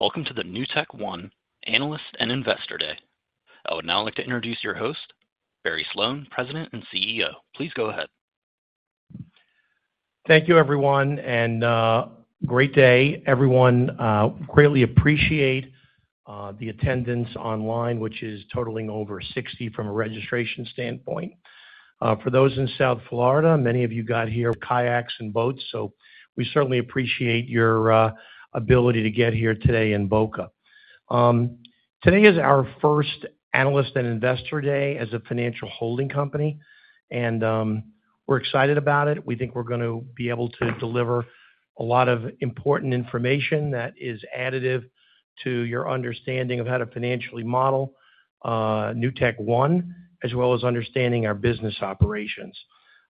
Welcome to the NewtekOne Analyst and Investor Day. I would now like to introduce your host, Barry Sloane, President and CEO. Please go ahead. Thank you everyone, and great day, everyone. Greatly appreciate the attendance online, which is totaling over 60 from a registration standpoint. For those in South Florida, many of you got here, kayaks and boats, so we certainly appreciate your ability to get here today in Boca. Today is our first Analyst and Investor Day as a financial holding company, and we're excited about it. We think we're gonna be able to deliver a lot of important information that is additive to your understanding of how to financially model NewtekOne, as well as understanding our business operations.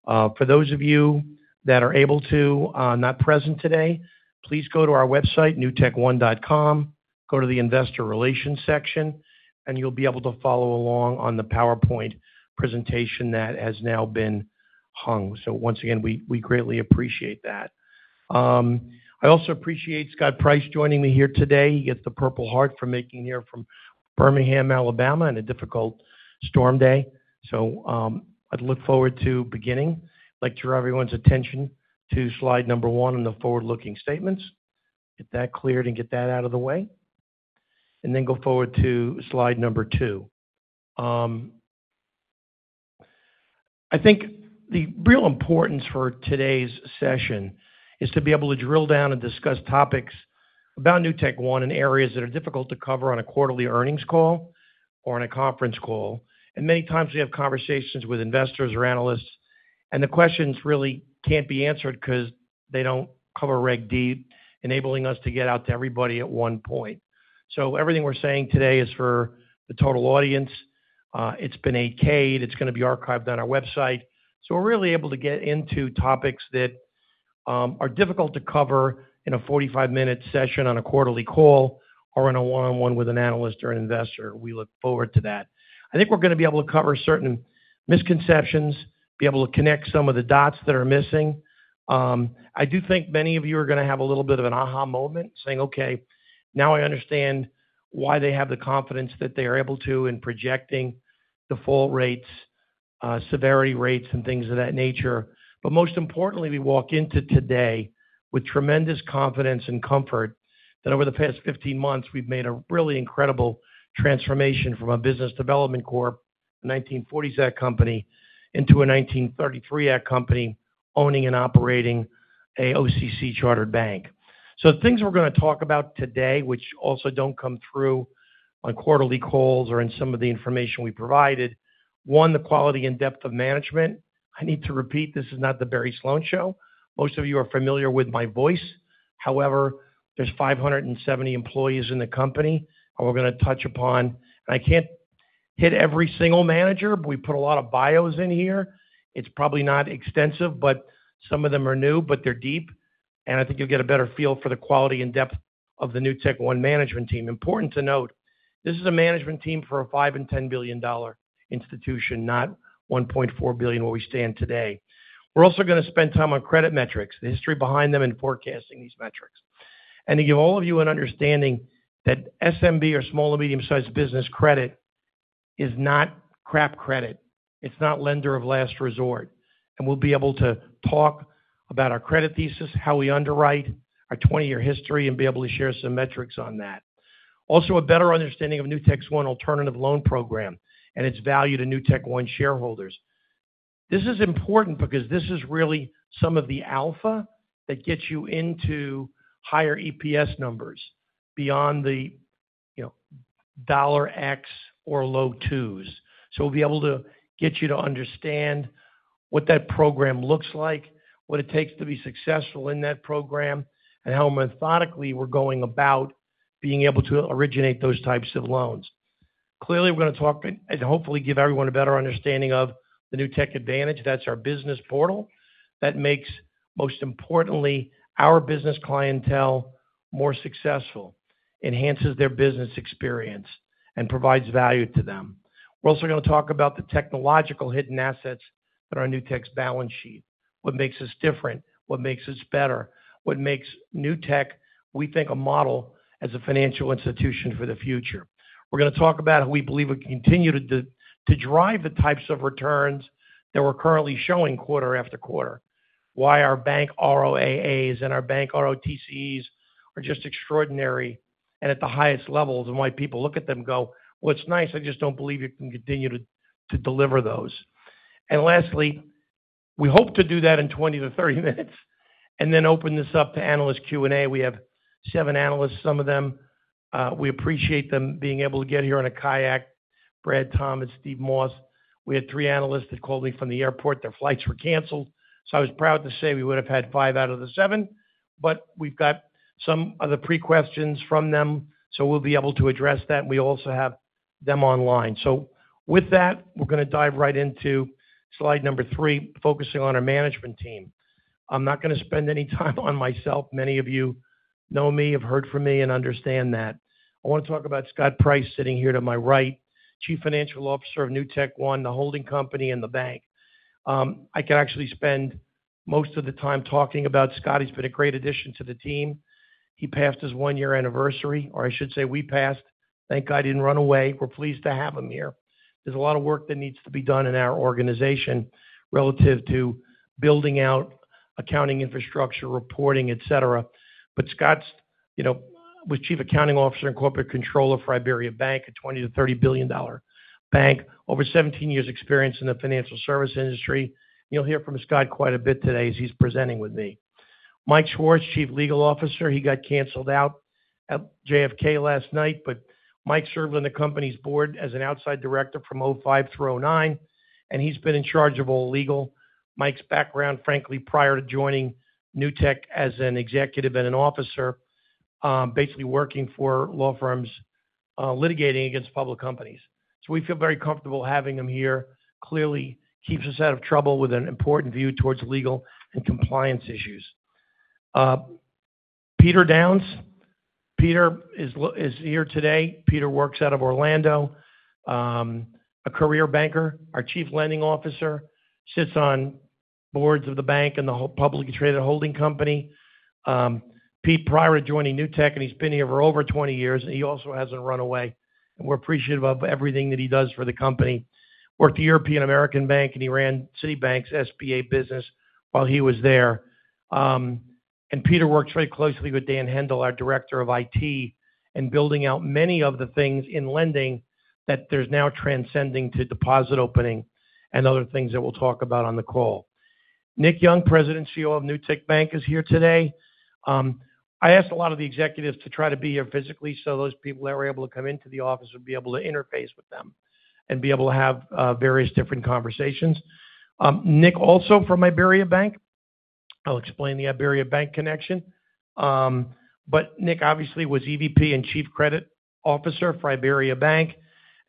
For those of you that are able to not present today, please go to our website, newtekone.com, go to the Investor Relations section, and you'll be able to follow along on the PowerPoint presentation that has now been hung. So once again, we, we greatly appreciate that. I also appreciate Scott Price joining me here today. He gets the Purple Heart for making it here from Birmingham, Alabama, in a difficult storm day. So, I'd look forward to beginning. I'd like to draw everyone's attention to slide number one on the forward-looking statements. Get that cleared and get that out of the way, and then go forward to slide number two. I think the real importance for today's session is to be able to drill down and discuss topics about NewtekOne in areas that are difficult to cover on a quarterly earnings call or in a conference call. And many times, we have conversations with investors or analysts, and the questions really can't be answered 'cause they don't cover Reg D, enabling us to get out to everybody at one point. Everything we're saying today is for the total audience. It's been 8-K'd, it's gonna be archived on our website. We're really able to get into topics that are difficult to cover in a 45-minute session on a quarterly call or in a one-on-one with an analyst or an investor. We look forward to that. I think we're gonna be able to cover certain misconceptions, be able to connect some of the dots that are missing. I do think many of you are gonna have a little bit of an aha moment, saying, "Okay, now I understand why they have the confidence that they are able to in projecting default rates, severity rates, and things of that nature." But most importantly, we walk into today with tremendous confidence and comfort that over the past 15 months, we've made a really incredible transformation from a business development company, 1940 Act company, into a 1933 Act company, owning and operating an OCC chartered bank. So the things we're gonna talk about today, which also don't come through on quarterly calls or in some of the information we provided: one, the quality and depth of management. I need to repeat, this is not the Barry Sloane show. Most of you are familiar with my voice. However, there's 570 employees in the company, and we're gonna touch upon... And I can't hit every single manager, but we put a lot of bios in here. It's probably not extensive, but some of them are new, but they're deep, and I think you'll get a better feel for the quality and depth of the NewtekOne management team. Important to note, this is a management team for a $5 billion-$10 billion institution, not $1.4 billion, where we stand today. We're also gonna spend time on credit metrics, the history behind them, and forecasting these metrics. And to give all of you an understanding that SMB or small and medium-sized business credit is not crap credit. It's not lender of last resort. We'll be able to talk about our credit thesis, how we underwrite our 20-year history, and be able to share some metrics on that. Also, a better understanding of NewtekOne's Alternative Loan Program and its value to NewtekOne shareholders. This is important because this is really some of the alpha that gets you into higher EPS numbers beyond the, you know, dollar X or low 2s. So we'll be able to get you to understand what that program looks like, what it takes to be successful in that program, and how methodically we're going about being able to originate those types of loans. Clearly, we're gonna talk and hopefully give everyone a better understanding of the Newtek Advantage. That's our business portal that makes, most importantly, our business clientele more successful, enhances their business experience, and provides value to them. We're also gonna talk about the technological hidden assets on our Newtek's balance sheet. What makes us different, what makes us better, what makes Newtek, we think, a model as a financial institution for the future. We're gonna talk about how we believe we continue to drive the types of returns that we're currently showing quarter after quarter. Why our bank ROAAs and our bank ROTCEs are just extraordinary and at the highest levels, and why people look at them and go, "Well, it's nice. I just don't believe you can continue to deliver those." Lastly, we hope to do that in 20 minutes-30 minutes, and then open this up to analyst Q&A. We have 7 analysts, some of them, we appreciate them being able to get here on a kayak. Brad, Tom, and Steve Moss. We had three analysts that called me from the airport. Their flights were canceled, so I was proud to say we would have had five out of the seven, but we've got some of the pre-questions from them, so we'll be able to address that. We also have them online. So with that, we're gonna dive right into slide number three, focusing on our management team. I'm not gonna spend any time on myself. Many of you know me, have heard from me, and understand that. I want to talk about Scott Price, sitting here to my right, Chief Financial Officer of NewtekOne, the holding company and the bank. I could actually spend most of the time talking about Scott. He's been a great addition to the team. He passed his one-year anniversary, or I should say we passed. Thank God, he didn't run away. We're pleased to have him here. There's a lot of work that needs to be done in our organization relative to building out accounting, infrastructure, reporting, et cetera. But Scott's, you know, was chief accounting officer and corporate controller for IBERIABANK, a $20 billion-$30 billion bank, over 17 years experience in the financial service industry. You'll hear from Scott quite a bit today as he's presenting with me. Mike Schwartz, chief legal officer. He got canceled out at JFK last night, but Mike served on the company's board as an outside director from 2005 through 2009, and he's been in charge of all legal. Mike's background, frankly, prior to joining Newtek as an executive and an officer, basically working for law firms, litigating against public companies. So we feel very comfortable having him here. Clearly, keeps us out of trouble with an important view towards legal and compliance issues. Peter Downs. Peter is here today. Peter works out of Orlando, a career banker, our Chief Lending Officer, sits on boards of the bank and the whole publicly traded holding company. Pete, prior to joining Newtek, and he's been here for over 20 years, and he also hasn't run away, and we're appreciative of everything that he does for the company. Worked at European American Bank, and he ran Citibank's SBA business while he was there. Peter works very closely with Dan Hendel, our Director of IT, in building out many of the things in lending that there's now transcending to deposit opening and other things that we'll talk about on the call. Nick Young, President and CEO of Newtek Bank, is here today. I asked a lot of the executives to try to be here physically, so those people that were able to come into the office would be able to interface with them and be able to have, various different conversations. Nick, also from IBERIABANK. I'll explain the IBERIABANK connection. But Nick obviously was EVP and Chief Credit Officer for IBERIABANK,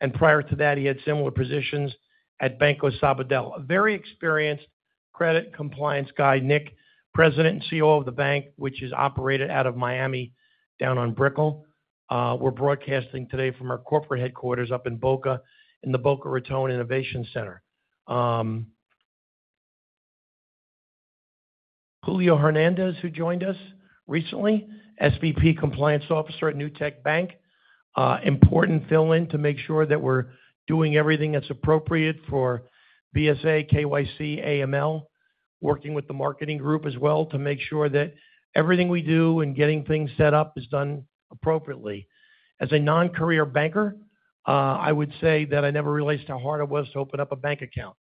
and prior to that, he had similar positions at Banco Sabadell. A very experienced credit compliance guy. Nick, President and CEO of the bank, which is operated out of Miami, down on Brickell. We're broadcasting today from our corporate headquarters up in Boca, in the Boca Raton Innovation Center. Julio Hernandez, who joined us recently, SVP, Compliance Officer at Newtek Bank. Important fill-in to make sure that we're doing everything that's appropriate for BSA, KYC, AML, working with the marketing group as well to make sure that everything we do in getting things set up is done appropriately. As a non-career banker, I would say that I never realized how hard it was to open up a bank account.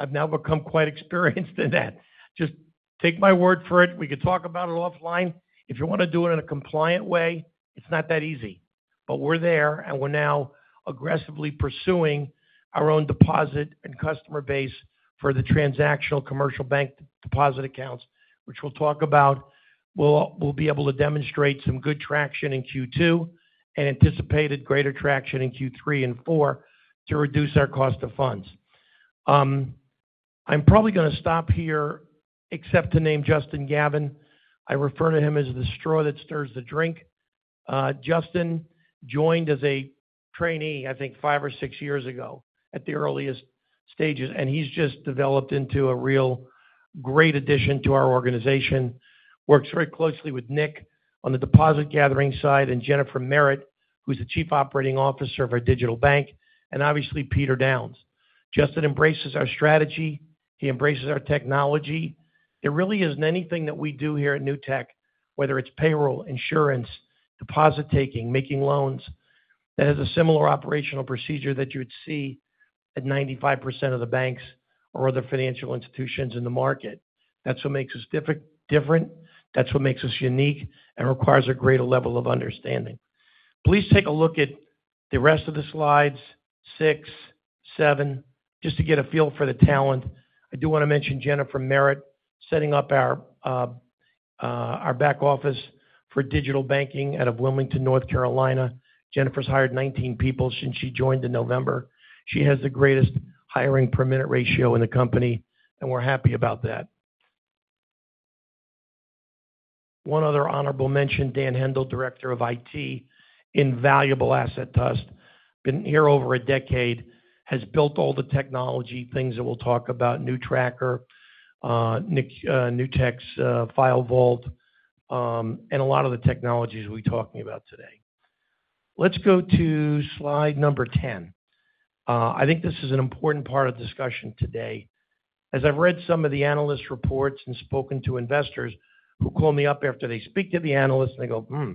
I've now become quite experienced in that. Just take my word for it. We could talk about it offline. If you wanna do it in a compliant way, it's not that easy. But we're there, and we're now aggressively pursuing our own deposit and customer base for the transactional commercial bank deposit accounts, which we'll talk about. We'll, we'll be able to demonstrate some good traction in Q2 and anticipated greater traction in Q3 and Q4 to reduce our cost of funds. I'm probably gonna stop here, except to name Justin Gavin. I refer to him as the straw that stirs the drink. Justin joined as a trainee, I think, five or six years ago at the earliest stages, and he's just developed into a real great addition to our organization. Works very closely with Nick on the deposit gathering side, and Jennifer Merritt, who's the Chief Operating Officer of our digital bank, and obviously, Peter Downs. Justin embraces our strategy, he embraces our technology. There really isn't anything that we do here at Newtek, whether it's payroll, insurance, deposit taking, making loans, that has a similar operational procedure that you would see at 95% of the banks or other financial institutions in the market. That's what makes us different, that's what makes us unique and requires a greater level of understanding. Please take a look at the rest of the slides six, seven, just to get a feel for the talent. I do wanna mention Jennifer Merritt, setting up our back office for digital banking out of Wilmington, North Carolina. Jennifer's hired 19 people since she joined in November. She has the greatest hiring per minute ratio in the company, and we're happy about that. One other honorable mention, Dan Hendel, director of IT, invaluable asset to us. Been here over a decade, has built all the technology things that we'll talk about, NewTracker, Newtek File Vault, and a lot of the technologies we're talking about today. Let's go to slide number 10. I think this is an important part of the discussion today. As I've read some of the analyst reports and spoken to investors who call me up after they speak to the analyst, and they go, "Hmm,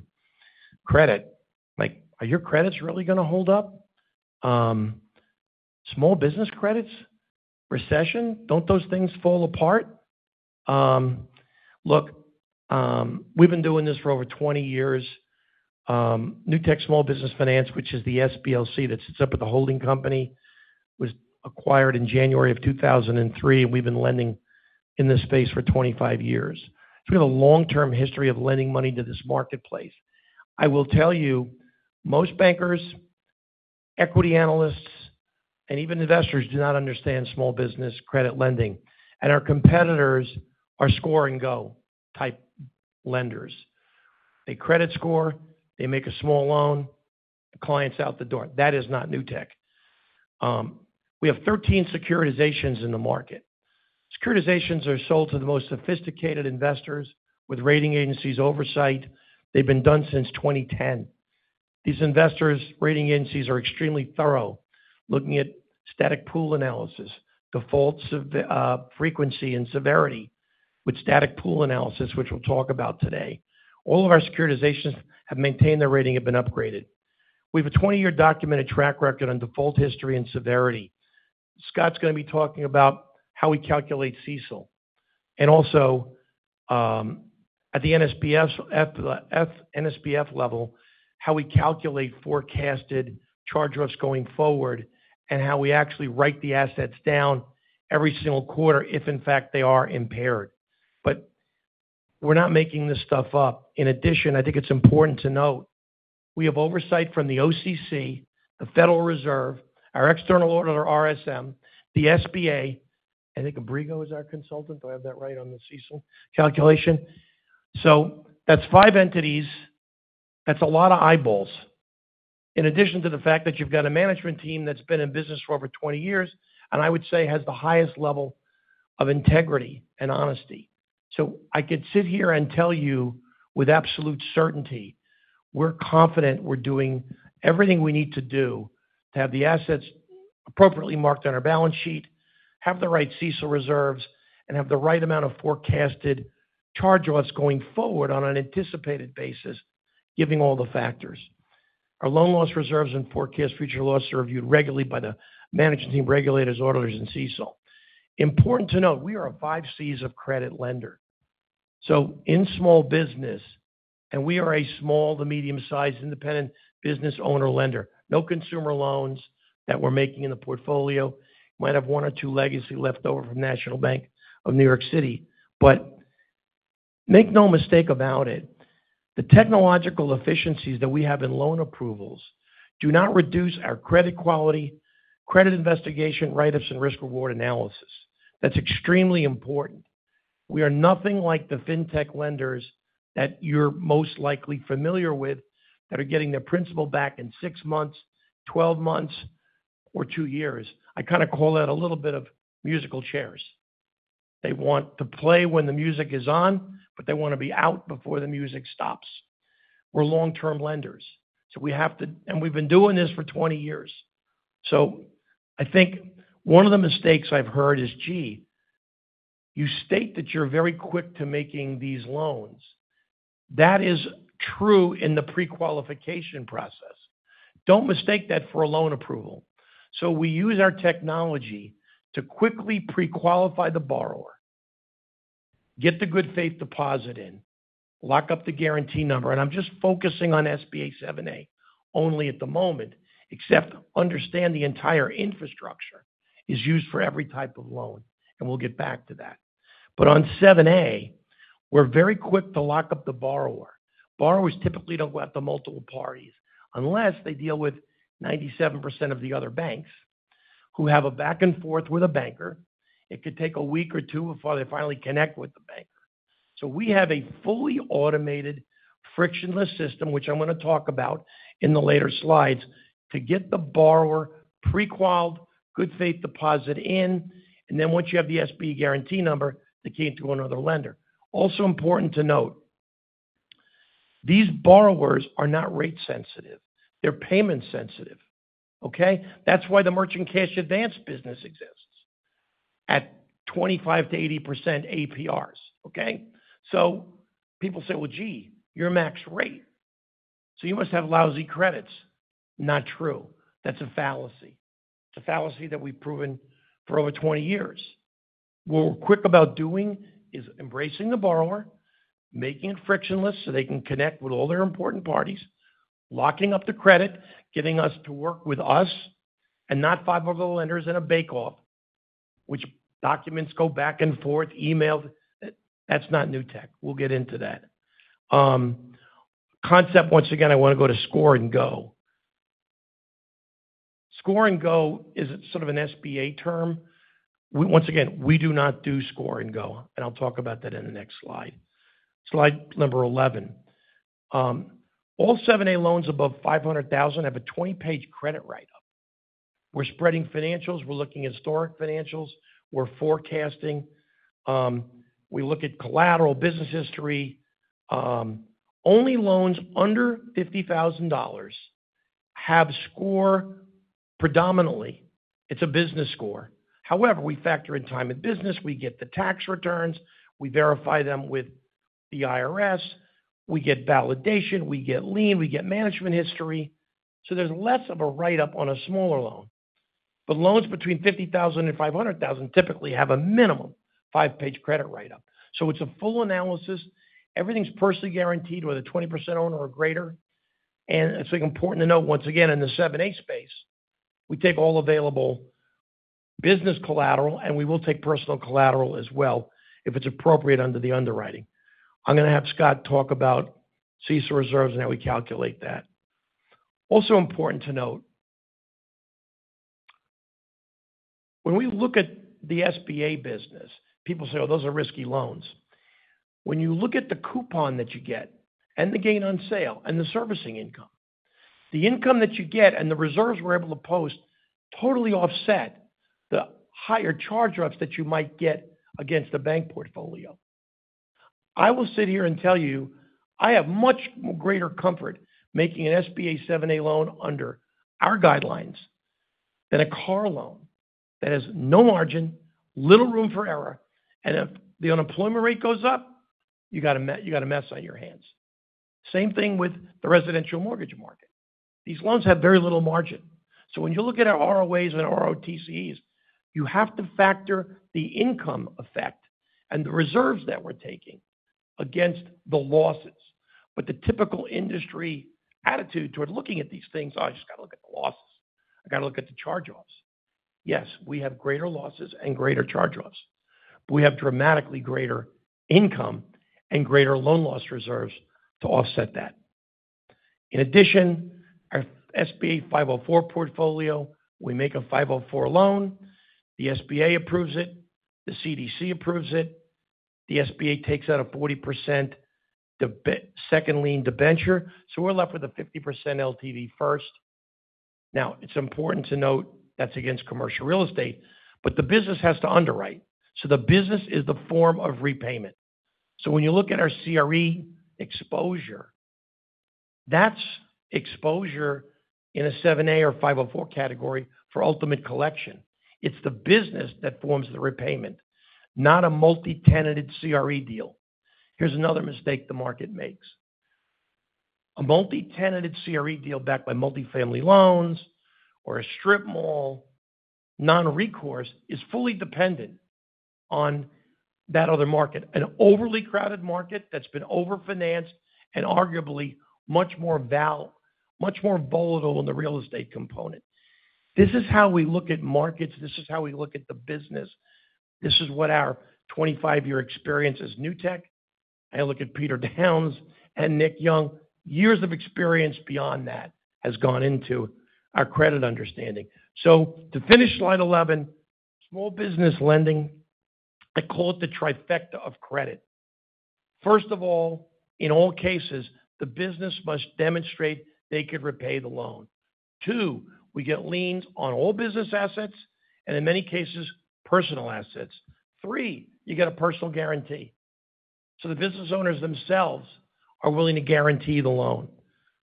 credit. Like, are your credits really gonna hold up? Small business credits, recession, don't those things fall apart?" Look, we've been doing this for over 20 years. Newtek Small Business Finance, which is the SBLC that sits up at the holding company, was acquired in January of 2003, and we've been lending in this space for 25 years. So we have a long-term history of lending money to this marketplace. I will tell you, most bankers, equity analysts, and even investors do not understand small business credit lending, and our competitors are score-and-go type lenders... A credit score, they make a small loan, the client's out the door. That is not Newtek. We have 13 securitizations in the market. Securitizations are sold to the most sophisticated investors with rating agencies' oversight. They've been done since 2010. These investors, rating agencies, are extremely thorough, looking at static pool analysis, defaults of frequency and severity with static pool analysis, which we'll talk about today. All of our securitizations have maintained their rating have been upgraded. We have a 20-year documented track record on default history and severity. Scott's gonna be talking about how we calculate CECL, and also, at the NSBF, at the NSBF level, how we calculate forecasted charge-offs going forward, and how we actually write the assets down every single quarter, if in fact, they are impaired. But we're not making this stuff up. In addition, I think it's important to note, we have oversight from the OCC, the Federal Reserve, our external auditor, RSM, the SBA. I think Abrigo is our consultant. Do I have that right on the CECL calculation? So that's 5 entities. That's a lot of eyeballs. In addition to the fact that you've got a management team that's been in business for over 20 years, and I would say has the highest level of integrity and honesty. So I could sit here and tell you with absolute certainty, we're confident we're doing everything we need to do to have the assets appropriately marked on our balance sheet, have the right CECL reserves, and have the right amount of forecasted charge-offs going forward on an anticipated basis, giving all the factors. Our loan loss reserves and forecast future loss are reviewed regularly by the management team, regulators, auditors, and CECL. Important to note, we are a five C's of credit lender. So in small business, and we are a small to medium-sized independent business owner lender. No consumer loans that we're making in the portfolio. Might have one or two legacy left over from National Bank of New York City. But make no mistake about it, the technological efficiencies that we have in loan approvals do not reduce our credit quality, credit investigation, write-ups, and risk-reward analysis. That's extremely important. We are nothing like the fintech lenders that you're most likely familiar with, that are getting their principal back in six months, 12 months, or two years. I kinda call that a little bit of musical chairs. They want to play when the music is on, but they wanna be out before the music stops. We're long-term lenders, so we have to, and we've been doing this for 20 years. So I think one of the mistakes I've heard is, "Gee, you state that you're very quick to making these loans." That is true in the pre-qualification process. Don't mistake that for a loan approval. So we use our technology to quickly pre-qualify the borrower, get the good faith deposit in, lock up the guarantee number, and I'm just focusing on SBA 7(a) only at the moment, except understand the entire infrastructure is used for every type of loan, and we'll get back to that. But on 7(a), we're very quick to lock up the borrower. Borrowers typically don't go out to multiple parties unless they deal with 97% of the other banks who have a back and forth with a banker. It could take a week or two before they finally connect with the banker. So we have a fully automated, frictionless system, which I'm gonna talk about in the later slides, to get the borrower pre-qualified, good faith deposit in, and then once you have the SBA guarantee number, they came to another lender. Also important to note, these borrowers are not rate sensitive. They're payment sensitive, okay? That's why the merchant cash advance business exists at 25%-80% APRs, okay? So people say: Well, gee, your max rate, so you must have lousy credits. Not true. That's a fallacy. It's a fallacy that we've proven for over 20 years. What we're quick about doing is embracing the borrower, making it frictionless, so they can connect with all their important parties, locking up the credit, getting us to work with us, and not five other lenders in a bake-off, which documents go back and forth, emailed. That's not Newtek. We'll get into that. Concept, once again, I wanna go to score and go. Score and go is sort of an SBA term. We once again do not do score and go, and I'll talk about that in the next slide. Slide number 11. All 7(a) loans above $500,000 have a 20-page credit write-up. We're spreading financials. We're looking at historic financials. We're forecasting. We look at collateral business history. Only loans under $50,000 have score predominantly. It's a business score. However, we factor in time in business. We get the tax returns. We verify them with the IRS. We get validation. We get lien. We get management history. So there's less of a write-up on a smaller loan. But loans between $50,000 and $500,000 typically have a minimum 5-page credit write-up. So it's a full analysis. Everything's personally guaranteed, whether 20% owner or greater. I think important to note, once again, in the 7(a) space, we take all available business collateral, and we will take personal collateral as well, if it's appropriate under the underwriting. I'm gonna have Scott talk about CECL reserves and how we calculate that. Also important to note. When we look at the SBA business, people say, "Oh, those are risky loans." When you look at the coupon that you get and the gain on sale and the servicing income, the income that you get and the reserves we're able to post totally offset the higher charge-offs that you might get against a bank portfolio. I will sit here and tell you, I have much greater comfort making an SBA 7(a) loan under our guidelines than a car loan that has no margin, little room for error, and if the unemployment rate goes up, you got a mess on your hands. Same thing with the residential mortgage market. These loans have very little margin. So when you look at our ROAs and our ROTCEs, you have to factor the income effect and the reserves that we're taking against the losses. But the typical industry attitude toward looking at these things, "I just got to look at the losses. I got to look at the charge-offs." Yes, we have greater losses and greater charge-offs, but we have dramatically greater income and greater loan loss reserves to offset that. In addition, our SBA 504 portfolio, we make a 504 loan, the SBA approves it, the CDC approves it, the SBA takes out a 40% debenture-second lien debenture, so we're left with a 50% LTV first. Now, it's important to note that's against commercial real estate, but the business has to underwrite. So the business is the form of repayment. So when you look at our CRE exposure, that's exposure in a 7(a) or 504 category for ultimate collection. It's the business that forms the repayment, not a multi-tenanted CRE deal. Here's another mistake the market makes. A multi-tenanted CRE deal backed by multifamily loans or a strip mall, non-recourse, is fully dependent on that other market, an overly crowded market that's been over-financed and arguably much more volatile than the real estate component. This is how we look at markets. This is how we look at the business. This is what our 25-year experience as Newtek. I look at Peter Downs and Nick Young. Years of experience beyond that has gone into our credit understanding. So to finish slide 11, small business lending, I call it the trifecta of credit. First of all, in all cases, the business must demonstrate they could repay the loan. two, we get liens on all business assets and in many cases, personal assets. three, you get a personal guarantee. So the business owners themselves are willing to guarantee the loan.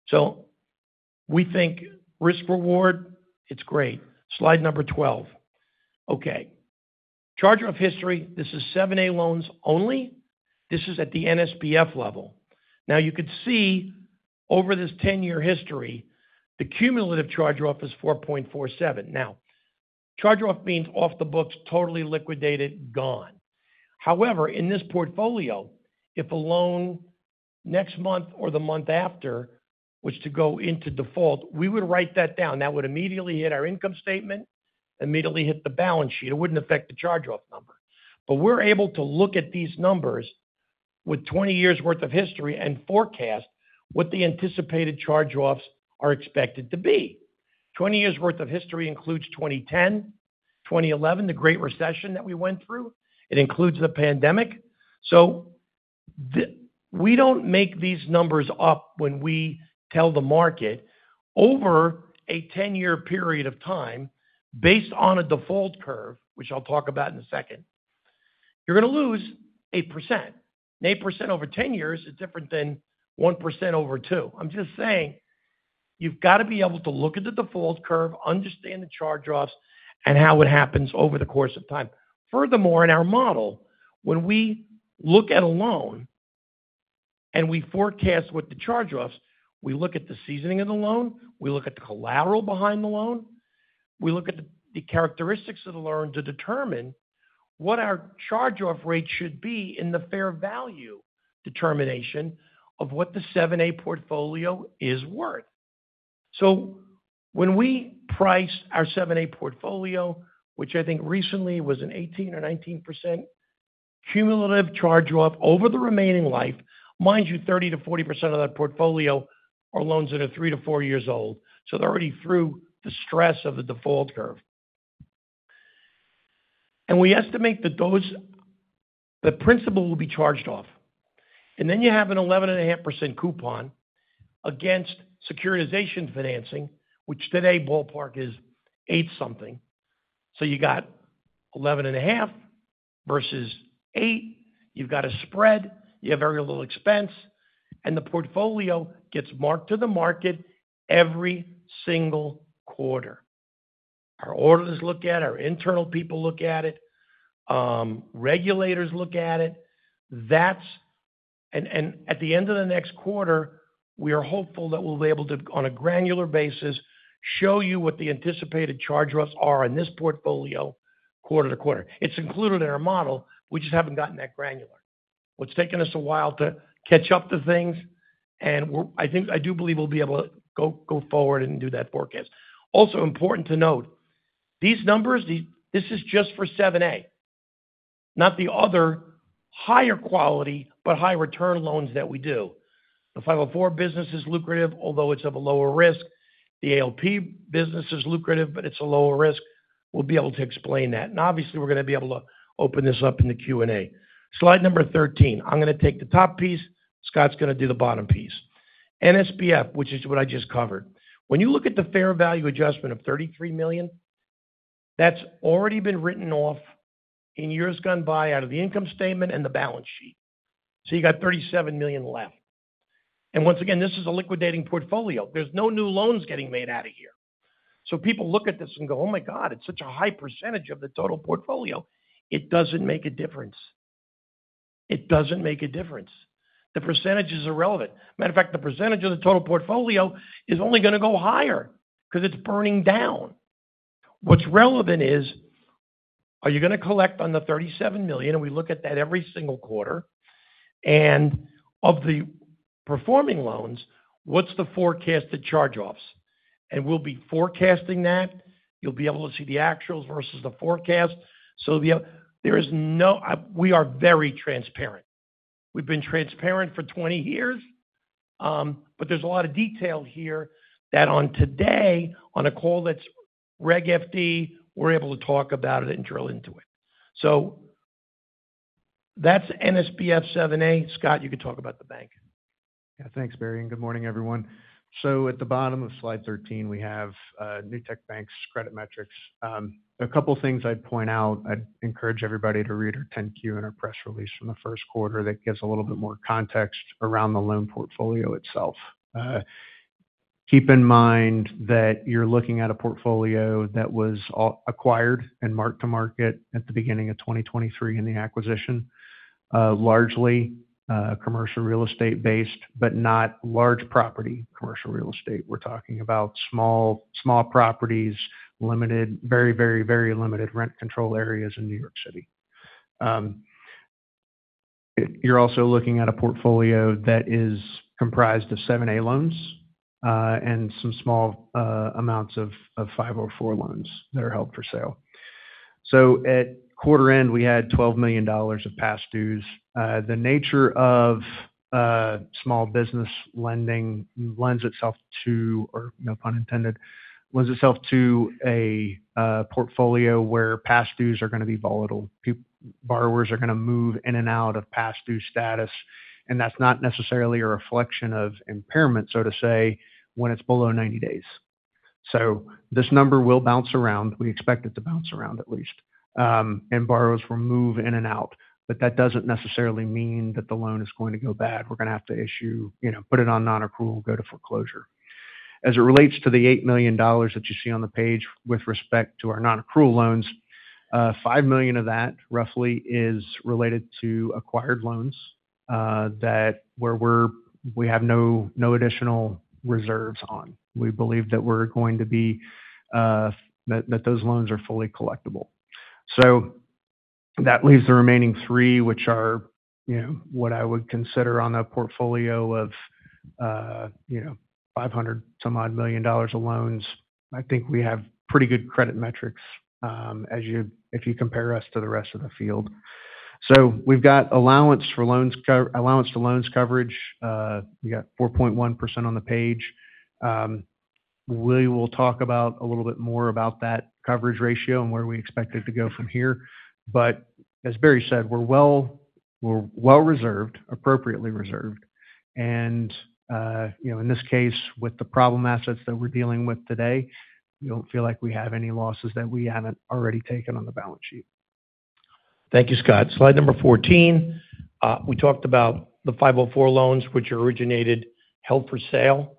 So we think risk-reward, it's great. Slide number 12. Okay, charge-off history. This is 7(a) loans only. This is at the NSBF level. Now, you could see over this 10-year history, the cumulative charge-off is 4.47. Now, charge-off means off the books, totally liquidated, gone. However, in this portfolio, if a loan next month or the month after was to go into default, we would write that down. That would immediately hit our income statement, immediately hit the balance sheet. It wouldn't affect the charge-off number. But we're able to look at these numbers with 20 years' worth of history and forecast what the anticipated charge-offs are expected to be. 20 years' worth of history includes 2010, 2011, the Great Recession that we went through. It includes the pandemic. So we don't make these numbers up when we tell the market over a 10-year period of time, based on a default curve, which I'll talk about in a second, you're gonna lose 8%. And 8% over 10 years is different than 1% over two. I'm just saying, you've got to be able to look at the default curve, understand the charge-offs and how it happens over the course of time. Furthermore, in our model, when we look at a loan and we forecast what the charge-off is, we look at the seasoning of the loan, we look at the collateral behind the loan, we look at the, the characteristics of the loan to determine what our charge-off rate should be in the fair value determination of what the 7(a) portfolio is worth. So when we price our 7(a) portfolio, which I think recently was an 18% or 19% cumulative charge-off over the remaining life, mind you, 30%-40% of that portfolio are loans that are three-four years old. So they're already through the stress of the default curve. And we estimate that those... The principal will be charged off. Then you have an 11.5% coupon against securitization financing, which today, ballpark is eight something. So you got 11.5 versus 8. You've got a spread, you have very little expense, and the portfolio gets marked to the market every single quarter. Our auditors look at it, our internal people look at it, regulators look at it. That's, and at the end of the next quarter, we are hopeful that we'll be able to, on a granular basis, show you what the anticipated charge-offs are in this portfolio quarter to quarter. It's included in our model. We just haven't gotten that granular. Well, it's taken us a while to catch up to things, and we're-- I think, I do believe we'll be able to go forward and do that forecast. Also important to note, these numbers—this is just for 7(a).... not the other higher quality, but high return loans that we do. The 504 business is lucrative, although it's of a lower risk. The ALP business is lucrative, but it's a lower risk. We'll be able to explain that. And obviously, we're gonna be able to open this up in the Q&A. Slide 13. I'm gonna take the top piece, Scott's gonna do the bottom piece. NSBF, which is what I just covered. When you look at the fair value adjustment of $33 million, that's already been written off in years gone by out of the income statement and the balance sheet. So you got $37 million left. And once again, this is a liquidating portfolio. There's no new loans getting made out of here. So people look at this and go, "Oh, my God, it's such a high percentage of the total portfolio." It doesn't make a difference. It doesn't make a difference. The percentages are irrelevant. Matter of fact, the percentage of the total portfolio is only gonna go higher because it's burning down. What's relevant is, are you gonna collect on the $37 million? And we look at that every single quarter. And of the performing loans, what's the forecasted charge-offs? And we'll be forecasting that. You'll be able to see the actuals versus the forecast. So there is no, we are very transparent. We've been transparent for 20 years, but there's a lot of detail here that on today, on a call that's Reg FD, we're able to talk about it and drill into it. So that's NSBF 7(a). Scott, you can talk about the bank. Yeah, thanks, Barry, and good morning, everyone. So at the bottom of slide 13, we have Newtek Bank's credit metrics. A couple of things I'd point out. I'd encourage everybody to read our 10-Q and our press release from the first quarter. That gives a little bit more context around the loan portfolio itself. Keep in mind that you're looking at a portfolio that was acquired and marked to market at the beginning of 2023 in the acquisition, largely commercial real estate-based, but not large property commercial real estate. We're talking about small, small properties, limited, very, very, very limited rent control areas in New York City. You're also looking at a portfolio that is comprised of 7(a) loans and some small amounts of 504 loans that are held for sale. So at quarter end, we had $12 million of past dues. The nature of small business lending lends itself to, or no pun intended, lends itself to a portfolio where past dues are gonna be volatile. Borrowers are gonna move in and out of past due status, and that's not necessarily a reflection of impairment, so to say, when it's below 90 days. So this number will bounce around. We expect it to bounce around, at least, and borrowers will move in and out. But that doesn't necessarily mean that the loan is going to go bad. We're gonna have to issue, you know, put it on non-accrual, go to foreclosure. As it relates to the $8 million that you see on the page with respect to our non-accrual loans, $5 million of that, roughly, is related to acquired loans, that where we have no, no additional reserves on. We believe that we're going to be, that those loans are fully collectible. So that leaves the remaining $3 million, which are, you know, what I would consider on a portfolio of, you know, 500-some-odd $ million dollars of loans. I think we have pretty good credit metrics, as you if you compare us to the rest of the field. So we've got allowance for loans co- allowance to loans coverage. We got 4.1% on the page. We will talk about a little bit more about that coverage ratio and where we expect it to go from here. But as Barry said, we're well reserved, appropriately reserved. You know, in this case, with the problem assets that we're dealing with today, we don't feel like we have any losses that we haven't already taken on the balance sheet. Thank you, Scott. Slide number 14. We talked about the 504 loans, which are originated, held for sale.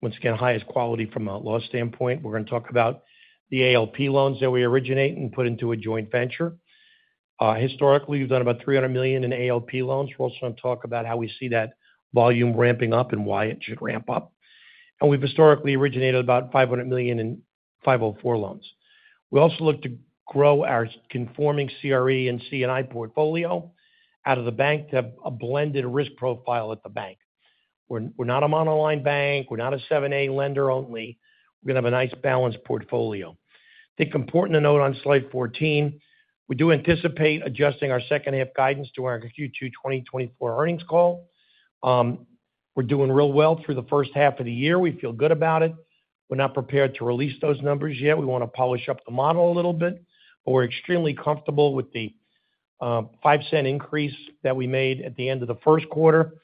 Once again, highest quality from a loss standpoint. We're gonna talk about the ALP loans that we originate and put into a joint venture. Historically, we've done about $300 million in ALP loans. We're also going to talk about how we see that volume ramping up and why it should ramp up. We've historically originated about $500 million in 504 loans. We also look to grow our conforming CRE and C&I portfolio out of the bank to have a blended risk profile at the bank. We're not a monoline bank, we're not a 7(a) lender only. We're gonna have a nice balanced portfolio. I think important to note on slide 14, we do anticipate adjusting our second half guidance to our Q2 2024 earnings call. We're doing real well through the first half of the year. We feel good about it. We're not prepared to release those numbers yet. We want to polish up the model a little bit, but we're extremely comfortable with the $0.05 increase that we made at the end of the first quarter.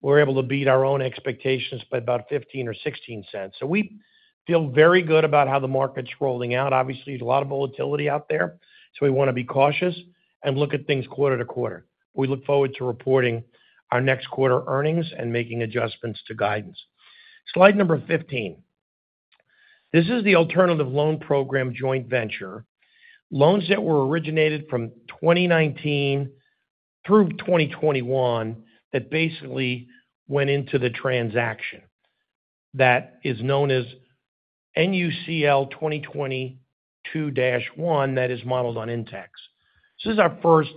We're able to beat our own expectations by about $0.15 or $0.16. So we feel very good about how the market's rolling out. Obviously, there's a lot of volatility out there, so we want to be cautious and look at things quarter to quarter. We look forward to reporting our next quarter earnings and making adjustments to guidance. Slide number 15. This is the Alternative Loan Program, joint venture. Loans that were originated from 2019 through 2021, that basically went into the transaction. That is known as NUCL 2022-1, that is modeled on Intex. This is our first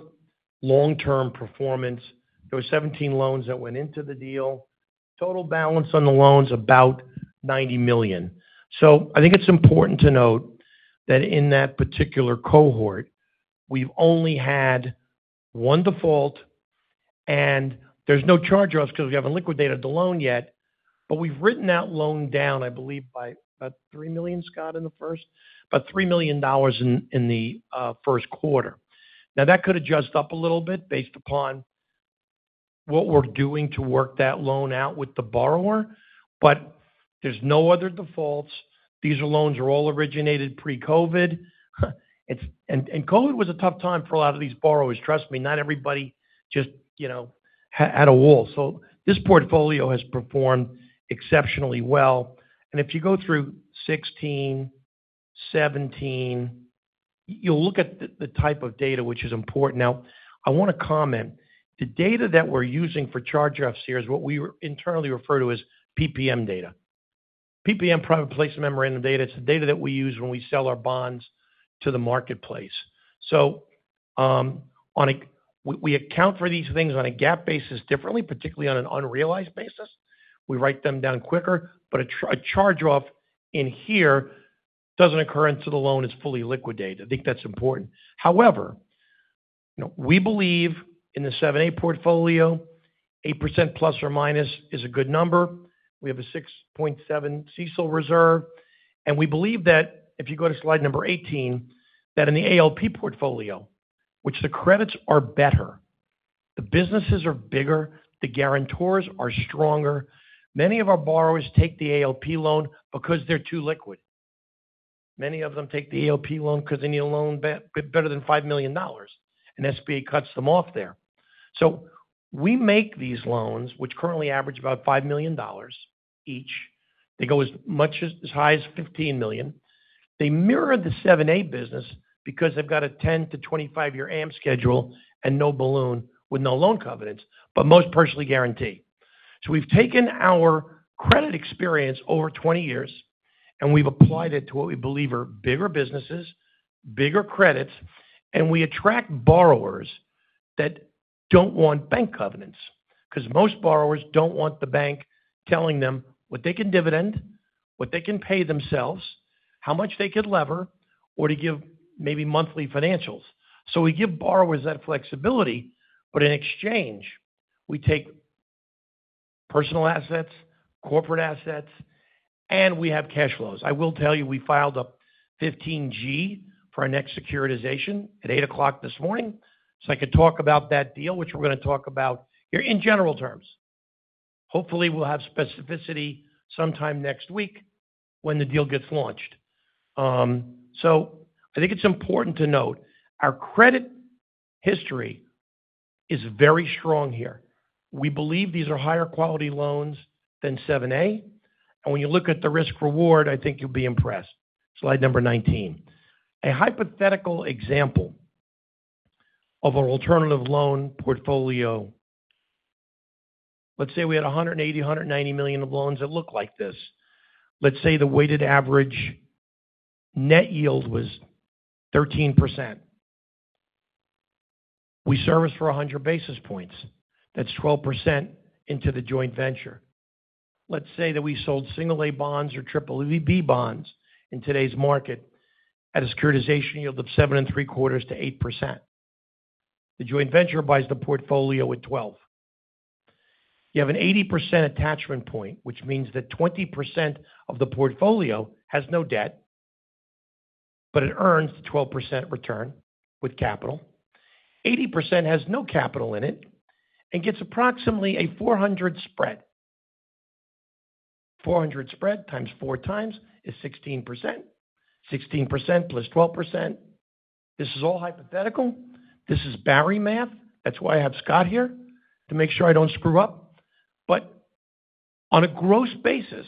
long-term performance. There were 17 loans that went into the deal. Total balance on the loans, about $90 million. So I think it's important to note that in that particular cohort, we've only had one default, and there's no charge-offs because we haven't liquidated the loan yet, but we've written that loan down, I believe, by about $3 million, Scott, in the first? About $3 million dollars in, in the first quarter. Now, that could adjust up a little bit based upon what we're doing to work that loan out with the borrower, but there's no other defaults. These loans are all originated pre-COVID. It's and COVID was a tough time for a lot of these borrowers. Trust me, not everybody just, you know, had, had a wall. So this portfolio has performed exceptionally well. And if you go through 2016, 2017, you'll look at the type of data which is important. Now, I wanna comment, the data that we're using for charge-offs here is what we internally refer to as PPM data. PPM, private placement memorandum data, it's the data that we use when we sell our bonds to the marketplace. So, on a—we account for these things on a GAAP basis differently, particularly on an unrealized basis. We write them down quicker, but a charge-off in here doesn't occur until the loan is fully liquidated. I think that's important. However, you know, we believe in the 7(a) portfolio, 8% ± is a good number. We have a 6.7 CECL reserve, and we believe that if you go to slide 18, that in the ALP portfolio, which the credits are better, the businesses are bigger, the guarantors are stronger. Many of our borrowers take the ALP loan because they're too liquid. Many of them take the ALP loan because they need a loan better than $5 million, and SBA cuts them off there. So we make these loans, which currently average about $5 million each. They go as much as, as high as $15 million. They mirror the 7(a) business because they've got a 10- to 25-year AM schedule and no balloon with no loan covenants, but most personally guaranteed. So we've taken our credit experience over 20 years, and we've applied it to what we believe are bigger businesses, bigger credits, and we attract borrowers that don't want bank covenants. 'Cause most borrowers don't want the bank telling them what they can dividend, what they can pay themselves, how much they could lever, or to give maybe monthly financials. So we give borrowers that flexibility, but in exchange, we take personal assets, corporate assets, and we have cash flows. I will tell you, we filed a 15G for our next securitization at 8:00 A.M. this morning. So I could talk about that deal, which we're gonna talk about here in general terms. Hopefully, we'll have specificity sometime next week when the deal gets launched. So I think it's important to note, our credit history is very strong here. We believe these are higher quality loans than 7(a), and when you look at the risk-reward, I think you'll be impressed. Slide number 19. A hypothetical example of our alternative loan portfolio. Let's say we had $180 million - $190 million of loans that look like this. Let's say the weighted average net yield was 13%. We service for 100 basis points. That's 12% into the joint venture. Let's say that we sold single-A bonds or triple-B bonds in today's market at a securitization yield of 7.75%-8%. The joint venture buys the portfolio at 12. You have an 80% attachment point, which means that 20% of the portfolio has no debt, but it earns a 12% return with capital. 80% has no capital in it and gets approximately a 400 spread. 400 spread times four times is 16%. 16% plus 12%. This is all hypothetical. This is Barry math. That's why I have Scott here, to make sure I don't screw up. But on a gross basis...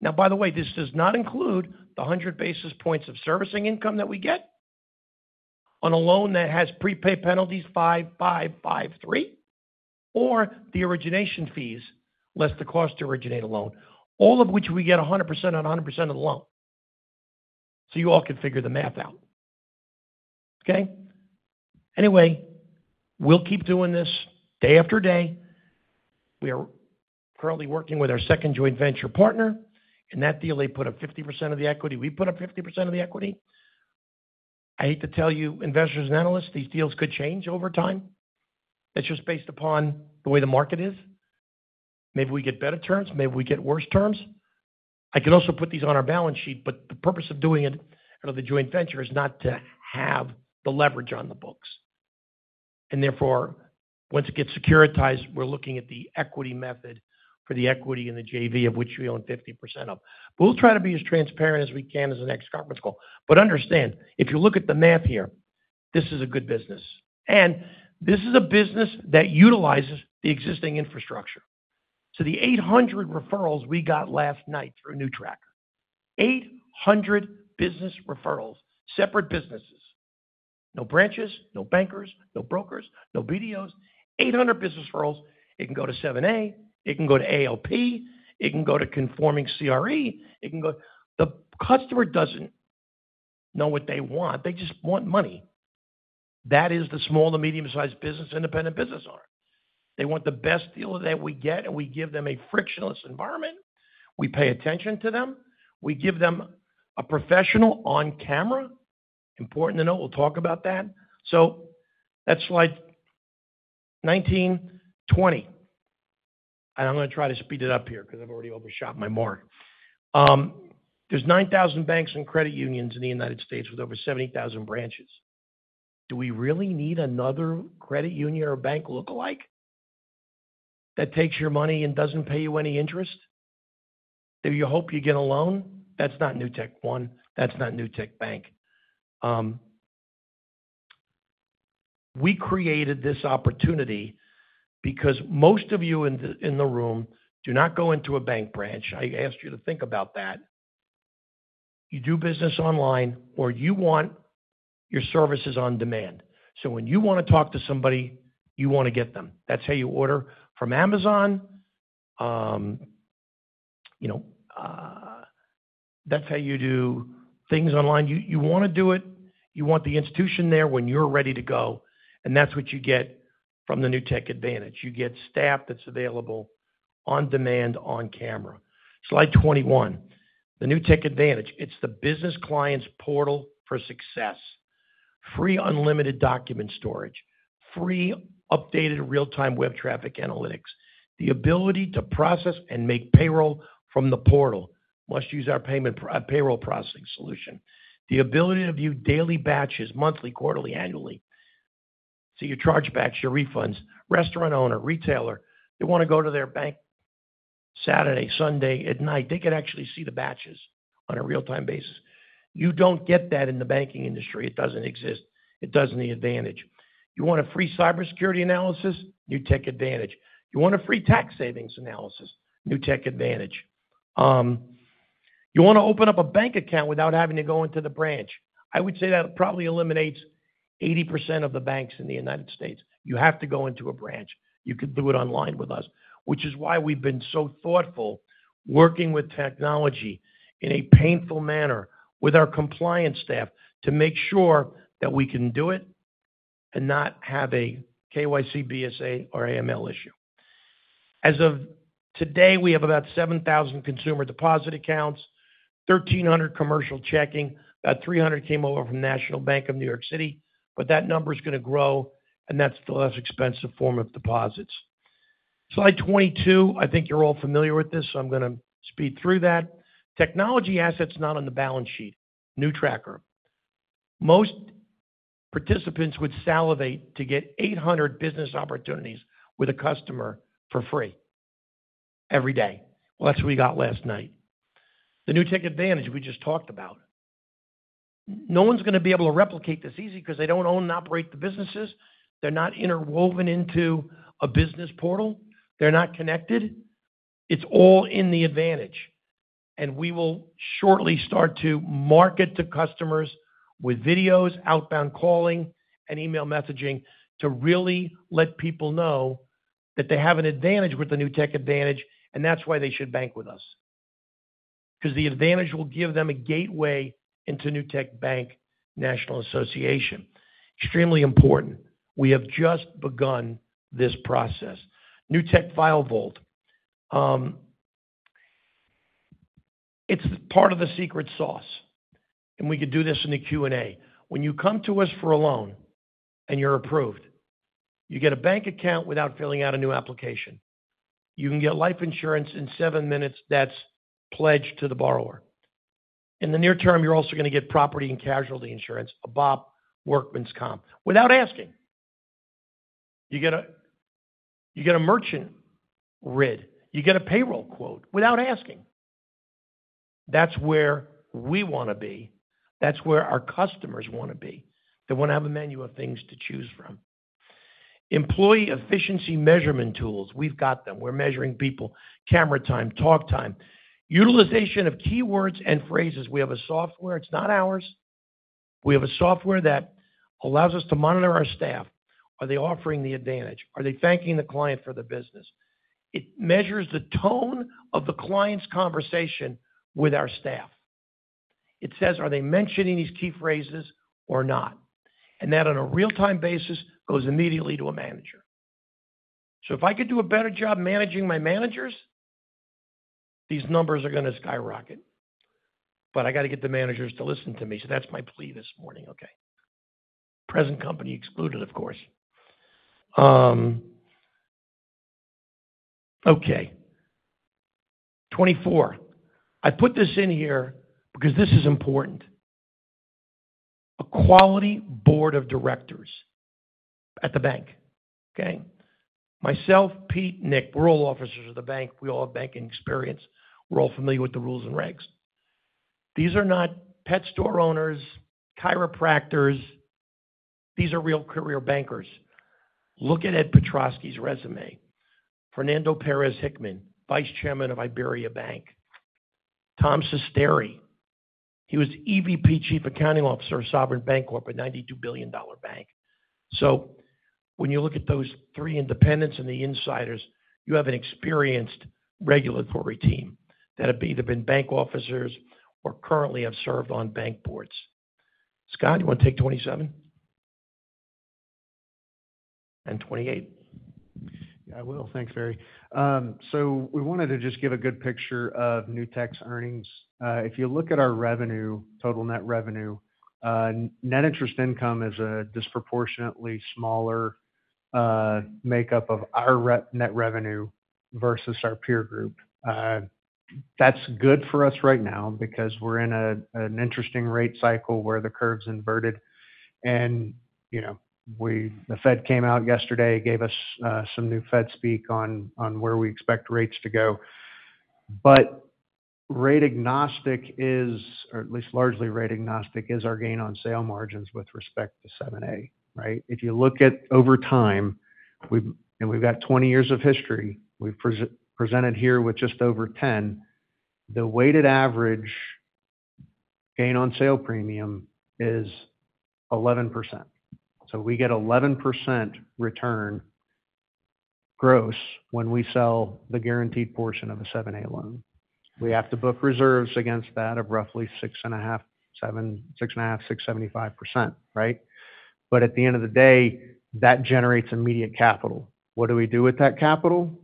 Now, by the way, this does not include the 100 basis points of servicing income that we get on a loan that has prepaid penalties, five, five, five, three, or the origination fees, less the cost to originate a loan. All of which we get 100% on 100% of the loan. So you all can figure the math out, okay? Anyway, we'll keep doing this day after day. We are currently working with our second joint venture partner. In that deal, they put up 50% of the equity. We put up 50% of the equity. I hate to tell you, investors and analysts, these deals could change over time. It's just based upon the way the market is. Maybe we get better terms, maybe we get worse terms. I can also put these on our balance sheet, but the purpose of doing it out of the Joint Venture is not to have the leverage on the books. And therefore, once it gets securitized, we're looking at the equity method for the equity in the JV, of which we own 50% of. We'll try to be as transparent as we can as the next conference call. But understand, if you look at the math here, this is a good business, and this is a business that utilizes the existing infrastructure. So the 800 referrals we got last night through NewTracker, 800 business referrals, separate businesses, no branches, no bankers, no brokers, no BDOs, 800 business referrals. It can go to 7(a), it can go to ALP, it can go to conforming CRE, it can go. The customer doesn't know what they want. They just want money. That is the small to medium-sized business, independent business owner. They want the best deal that we get, and we give them a frictionless environment. We pay attention to them. We give them a professional on camera. Important to note, we'll talk about that. So that's slide 19, 20. And I'm going to try to speed it up here because I've already overshot my mark. There's 9,000 banks and credit unions in the United States with over 70,000 branches. Do we really need another credit union or bank lookalike that takes your money and doesn't pay you any interest? Do you hope you get a loan? That's not NewtekOne, that's not Newtek Bank. We created this opportunity because most of you in the room do not go into a bank branch. I asked you to think about that. You do business online, or you want your services on demand. So when you want to talk to somebody, you want to get them. That's how you order from Amazon. You know, that's how you do things online. You want to do it... You want the institution there when you're ready to go, and that's what you get from the Newtek Advantage. You get staff that's available on demand, on camera. Slide 21. The Newtek Advantage. It's the business client's portal for success. Free, unlimited document storage. Free, updated real-time web traffic analytics. The ability to process and make payroll from the portal. Must use our payroll processing solution. The ability to view daily batches, monthly, quarterly, annually, so you charge back your refunds. Restaurant owner, retailer, they want to go to their bank Saturday, Sunday, at night, they could actually see the batches on a real-time basis. You don't get that in the banking industry. It doesn't exist. It does in the Advantage. You want a free cybersecurity analysis? Newtek Advantage. You want a free tax savings analysis? Newtek Advantage. You want to open up a bank account without having to go into the branch? I would say that probably eliminates 80% of the banks in the United States. You have to go into a branch. You could do it online with us, which is why we've been so thoughtful, working with technology in a painful manner with our compliance staff to make sure that we can do it and not have a KYC, BSA, or AML issue. As of today, we have about 7,000 consumer deposit accounts, 1,300 commercial checking. About 300 came over from National Bank of New York City, but that number is going to grow, and that's the less expensive form of deposits. Slide 22. I think you're all familiar with this, so I'm going to speed through that. Technology assets not on the balance sheet, NewTracker. Most participants would salivate to get 800 business opportunities with a customer for free every day. Well, that's what we got last night. The Newtek Advantage, we just talked about. No one's going to be able to replicate this easy because they don't own and operate the businesses. They're not interwoven into a business portal. They're not connected. It's all in the Advantage, and we will shortly start to market to customers with videos, outbound calling, and email messaging to really let people know that they have an advantage with the Newtek Advantage, and that's why they should bank with us. Because the Advantage will give them a gateway into Newtek Bank National Association. Extremely important. We have just begun this process. Newtek File Vault. It's part of the secret sauce, and we could do this in the Q&A. When you come to us for a loan and you're approved, you get a bank account without filling out a new application. You can get life insurance in seven minutes that's pledged to the borrower. In the near term, you're also going to get property and casualty insurance, a BOP workers' comp, without asking. You get a, you get a merchant ID. You get a payroll quote without asking. That's where we want to be. That's where our customers want to be. They want to have a menu of things to choose from. Employee efficiency measurement tools, we've got them. We're measuring people, camera time, talk time. Utilization of keywords and phrases. We have a software. It's not ours. We have a software that allows us to monitor our staff. Are they offering the Advantage? Are they thanking the client for the business? It measures the tone of the client's conversation with our staff. It says, "Are they mentioning these key phrases or not?" And that, on a real-time basis, goes immediately to a manager. So if I could do a better job managing my managers, these numbers are going to skyrocket. But I got to get the managers to listen to me, so that's my plea this morning, okay? Present company excluded, of course. Okay. 24. I put this in here because this is important. A quality board of directors at the bank, okay? Myself, Pete, Nick, we're all officers of the bank. We all have banking experience. We're all familiar with the rules and regs. These are not pet store owners, chiropractors. These are real career bankers. Look at Ed Piotrowski's resume. Fernando Perez-Hickman, vice chairman of IBERIABANK. Tom Cestare, he was EVP, chief accounting officer of Sovereign Bancorp, a $92 billion bank. So When you look at those three independents and the insiders, you have an experienced regulatory team that have either been bank officers or currently have served on bank boards. Scott, you want to take 27? And 28. Yeah, I will. Thanks, Barry. So we wanted to just give a good picture of Newtek's earnings. If you look at our revenue, total net revenue, net interest income is a disproportionately smaller makeup of our net revenue versus our peer group. That's good for us right now because we're in an interesting rate cycle where the curve's inverted. And, you know, the Fed came out yesterday, gave us some new Fed speak on where we expect rates to go. But rate agnostic is, or at least largely rate agnostic, is our gain on sale margins with respect to 7(a), right? If you look at over time, we've, and we've got 20 years of history, we've presented here with just over 10, the weighted average gain on sale premium is 11%. So we get 11% return gross when we sell the guaranteed portion of a 7(a) loan. We have to book reserves against that of roughly 6.5, 7... 6.5, 6.75%, right? But at the end of the day, that generates immediate capital. What do we do with that capital?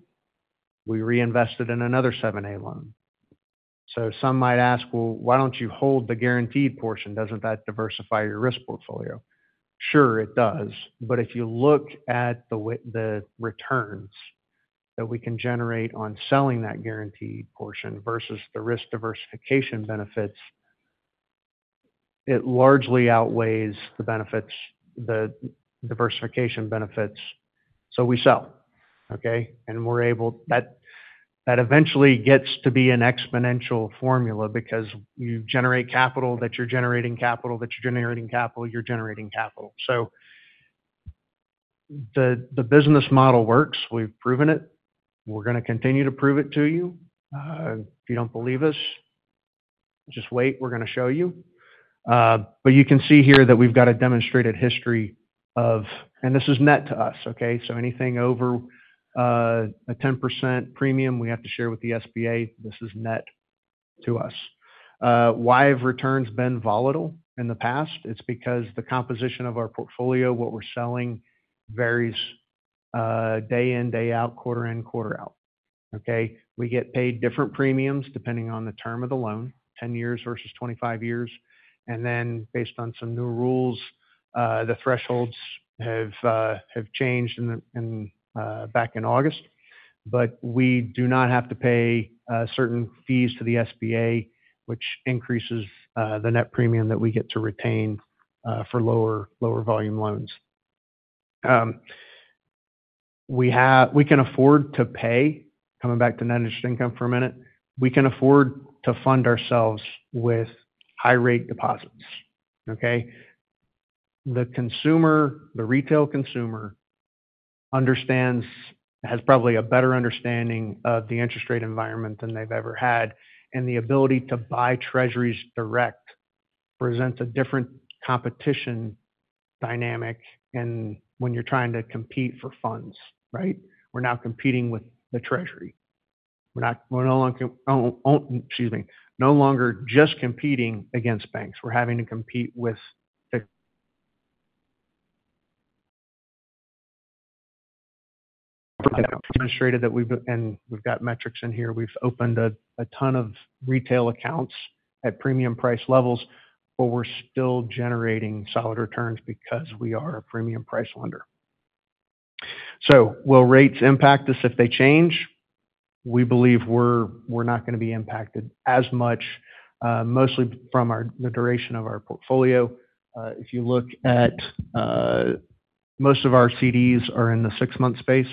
We reinvest it in another 7(a) loan. So some might ask: Well, why don't you hold the guaranteed portion? Doesn't that diversify your risk portfolio? Sure, it does. But if you look at the returns that we can generate on selling that guaranteed portion versus the risk diversification benefits, it largely outweighs the benefits, the diversification benefits. So we sell, okay? And we're able, that eventually gets to be an exponential formula because you generate capital, that you're generating capital, that you're generating capital, you're generating capital. So the business model works. We've proven it, and we're gonna continue to prove it to you. If you don't believe us, just wait, we're gonna show you. But you can see here that we've got a demonstrated history of... And this is net to us, okay? So anything over a 10% premium, we have to share with the SBA. This is net to us. Why have returns been volatile in the past? It's because the composition of our portfolio, what we're selling, varies day in, day out, quarter in, quarter out, okay? We get paid different premiums depending on the term of the loan, 10 years versus 25 years. And then, based on some new rules, the thresholds have changed back in August. But we do not have to pay certain fees to the SBA, which increases the net premium that we get to retain for lower, lower volume loans. We can afford to pay, coming back to net interest income for a minute, we can afford to fund ourselves with high rate deposits, okay? The consumer, the retail consumer understands, has probably a better understanding of the interest rate environment than they've ever had, and the ability to buy TreasuriesDirect presents a different competition dynamic and when you're trying to compete for funds, right? We're now competing with the Treasury. We're not, we're no longer just competing against banks. Oh, oh, excuse me, no longer just competing against banks. We're having to compete with the [garbled] demonstrated that we've, and we've got metrics in here. We've opened a ton of retail accounts at premium price levels, but we're still generating solid returns because we are a premium price lender. So will rates impact us if they change? We believe we're not gonna be impacted as much, mostly from the duration of our portfolio. If you look at most of our CDs are in the six-month space,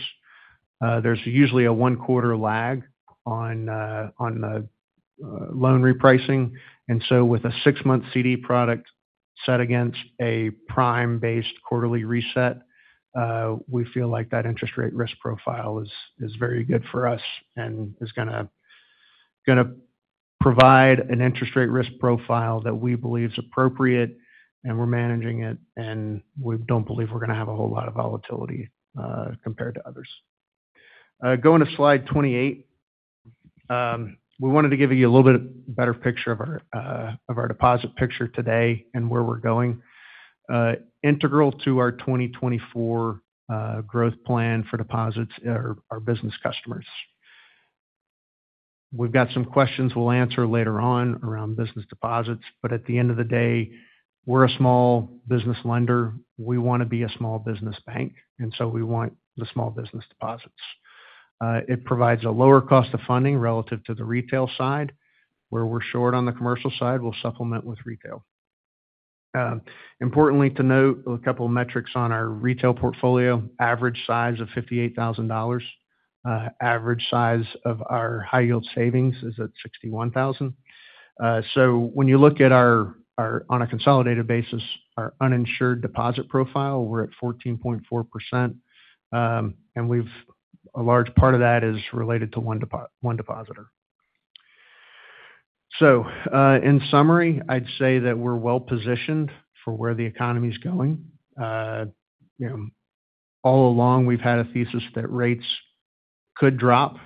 there's usually a one-quarter lag on the loan repricing. And so with a six-month CD product set against a Prime-based quarterly reset, we feel like that interest rate risk profile is very good for us and is gonna provide an interest rate risk profile that we believe is appropriate and we're managing it, and we don't believe we're gonna have a whole lot of volatility compared to others. Going to slide 28. We wanted to give you a little bit of better picture of our, of our deposit picture today and where we're going. Integral to our 2024, growth plan for deposits are our business customers. We've got some questions we'll answer later on around business deposits, but at the end of the day, we're a small business lender. We want to be a small business bank, and so we want the small business deposits. It provides a lower cost of funding relative to the retail side. Where we're short on the commercial side, we'll supplement with retail. Importantly, to note a couple of metrics on our retail portfolio. Average size of $58,000. Average size of our high yield savings is at $61,000. So when you look at our on a consolidated basis, our uninsured deposit profile, we're at 14.4%. And a large part of that is related to one depositor. So, in summary, I'd say that we're well-positioned for where the economy's going. You know, all along, we've had a thesis that rates could drop,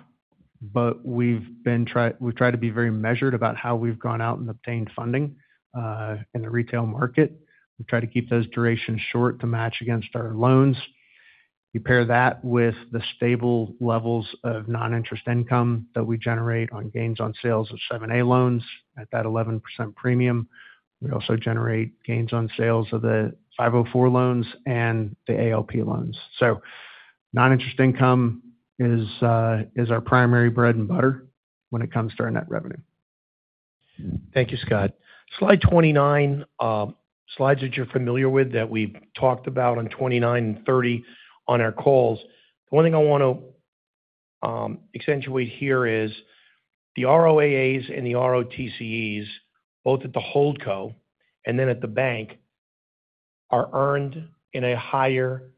but we've tried to be very measured about how we've gone out and obtained funding in the retail market. We've tried to keep those durations short to match against our loans. You pair that with the stable levels of non-interest income that we generate on gains on sales of 7(a) loans at that 11% premium. We also generate gains on sales of the 504 loans and the ALP loans. Non-interest income is our primary bread and butter when it comes to our net revenue. Thank you, Scott. Slide 29, slides that you're familiar with, that we've talked about on 29 and 30 on our calls. One thing I wanna accentuate here is the ROAAs and the ROTCEs, both at the Holdco and then at the bank, are earned in a higher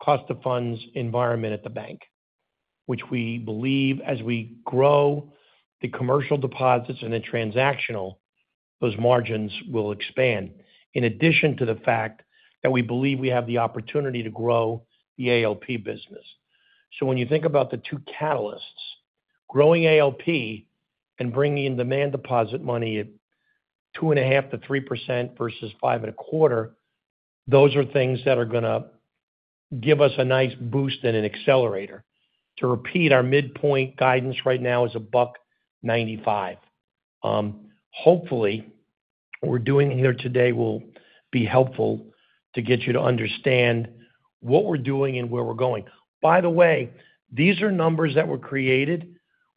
cost of funds environment at the bank, which we believe as we grow the commercial deposits and the transactional, those margins will expand, in addition to the fact that we believe we have the opportunity to grow the ALP business. So when you think about the two catalysts, growing ALP and bringing in demand deposit money at 2.5%-3% versus 5.25%, those are things that are gonna give us a nice boost and an accelerator. To repeat, our midpoint guidance right now is $1.95. Hopefully, what we're doing here today will be helpful to get you to understand what we're doing and where we're going. By the way, these are numbers that were created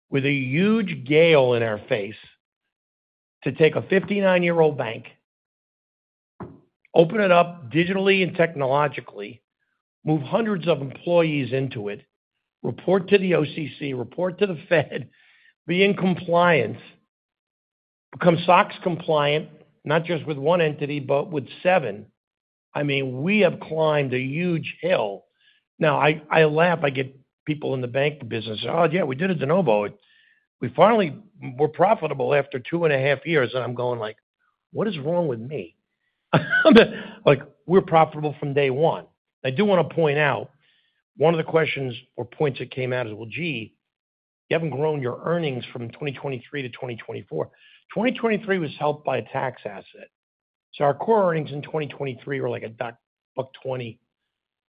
with a huge gale in our face to take a 59-year-old bank, open it up digitally and technologically, move hundreds of employees into it, report to the OCC, report to the Fed, be in compliance, become SOX compliant, not just with one entity, but with seven. I mean, we have climbed a huge hill. Now, I, I laugh. I get people in the banking business, "Oh, yeah, we did a de novo. We finally... We're profitable after two and a half years." And I'm going like: What is wrong with me? Like, we're profitable from day one. I do wanna point out, one of the questions or points that came out is, "Well, gee, you haven't grown your earnings from 2023 to 2024." 2023 was helped by a tax asset, so our core earnings in 2023 were like $1.20.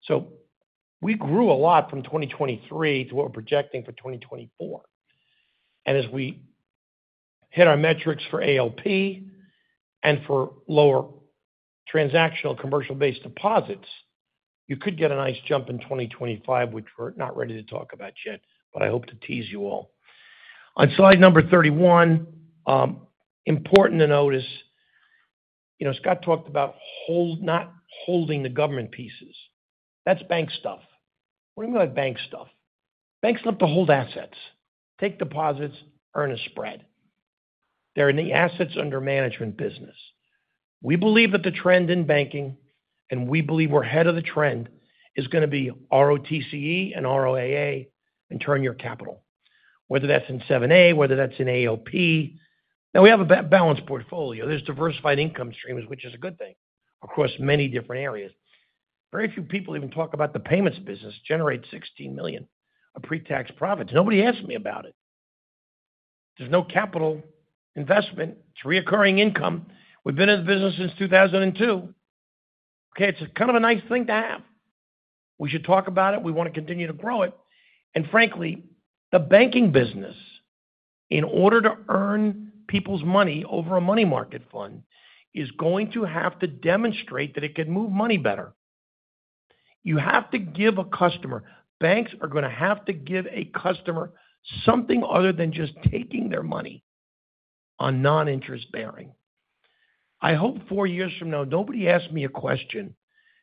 So we grew a lot from 2023 to what we're projecting for 2024. And as we hit our metrics for ALP and for lower transactional commercial-based deposits, you could get a nice jump in 2025, which we're not ready to talk about yet, but I hope to tease you all. On slide number 31, important to notice, you know, Scott talked about not holding the government pieces. That's bank stuff. What do you mean by bank stuff? Banks love to hold assets, take deposits, earn a spread. They're in the assets under management business. We believe that the trend in banking, and we believe we're ahead of the trend, is gonna be ROTCE and ROAA, and turn your capital. Whether that's in 7(a), whether that's in ALP. Now, we have a balanced portfolio. There's diversified income streams, which is a good thing, across many different areas. Very few people even talk about the payments business, generates $16 million of pre-tax profits. Nobody asks me about it. There's no capital investment. It's recurring income. We've been in the business since 2002. Okay, it's kind of a nice thing to have. We should talk about it. We wanna continue to grow it. And frankly, the banking business, in order to earn people's money over a money market fund, is going to have to demonstrate that it can move money better. You have to give a customer... Banks are gonna have to give a customer something other than just taking their money on non-interest-bearing. I hope four years from now, nobody asks me a question: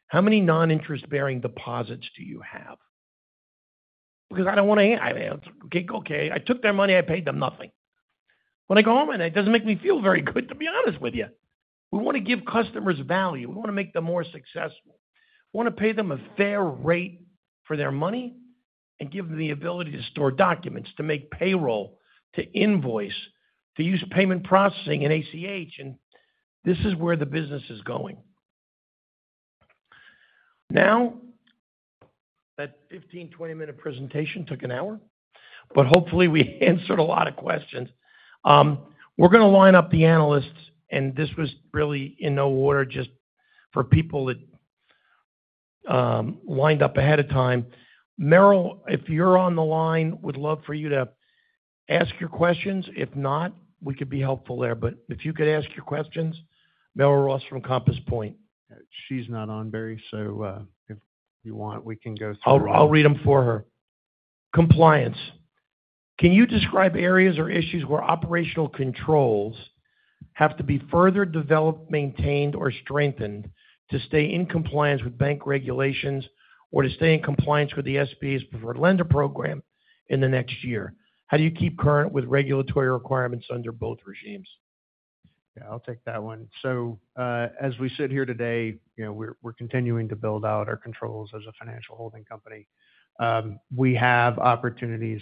How many non-interest-bearing deposits do you have? Because I don't wanna answer. Okay, okay, I took their money, I paid them nothing. When I go home at night, it doesn't make me feel very good, to be honest with you. We wanna give customers value. We wanna make them more successful. We wanna pay them a fair rate for their money and give them the ability to store documents, to make payroll, to invoice, to use payment processing and ACH, and this is where the business is going. Now, that 15-, 20-minute presentation took an hour, but hopefully, we answered a lot of questions. We're gonna line up the analysts, and this was really in no order, just for people that lined up ahead of time. Merrill, if you're on the line, would love for you to ask your questions. If not, we could be helpful there. But if you could ask your questions, Merrill Ross from Compass Point. She's not on, Barry, so if you want, we can go through- I'll read them for her. Compliance: Can you describe areas or issues where operational controls have to be further developed, maintained, or strengthened to stay in compliance with bank regulations or to stay in compliance with the SBA's Preferred Lender Program in the next year? How do you keep current with regulatory requirements under both regimes?... Yeah, I'll take that one. So, as we sit here today, you know, we're continuing to build out our controls as a financial holding company. We have opportunities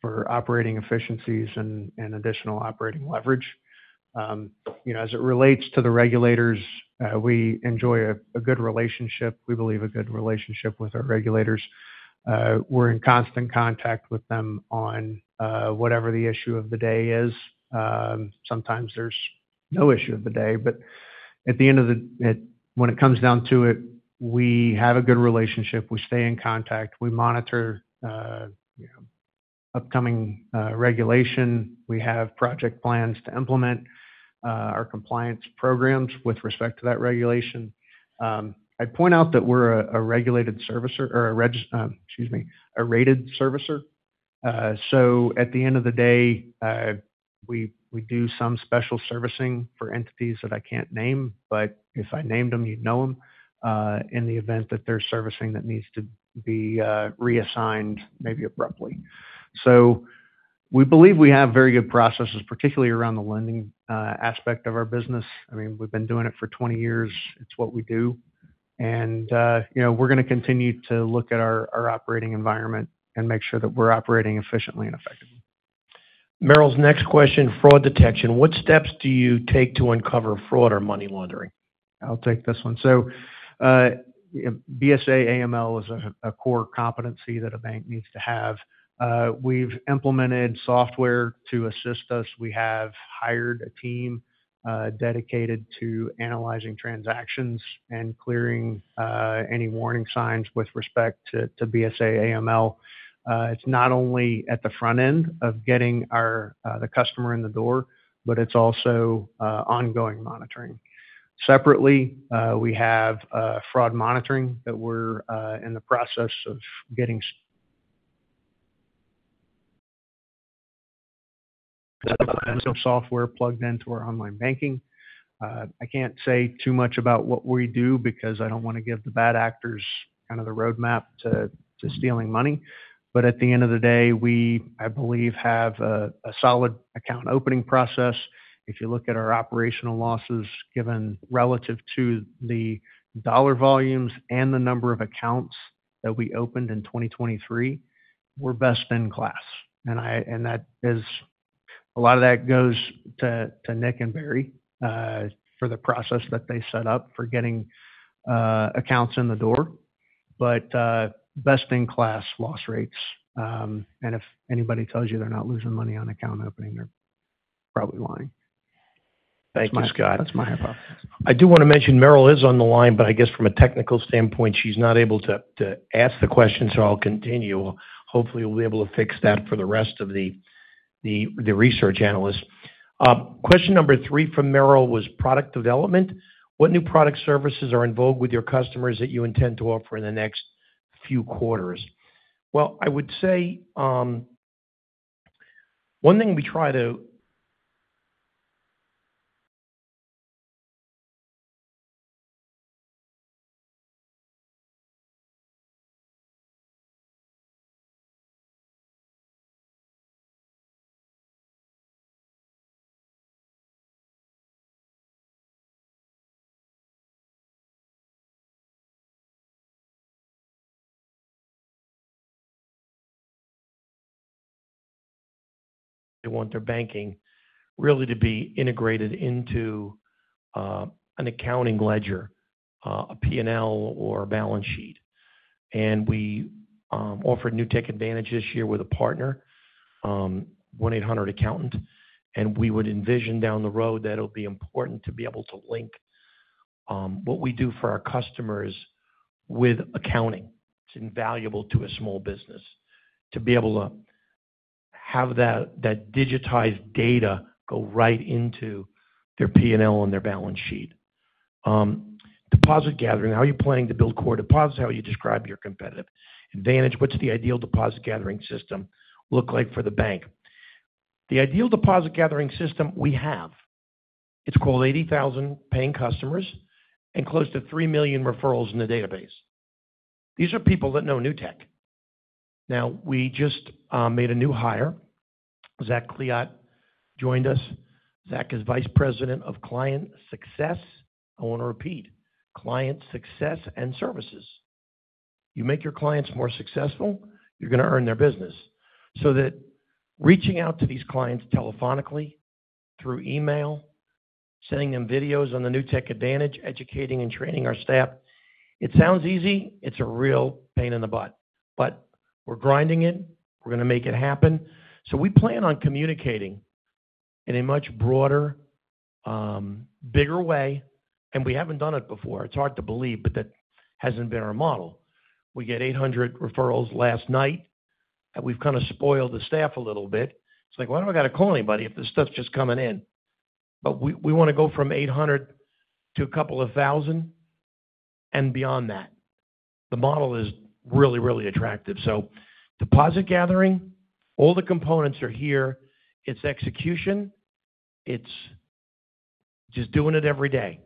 for operating efficiencies and additional operating leverage. You know, as it relates to the regulators, we enjoy a good relationship. We believe a good relationship with our regulators. We're in constant contact with them on whatever the issue of the day is. Sometimes there's no issue of the day, but at the end of the day, when it comes down to it, we have a good relationship. We stay in contact, we monitor, you know, upcoming regulation. We have project plans to implement our compliance programs with respect to that regulation. I'd point out that we're a regulated servicer or a rated servicer. Excuse me, so at the end of the day, we do some special servicing for entities that I can't name, but if I named them, you'd know them, in the event that there's servicing that needs to be reassigned, maybe abruptly. So we believe we have very good processes, particularly around the lending aspect of our business. I mean, we've been doing it for 20 years. It's what we do. And you know, we're gonna continue to look at our operating environment and make sure that we're operating efficiently and effectively. Merrill's next question, fraud detection. What steps do you take to uncover fraud or money laundering? I'll take this one. So, BSA/AML is a core competency that a bank needs to have. We've implemented software to assist us. We have hired a team dedicated to analyzing transactions and clearing any warning signs with respect to BSA/AML. It's not only at the front end of getting our customer in the door, but it's also ongoing monitoring. Separately, we have fraud monitoring that we're in the process of getting software plugged into our online banking. I can't say too much about what we do because I don't wanna give the bad actors kind of the roadmap to stealing money. But at the end of the day, we, I believe, have a solid account opening process. If you look at our operational losses, given relative to the dollar volumes and the number of accounts that we opened in 2023, we're best in class. And that is, a lot of that goes to Nick and Barry for the process that they set up for getting accounts in the door, but best-in-class loss rates. And if anybody tells you they're not losing money on account opening, they're probably lying. Thank you, Scott. That's my hypothesis. I do wanna mention Merrill is on the line, but I guess from a technical standpoint, she's not able to to ask the question, so I'll continue. Hopefully, we'll be able to fix that for the rest of the the research analysts. Question number three from Merrill was product development. What new product services are involved with your customers that you intend to offer in the next few quarters? Well, I would say, one thing we try to ... They want their banking really to be integrated into an accounting ledger a P&L or a balance sheet. And we offered Newtek Advantage this year with a partner 1-800Accountant, and we would envision down the road that it'll be important to be able to link what we do for our customers with accounting. It's invaluable to a small business to be able to have that, that digitized data go right into their P&L and their balance sheet. Deposit gathering. How are you planning to build core deposits? How you describe your competitive advantage? What's the ideal deposit gathering system look like for the bank? The ideal deposit gathering system we have, it's called 80,000 paying customers and close to three million referrals in the database. These are people that know Newtek. Now, we just made a new hire. Zack Klipp joined us. Zack is Vice President of Client Success. I want to repeat, Client Success and Services. You make your clients more successful, you're gonna earn their business. So that reaching out to these clients telephonically, through email, sending them videos on the Newtek Advantage, educating and training our staff, it sounds easy. It's a real pain in the butt, but we're grinding it. We're gonna make it happen. So we plan on communicating in a much broader, bigger way, and we haven't done it before. It's hard to believe, but that hasn't been our model. We get 800 referrals last night, and we've kind of spoiled the staff a little bit. It's like, "Why do I gotta call anybody if this stuff's just coming in?" But we wanna go from 800 to a couple of 1000 and beyond that. The model is really, really attractive. So deposit gathering, all the components are here. It's execution, it's just doing it every day.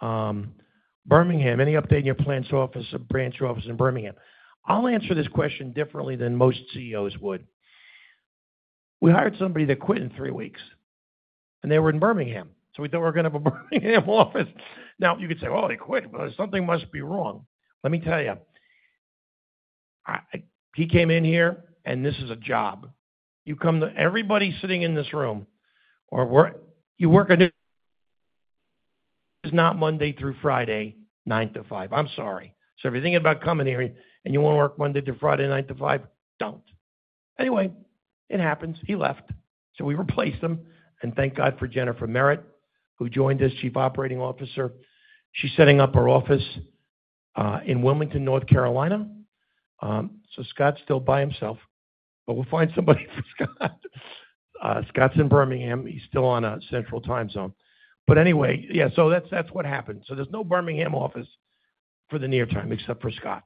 Birmingham, any update in your branch office, branch office in Birmingham? I'll answer this question differently than most CEOs would. We hired somebody that quit in three weeks, and they were in Birmingham, so we thought we were gonna have a Birmingham office. Now, you could say, "Oh, they quit. Well, something must be wrong." Let me tell you, he came in here, and this is a job. You come to everybody sitting in this room you work at is not Monday through Friday, nine to five. I'm sorry. So if you're thinking about coming here and you want to work Monday to Friday, nine to five, don't. Anyway, it happens. He left, so we replaced him. And thank God for Jennifer Merritt, who joined as Chief Operating Officer. She's setting up our office in Wilmington, North Carolina. So Scott's still by himself, but we'll find somebody for Scott. Scott's in Birmingham. He's still on a central time zone. But anyway, yeah, so that's, that's what happened. So there's no Birmingham office for the near time, except for Scott.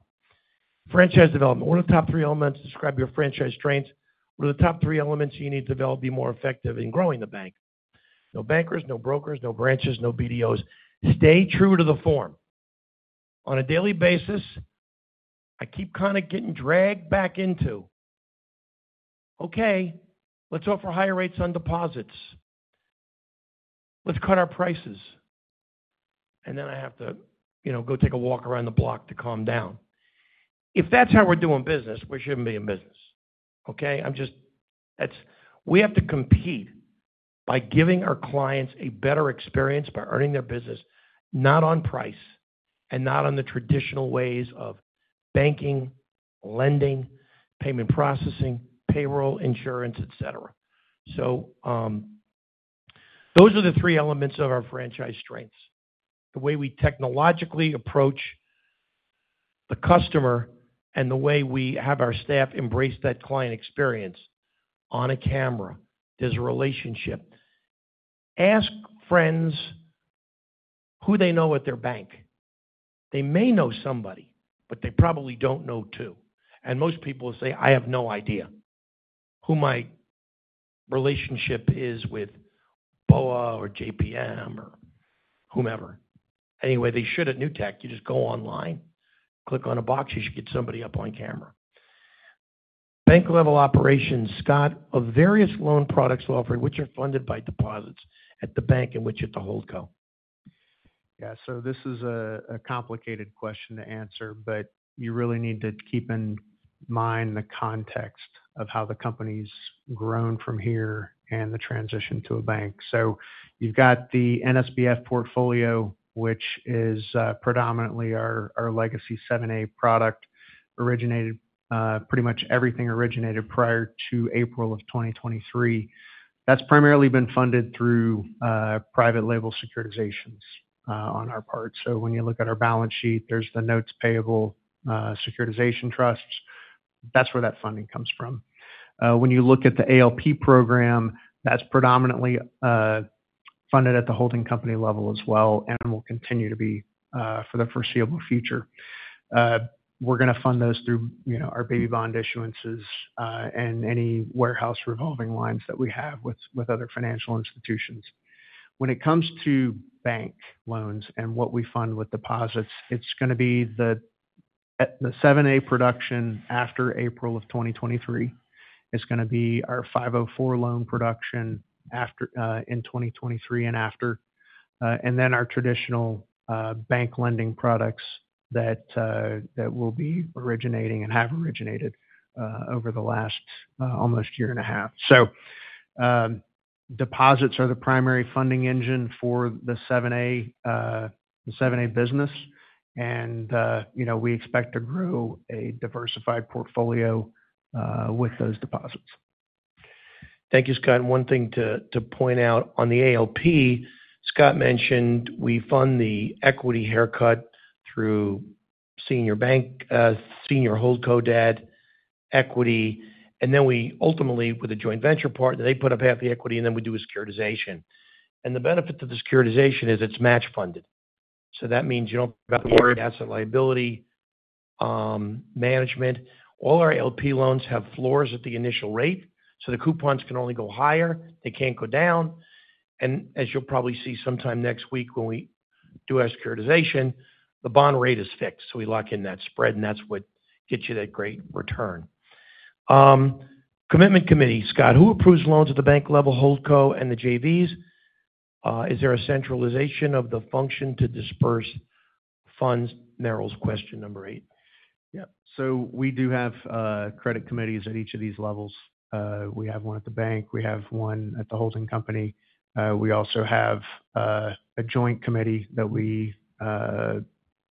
Franchise development. What are the top three elements to describe your franchise strengths? What are the top three elements you need to develop to be more effective in growing the bank? No bankers, no brokers, no branches, no BDOs. Stay true to the form. On a daily basis, I keep kind of getting dragged back into, "Okay, let's offer higher rates on deposits. Let's cut our prices." And then I have to, you know, go take a walk around the block to calm down. If that's how we're doing business, we shouldn't be in business, okay? I'm just... That's we have to compete by giving our clients a better experience, by earning their business, not on price and not on the traditional ways of banking, lending, payment, processing, payroll, insurance, et cetera. So, those are the three elements of our franchise strengths. The way we technologically approach the customer and the way we have our staff embrace that client experience on a camera. There's a relationship. Ask friends who they know at their bank. They may know somebody, but they probably don't know two. And most people will say, "I have no idea who my relationship is with BOA or JPM or whomever." Anyway, they should at Newtek. You just go online, click on a box, you should get somebody up on camera. Bank-level operations. Scott, of various loan products offering, which are funded by deposits at the bank in which at the Holdco? Yeah, so this is a complicated question to answer, but you really need to keep in mind the context of how the company's grown from here and the transition to a bank. So you've got the NSBF portfolio, which is predominantly our legacy 7(a) product, originated, pretty much everything originated prior to April of 2023. That's primarily been funded through private label securitizations on our part. So when you look at our balance sheet, there's the notes payable securitization trusts. That's where that funding comes from. When you look at the ALP program, that's predominantly funded at the holding company level as well and will continue to be for the foreseeable future. We're gonna fund those through, you know, our baby bond issuances and any warehouse revolving lines that we have with other financial institutions. When it comes to bank loans and what we fund with deposits, it's gonna be the 7(a) production after April of 2023. It's gonna be our 504 loan production after in 2023 and after. And then our traditional bank lending products that will be originating and have originated over the last almost year and a half. So, deposits are the primary funding engine for the 7(a), the 7(a) business. And, you know, we expect to grow a diversified portfolio with those deposits. Thank you, Scott. And one thing to point out on the ALP, Scott mentioned we fund the equity haircut through senior bank, senior Holdco debt equity, and then we ultimately, with the joint venture part, they put up half the equity, and then we do a securitization. And the benefit of the securitization is it's match funded. So that means you don't asset-liability management. All our ALP loans have floors at the initial rate, so the coupons can only go higher, they can't go down. And as you'll probably see sometime next week when we do our securitization, the bond rate is fixed, so we lock in that spread, and that's what gets you that great return. Commitment committee. Scott, who approves loans at the bank level, Holdco and the JVs? Is there a centralization of the function to disperse funds? Merrill's question number eight. Yeah. So we do have credit committees at each of these levels. We have one at the bank, we have one at the holding company. We also have a joint committee that we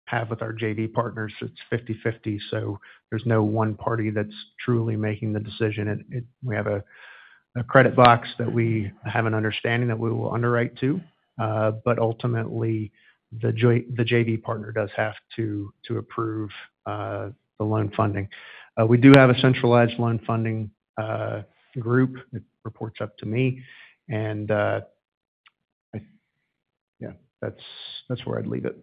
have with our JV partners. It's 50/50, so there's no one party that's truly making the decision. And we have a credit box that we have an understanding that we will underwrite to. But ultimately, the joint—the JV partner does have to approve the loan funding. We do have a centralized loan funding group that reports up to me, and I-... Yeah, that's where I'd leave it.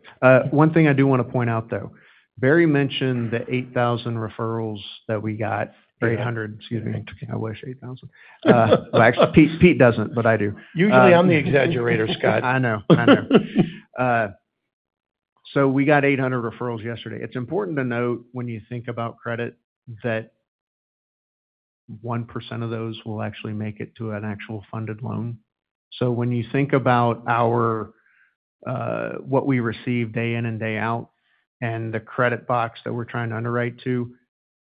One thing I do wanna point out, though, Barry mentioned the 8,000 referrals that we got—or 800, excuse me. I wish 8,000. Actually, Pete, Pete doesn't, but I do. Usually, I'm the exaggerator, Scott. I know. I know. So we got 800 referrals yesterday. It's important to note when you think about credit, that 1% of those will actually make it to an actual funded loan. So when you think about our, what we receive day in and day out, and the credit box that we're trying to underwrite to,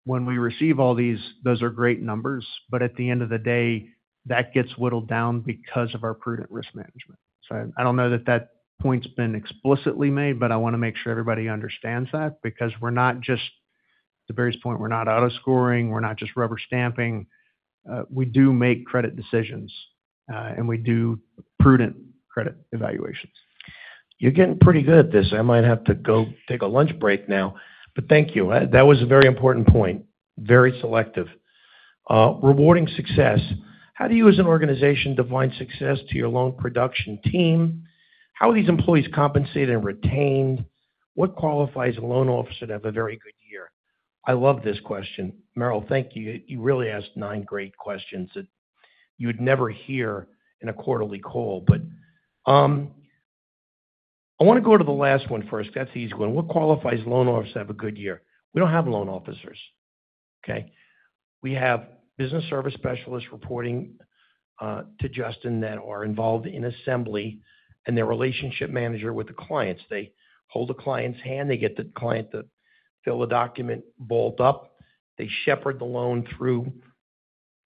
when we receive all these, those are great numbers, but at the end of the day, that gets whittled down because of our prudent risk management. So I don't know that that point's been explicitly made, but I wanna make sure everybody understands that, because we're not just... To Barry's point, we're not out of scoring, we're not just rubber-stamping. We do make credit decisions, and we do prudent credit evaluations. You're getting pretty good at this. I might have to go take a lunch break now, but thank you. That was a very important point. Very selective. Rewarding success. How do you, as an organization, define success to your loan production team? How are these employees compensated and retained? What qualifies a loan officer to have a very good year? I love this question. Merrill, thank you. You really asked nine great questions that you'd never hear in a quarterly call. But, I wanna go to the last one first. That's the easy one. What qualifies a loan officer to have a good year? We don't have loan officers, okay? We have business service specialists reporting to Justin that are involved in assembly and their relationship manager with the clients. They hold the client's hand, they get the client to fill the document vault up. They shepherd the loan through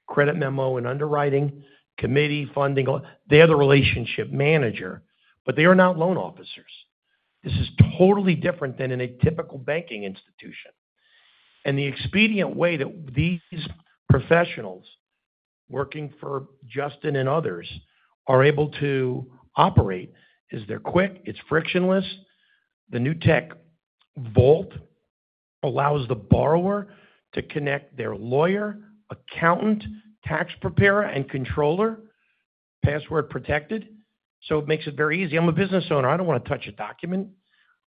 credit memo and underwriting, committee funding. They're the relationship manager, but they are not loan officers. This is totally different than in a typical banking institution. The expedient way that these professionals working for Justin and others are able to operate is they're quick, it's frictionless. The Newtek File Vault allows the borrower to connect their lawyer, accountant, tax preparer, and controller, password-protected, so it makes it very easy. I'm a business owner, I don't wanna touch a document.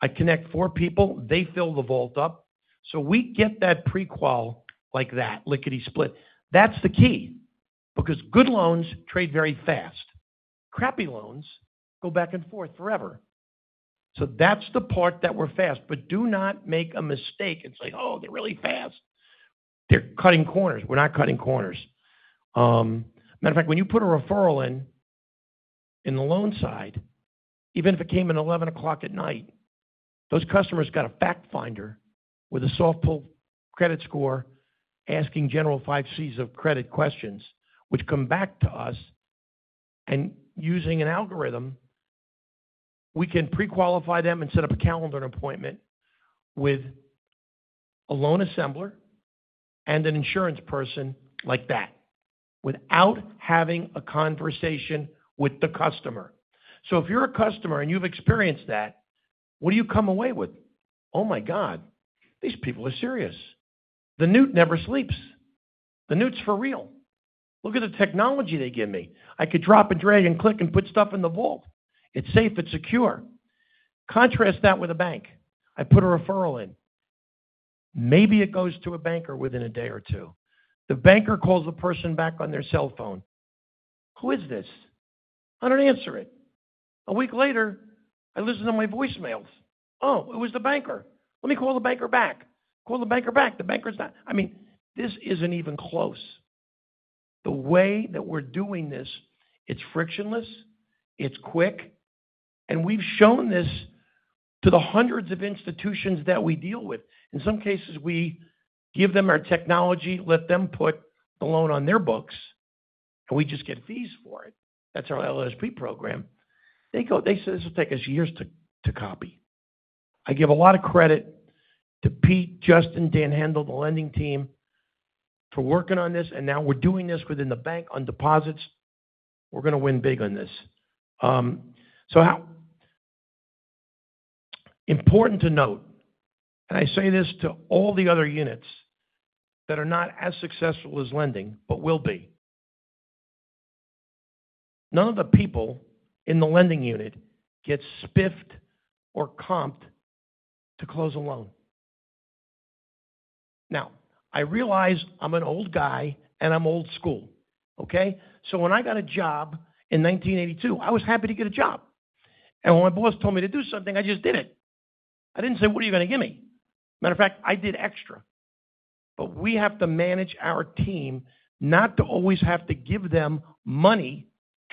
I connect four people, they fill the vault up. We get that pre-qual like that, lickety-split. That's the key, because good loans trade very fast. Crappy loans go back and forth forever. That's the part that we're fast, but do not make a mistake and say, "Oh, they're really fast. They're cutting corners." We're not cutting corners. Matter of fact, when you put a referral in, in the loan side, even if it came in at 11:00 P.M., those customers got a fact finder with a soft pull credit score, asking general five C's of credit questions, which come back to us, and using an algorithm, we can pre-qualify them and set up a calendar appointment with a loan assembler and an insurance person like that, without having a conversation with the customer. So if you're a customer and you've experienced that, what do you come away with? Oh, my God, these people are serious. The Newtek never sleeps. The Newtek's for real. Look at the technology they give me. I could drop and drag and click and put stuff in the vault. It's safe, it's secure. Contrast that with a bank. I put a referral in. Maybe it goes to a banker within a day or two. The banker calls the person back on their cell phone. "Who is this? I don't answer it. A week later, I listen to my voicemails. Oh, it was the banker. Let me call the banker back. Call the banker back, the banker's not..." I mean, this isn't even close. The way that we're doing this, it's frictionless, it's quick, and we've shown this to the hundreds of institutions that we deal with. In some cases, we give them our technology, let them put the loan on their books, and we just get fees for it. That's our LSP program. They go. They say, "This will take us years to, to copy." I give a lot of credit to Pete, Justin, Dan Hendel, the lending team, for working on this, and now we're doing this within the bank on deposits. We're gonna win big on this. Important to note, and I say this to all the other units that are not as successful as lending, but will be. None of the people in the lending unit get spiffed or comped to close a loan. Now, I realize I'm an old guy, and I'm old school, okay? So when I got a job in 1982, I was happy to get a job. And when my boss told me to do something, I just did it. I didn't say: What are you gonna give me? Matter of fact, I did extra. But we have to manage our team not to always have to give them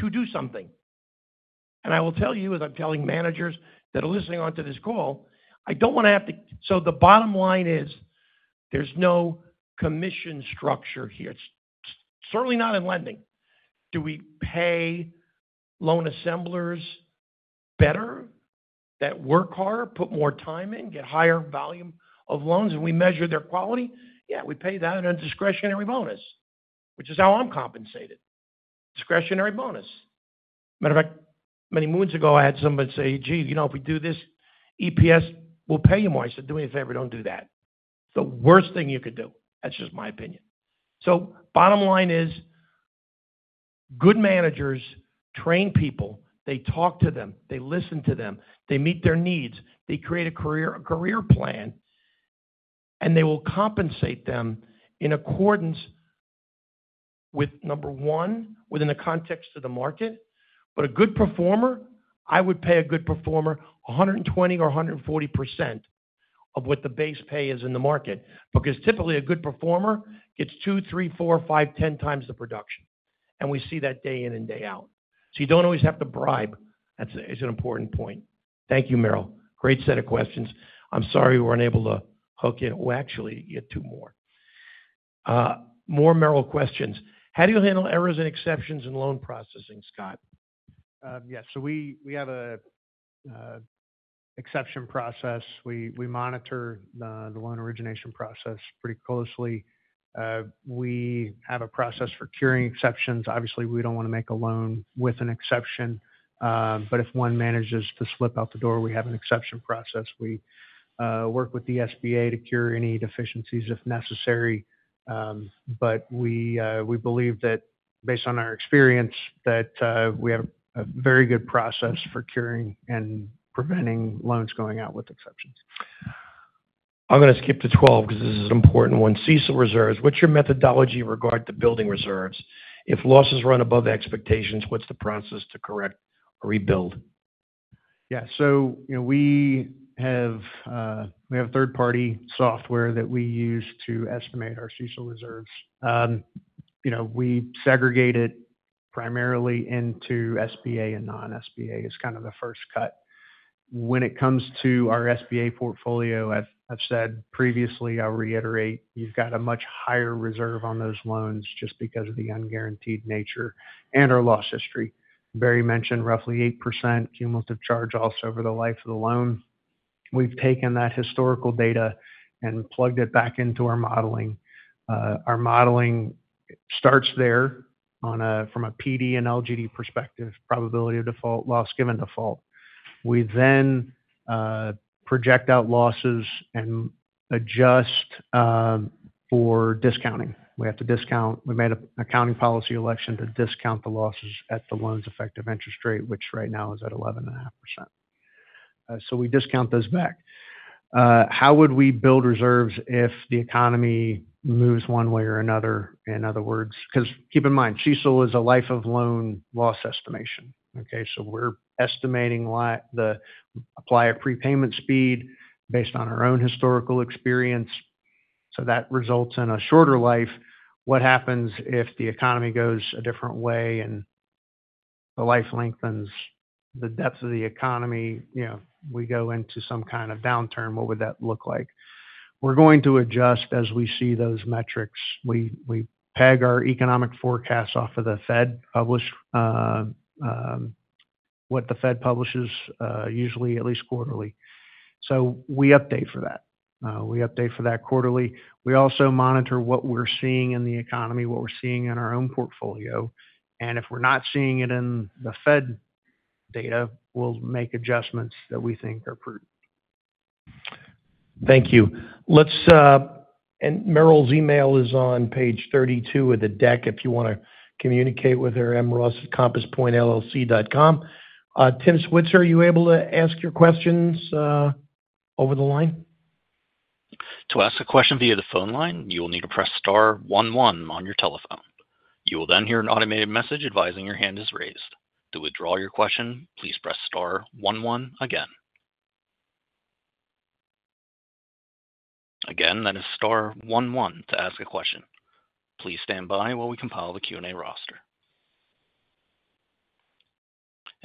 money to do something. And I will tell you, as I'm telling managers that are listening onto this call, I don't wanna have to. So the bottom line is, there's no commission structure here. It's certainly not in lending. Do we pay loan assemblers better that work hard, put more time in, get higher volume of loans, and we measure their quality? Yeah, we pay that in a discretionary bonus, which is how I'm compensated. Discretionary bonus. Matter of fact, many moons ago, I had somebody say: "Gee, you know, if we do this, EPS will pay you more." I said, "Do me a favor, don't do that. It's the worst thing you could do." That's just my opinion. So bottom line is, good managers train people, they talk to them, they listen to them, they meet their needs, they create a career, a career plan, and they will compensate them in accordance with, number one, within the context of the market. But a good performer, I would pay a good performer 120% or 140% of what the base pay is in the market, because typically a good performer gets 2, 3, 4, 5, 10 times the production, and we see that day in and day out. So you don't always have to bribe. That's an important point. Thank you, Merrill. Great set of questions. I'm sorry we're unable to hook you. Well, actually, you have two more. More Merrill questions: How do you handle errors and exceptions in loan processing, Scott? Yes, so we have an exception process. We monitor the loan origination process pretty closely. We have a process for curing exceptions. Obviously, we don't want to make a loan with an exception, but if one manages to slip out the door, we have an exception process. We work with the SBA to cure any deficiencies if necessary, but we believe that based on our experience, that we have a very good process for curing and preventing loans going out with exceptions. I'm gonna skip to 12 because this is an important one. CECL reserves. What's your methodology regard to building reserves? If losses run above expectations, what's the process to correct or rebuild? Yeah. So, you know, we have third-party software that we use to estimate our CECL reserves. You know, we segregate it primarily into SBA and non-SBA, is kind of the first cut. When it comes to our SBA portfolio, I've said previously, I'll reiterate, you've got a much higher reserve on those loans just because of the unguaranteed nature and our loss history. Barry mentioned roughly 8% cumulative chargeoffs over the life of the loan. We've taken that historical data and plugged it back into our modeling. Our modeling starts there from a PD and LGD perspective, probability of default, loss given default. We then project out losses and adjust for discounting. We have to discount. We made an accounting policy election to discount the losses at the loan's effective interest rate, which right now is at 11.5%. So we discount those back. How would we build reserves if the economy moves one way or another? In other words, 'cause keep in mind, CECL is a life of loan loss estimation, okay? So we're estimating life, we apply a prepayment speed based on our own historical experience, so that results in a shorter life. What happens if the economy goes a different way and the life lengthens, the depth of the economy, you know, we go into some kind of downturn, what would that look like? We're going to adjust as we see those metrics. We peg our economic forecasts off of the Fed publish what the Fed publishes, usually at least quarterly. We update for that. We update for that quarterly. We also monitor what we're seeing in the economy, what we're seeing in our own portfolio, and if we're not seeing it in the Fed data, we'll make adjustments that we think are prudent. Thank you. Let's... Merrill's email is on page 32 of the deck, if you wanna communicate with her, mross@compasspointllc.com. Tim Switzer, are you able to ask your questions over the line? To ask a question via the phone line, you will need to press star one one on your telephone. You will then hear an automated message advising your hand is raised. To withdraw your question, please press star one one again. Again, that is star one one to ask a question. Please stand by while we compile the Q&A roster.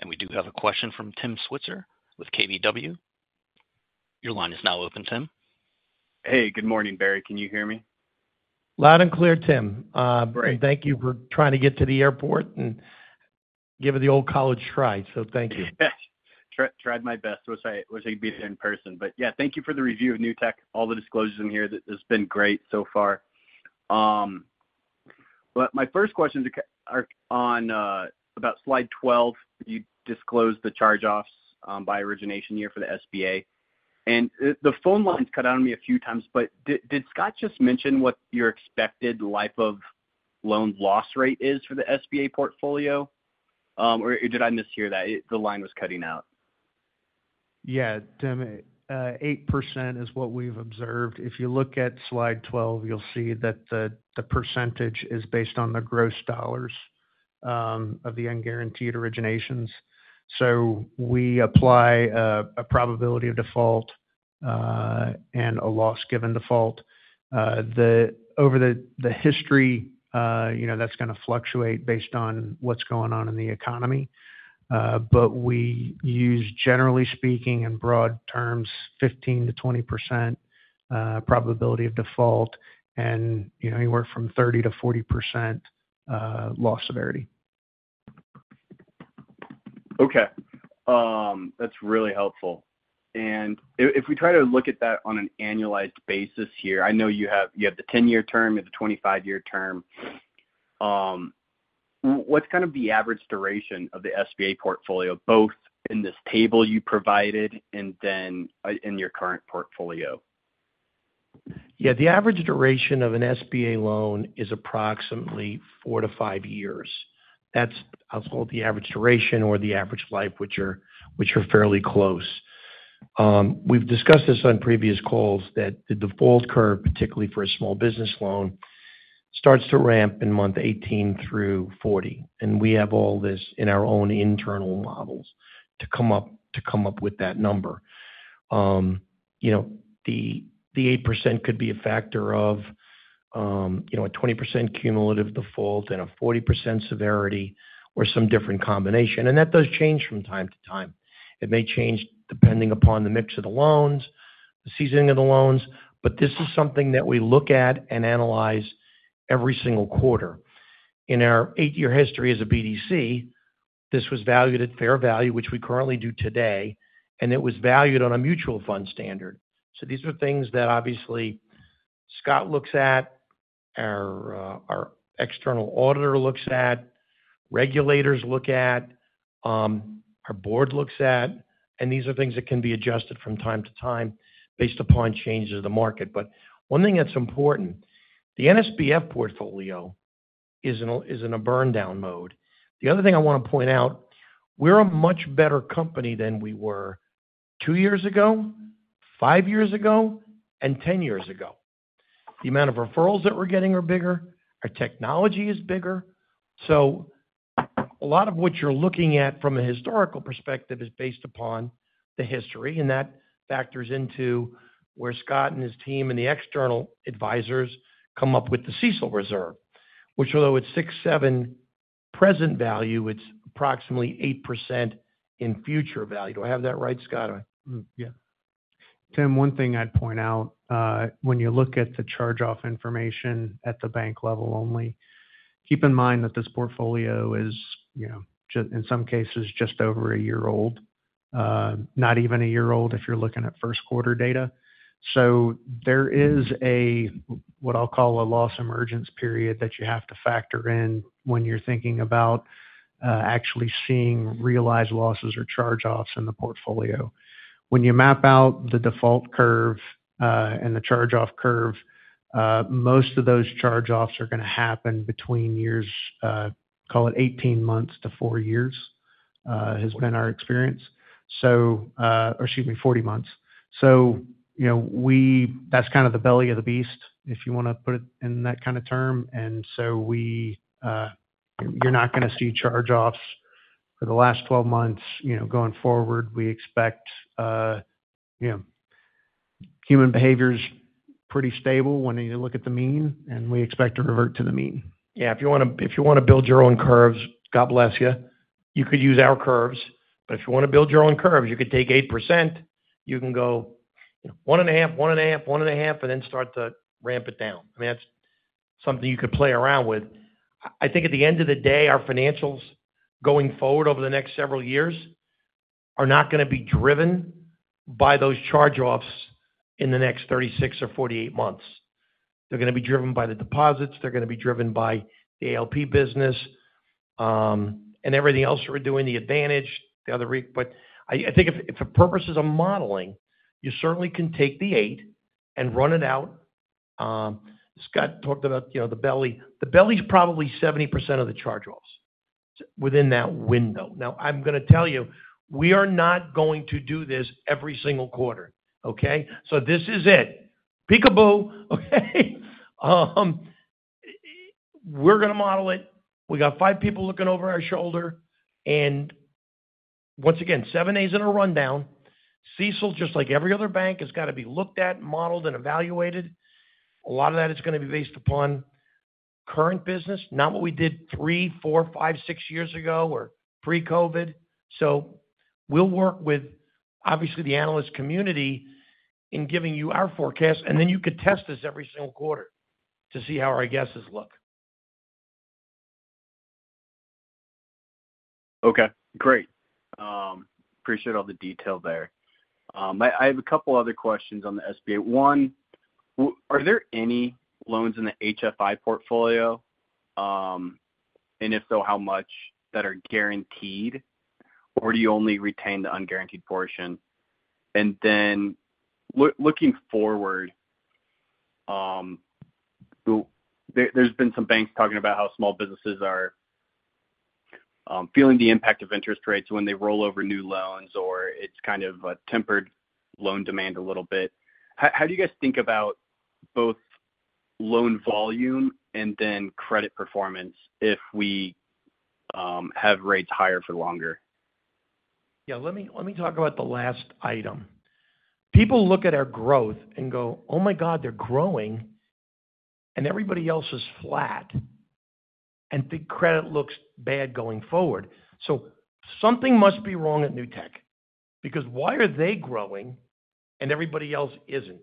We do have a question from Tim Switzer with KBW. Your line is now open, Tim. Hey, good morning, Barry. Can you hear me? Loud and clear, Tim. Great. Thank you for trying to get to the airport and give it the old college try, so thank you. Tried my best. Wish I could be there in person. But, yeah, thank you for the review of Newtek. All the disclosures in here, that has been great so far. But my first question is on about slide 12. You disclosed the charge-offs by origination year for the SBA. And the phone lines cut out on me a few times, but did Scott just mention what your expected life of loan loss rate is for the SBA portfolio? Or did I mishear that? The line was cutting out. Yeah, Tim, 8% is what we've observed. If you look at slide 12, you'll see that the percentage is based on the gross dollars of the unguaranteed originations. So we apply a probability of default and a loss given default. Over the history, you know, that's gonna fluctuate based on what's going on in the economy. But we use, generally speaking, in broad terms, 15%-20% probability of default and, you know, anywhere from 30%-40% loss severity. Okay. That's really helpful. And if we try to look at that on an annualized basis here, I know you have the 10-year term, you have the 25-year term. What's kind of the average duration of the SBA portfolio, both in this table you provided and then in your current portfolio? Yeah, the average duration of an SBA loan is approximately 4-5 years. That's, I'll call it, the average duration or the average life, which are fairly close. We've discussed this on previous calls, that the default curve, particularly for a small business loan, starts to ramp in month 18 through 40. And we have all this in our own internal models to come up, to come up with that number. You know, the eight percent could be a factor of, you know, a 20% cumulative default and a 40% severity or some different combination. And that does change from time to time. It may change depending upon the mix of the loans, the seasoning of the loans, but this is something that we look at and analyze every single quarter. In our 8-year history as a BDC, this was valued at fair value, which we currently do today, and it was valued on a mutual fund standard. So these are things that obviously Scott looks at, our external auditor looks at, regulators look at, our board looks at, and these are things that can be adjusted from time to time based upon changes in the market. But one thing that's important, the NSBF portfolio is in a burn-down mode. The other thing I wanna point out: we're a much better company than we were two years ago, five years ago, and 10 years ago. The amount of referrals that we're getting are bigger, our technology is bigger. So a lot of what you're looking at from a historical perspective is based upon the history, and that factors into where Scott and his team and the external advisors come up with the CECL reserve, which although it's 6%-7% present value, it's approximately 8% in future value. Do I have that right, Scott, or...? Mm-hmm. Yeah. Tim, one thing I'd point out, when you look at the charge-off information at the bank level only, keep in mind that this portfolio is, you know, just in some cases, just over a year old, not even a year old, if you're looking at first quarter data. So there is a, what I'll call a loss emergence period, that you have to factor in when you're thinking about, actually seeing realized losses or charge-offs in the portfolio. When you map out the default curve, and the charge-off curve, most of those charge-offs are gonna happen between years, call it 18 months to 4 years, has been our experience. So, or excuse me, 40 months. So, you know, we- that's kind of the belly of the beast, if you wanna put it in that kind of term. And so we, you're not gonna see charge-offs for the last 12 months. You know, going forward, we expect, you know, human behavior's pretty stable when you look at the mean, and we expect to revert to the mean. Yeah, if you wanna, if you wanna build your own curves, God bless you. You could use our curves, but if you wanna build your own curves, you could take 8%. You can go, you know, 1.5, 1.5, 1.5, and then start to ramp it down. I mean, that's something you could play around with. I, I think at the end of the day, our financials, going forward over the next several years, are not gonna be driven by those charge-offs in the next 36 or 48 months. They're gonna be driven by the deposits, they're gonna be driven by the ALP business, and everything else that we're doing, the advantage, the other re- But I, I think if, if the purpose is a modeling, you certainly can take the eight and run it out. Scott talked about, you know, the belly. The belly's probably 70% of the charge-offs within that window. Now, I'm gonna tell you, we are not going to do this every single quarter, okay? So this is it. Peekaboo, okay? We're gonna model it. We got five people looking over our shoulder, and once again, 7(a) is in a rundown. CECL, just like every other bank, has got to be looked at, modeled, and evaluated. A lot of that is gonna be based upon current business, not what we did three, four, five, six years ago or pre-COVID. So we'll work with, obviously, the analyst community in giving you our forecast, and then you could test us every single quarter to see how our guesses look. Okay, great. Appreciate all the detail there. I have a couple other questions on the SBA. One, are there any loans in the HFI portfolio, and if so, how much, that are guaranteed, or do you only retain the unguaranteed portion? And then looking forward, there's been some banks talking about how small businesses are feeling the impact of interest rates when they roll over new loans, or it's kind of a tempered loan demand a little bit. How do you guys think about both loan volume and then credit performance if we have rates higher for longer? Yeah, let me, let me talk about the last item. People look at our growth and go, "Oh, my God, they're growing, and everybody else is flat, and the credit looks bad going forward. So something must be wrong at Newtek, because why are they growing and everybody else isn't?"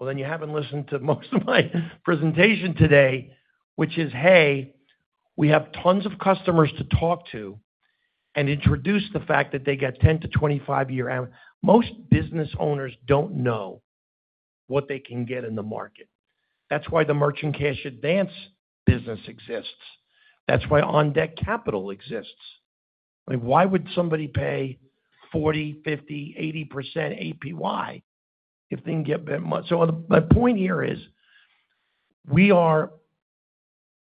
Well, then you haven't listened to most of my presentation today, which is, hey, we have tons of customers to talk to and introduce the fact that they get 10-25 year average. Most business owners don't know what they can get in the market. That's why the merchant cash advance business exists. That's why OnDeck Capital exists. I mean, why would somebody pay 40%, 50%, 80% APY if they can get that much? So my point here is, we are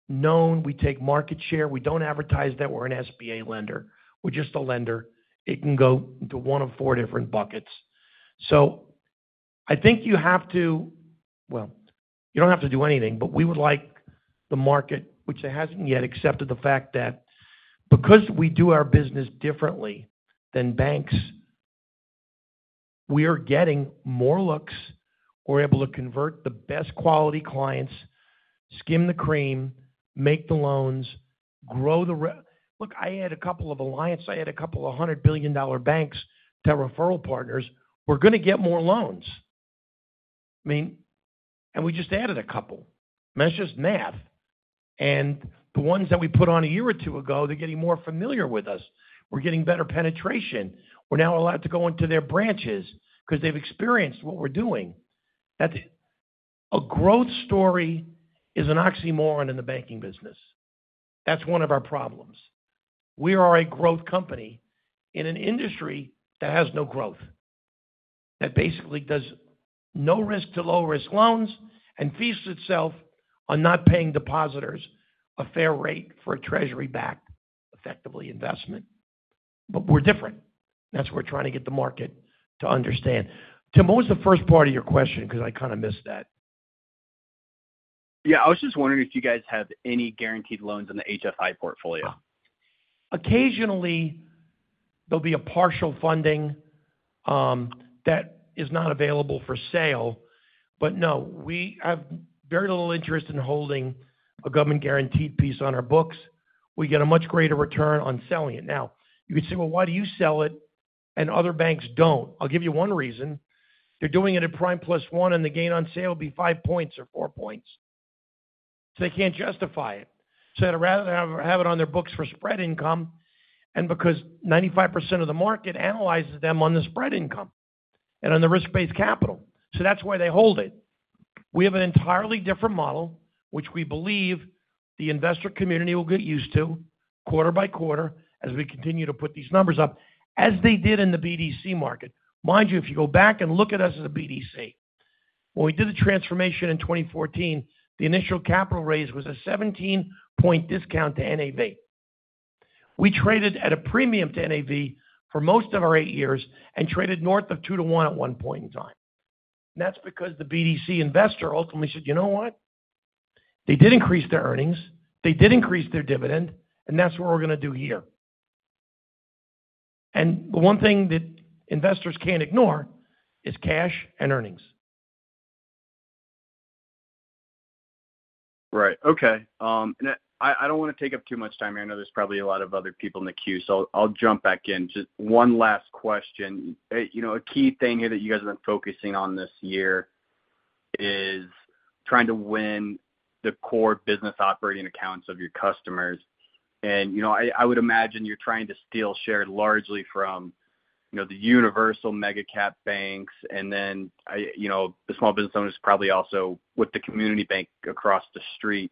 known, we take market share. We don't advertise that we're an SBA lender. We're just a lender. It can go into one of four different buckets. So I think you have to... Well, you don't have to do anything, but we would like the market, which it hasn't yet accepted the fact that because we do our business differently than banks, we are getting more looks. We're able to convert the best quality clients, skim the cream, make the loans, grow the re-Look, I had a couple of alliances. I had a couple of $100 billion banks to have referral partners, we're gonna get more loans. I mean, and we just added a couple. And that's just math. And the ones that we put on a year or two ago, they're getting more familiar with us. We're getting better penetration. We're now allowed to go into their branches 'cause they've experienced what we're doing. That's a growth story is an oxymoron in the banking business. That's one of our problems. We are a growth company in an industry that has no growth, that basically does no risk to low-risk loans and feasts itself on not paying depositors a fair rate for a treasury-backed, effectively, investment. But we're different. That's what we're trying to get the market to understand. Tim, what was the first part of your question? 'Cause I kinda missed that. Yeah, I was just wondering if you guys have any guaranteed loans in the HFI portfolio? Occasionally, there'll be a partial funding that is not available for sale. But no, we have very little interest in holding a government-guaranteed piece on our books. We get a much greater return on selling it. Now, you could say, "Well, why do you sell it and other banks don't?" I'll give you one reason. They're doing it at Prime plus one, and the gain on sale will be five points or four points, so they can't justify it. So they'd rather have it on their books for spread income, and because 95% of the market analyzes them on the spread income and on the risk-based capital. So that's why they hold it. We have an entirely different model, which we believe the investor community will get used to quarter by quarter as we continue to put these numbers up, as they did in the BDC market. Mind you, if you go back and look at us as a BDC, when we did the transformation in 2014, the initial capital raise was a 17-point discount to NAV. We traded at a premium to NAV for most of our eight years and traded north of two to one at one point in time. And that's because the BDC investor ultimately said, "You know what? They did increase their earnings, they did increase their dividend, and that's what we're gonna do here." And the one thing that investors can't ignore is cash and earnings. Right. Okay. And I, I don't wanna take up too much time here. I know there's probably a lot of other people in the queue, so I'll, I'll jump back in. Just one last question. You know, a key thing here that you guys have been focusing on this year is trying to win the core business operating accounts of your customers. And, you know, I, I would imagine you're trying to steal share largely from, you know, the universal mega cap banks, and then, I... You know, the small business owner is probably also with the community bank across the street.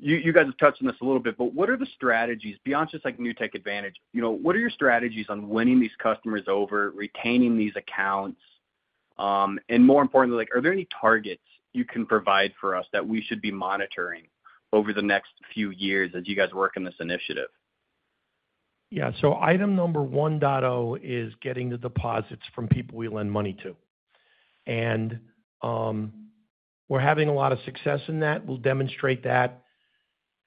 You, you guys have touched on this a little bit, but what are the strategies beyond just, like, Newtek Advantage? You know, what are your strategies on winning these customers over, retaining these accounts? More importantly, like, are there any targets you can provide for us that we should be monitoring over the next few years as you guys work on this initiative? Yeah. So item number 1.0 is getting the deposits from people we lend money to. And we're having a lot of success in that. We'll demonstrate that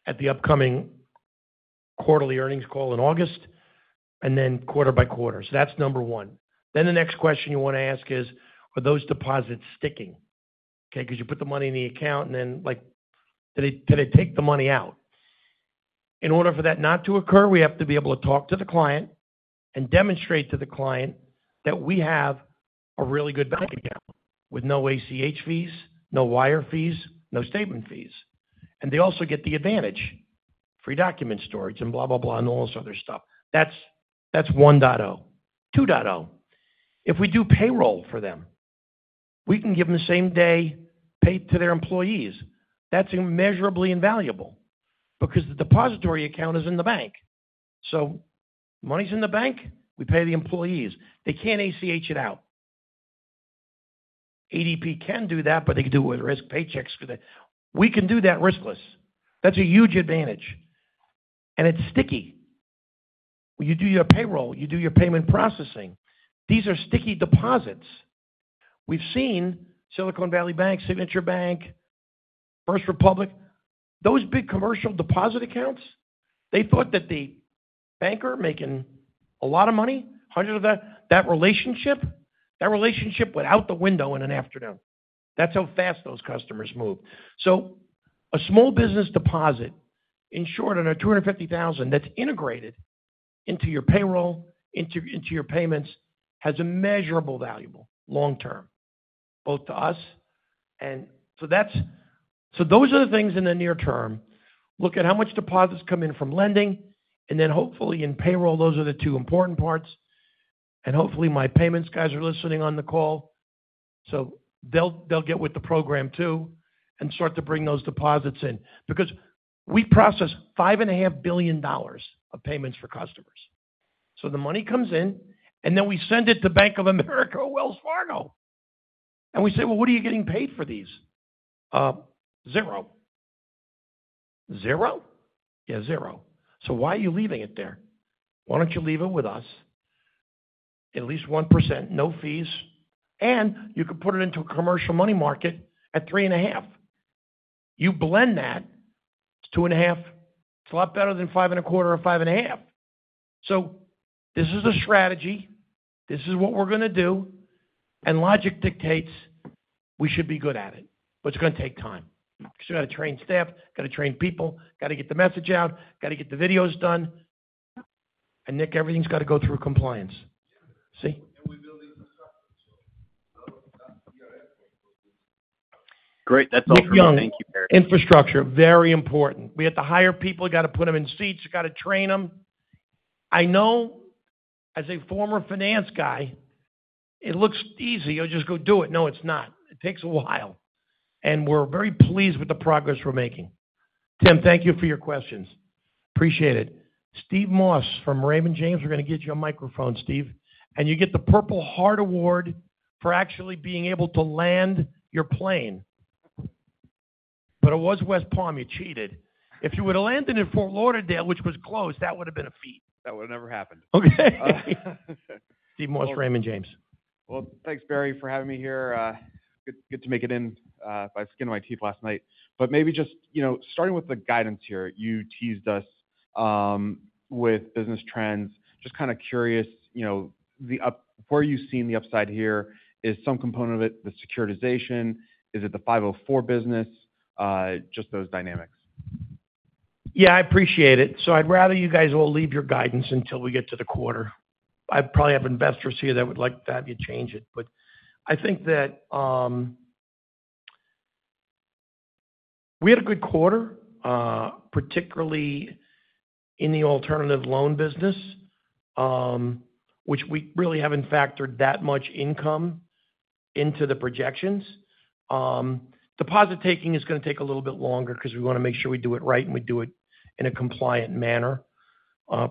at the upcoming quarterly earnings call in August, and then quarter by quarter. So that's number 1. Then the next question you wanna ask is: Are those deposits sticking? Okay, 'cause you put the money in the account, and then, like, do they take the money out? In order for that not to occur, we have to be able to talk to the client and demonstrate to the client that we have a really good bank account with no ACH fees, no wire fees, no statement fees. And they also get the advantage, free document storage and blah, blah, blah, and all this other stuff. That's 1.0. 2.0, if we do payroll for them, we can give them the same day paid to their employees. That's immeasurably invaluable because the depository account is in the bank. So money's in the bank, we pay the employees. They can't ACH it out. ADP can do that, but they can do it with risk, Paychex with it. We can do that riskless. That's a huge advantage, and it's sticky. When you do your payroll, you do your payment processing, these are sticky deposits. We've seen Silicon Valley Bank, Signature Bank, First Republic, those big commercial deposit accounts, they thought that the banker making a lot of money, hundreds of that, that relationship, that relationship went out the window in an afternoon. That's how fast those customers move. So a small business deposit, insured up to $250,000, that's integrated into your payroll, into your payments, has immeasurably valuable long-term value both to us. And so that's—so those are the things in the near term. Look at how much deposits come in from lending, and then hopefully in payroll, those are the two important parts. And hopefully, my payments guys are listening on the call, so they'll get with the program too, and start to bring those deposits in. Because we process $5.5 billion of payments for customers. So the money comes in, and then we send it to Bank of America or Wells Fargo. And we say, "Well, what are you getting paid for these?" "Uh, zero." "Zero?" "Yeah, zero." "So why are you leaving it there? Why don't you leave it with us? At least 1%, no fees, and you could put it into a commercial money market at 3.5%. You blend that, it's 2.5%. It's a lot better than 5.25% or 5.5%." So this is a strategy. This is what we're gonna do, and logic dictates we should be good at it, but it's gonna take time. Because we've got to train staff, gotta train people, gotta get the message out, gotta get the videos done. And Nick, everything's got to go through compliance. See? And we're building construction, so Great. That's all for me. Thank you, Barry. Nick Young, infrastructure, very important. We have to hire people, we gotta put them in seats, we gotta train them. I know as a former finance guy, it looks easy. I'll just go do it. No, it's not. It takes a while, and we're very pleased with the progress we're making. Tim, thank you for your questions. Appreciate it. Steve Moss from Raymond James. We're gonna get you a microphone, Steve, and you get the Purple Heart Award for actually being able to land your plane. But it was West Palm, you cheated. If you would have landed in Fort Lauderdale, which was closed, that would have been a feat. That would have never happened. Okay. Stephen Moss, Raymond James. Well, thanks, Barry, for having me here. Good, good to make it in by the skin of my teeth last night. But maybe just, you know, starting with the guidance here, you teased us with business trends. Just kind of curious, you know, where are you seeing the upside here? Is some component of it the securitization? Is it the 504 business? Just those dynamics. Yeah, I appreciate it. So I'd rather you guys all leave your guidance until we get to the quarter. I probably have investors here that would like to have you change it, but I think that we had a good quarter, particularly in the alternative loan business, which we really haven't factored that much income into the projections. Deposit taking is gonna take a little bit longer because we wanna make sure we do it right and we do it in a compliant manner.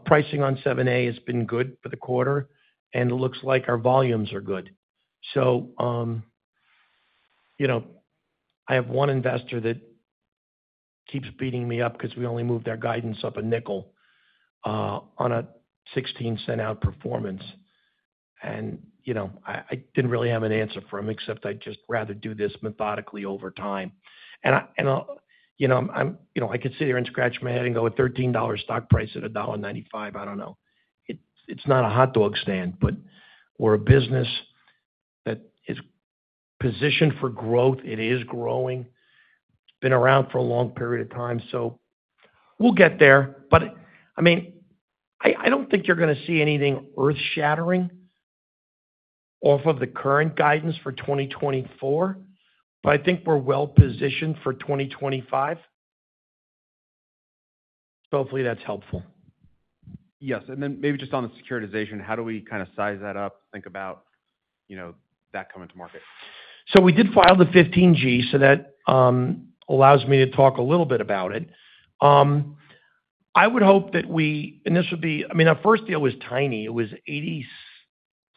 Pricing on 7(a) has been good for the quarter, and it looks like our volumes are good. So, you know, I have one investor that keeps beating me up because we only moved our guidance up a nickel, on a sixteen cent outperformance. And, you know, I, I didn't really have an answer for him, except I'd just rather do this methodically over time. And I—and, you know, I'm, you know, I could sit here and scratch my head and go a $13 stock price at a $1.95. I don't know. It, it's not a hot dog stand, but we're a business that is positioned for growth. It is growing. Been around for a long period of time, so we'll get there. But, I mean, I, I don't think you're gonna see anything earth-shattering off of the current guidance for 2024, but I think we're well-positioned for 2025. So hopefully that's helpful. Yes, and then maybe just on the securitization, how do we kind of size that up, think about, you know, that coming to market? So we did file the 15G, so that allows me to talk a little bit about it. I would hope that we... And this would be. I mean, our first deal was tiny. It was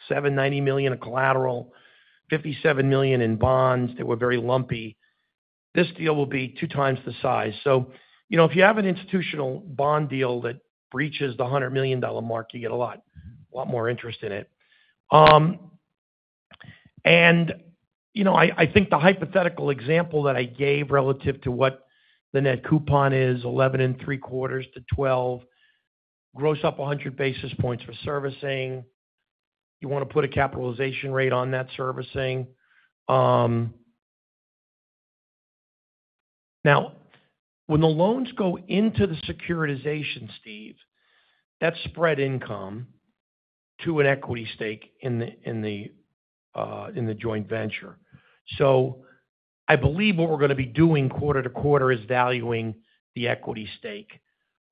$87-$90 million of collateral, $57 million in bonds that were very lumpy. This deal will be two times the size. So you know, if you have an institutional bond deal that breaches the $100 million mark, you get a lot, a lot more interest in it. And, you know, I think the hypothetical example that I gave relative to what the net coupon is, 11.75%-12%, gross up 100 basis points for servicing. You want to put a capitalization rate on that servicing. Now, when the loans go into the securitization, Steve, that's spread income to an equity stake in the joint venture. So I believe what we're gonna be doing quarter to quarter is valuing the equity stake.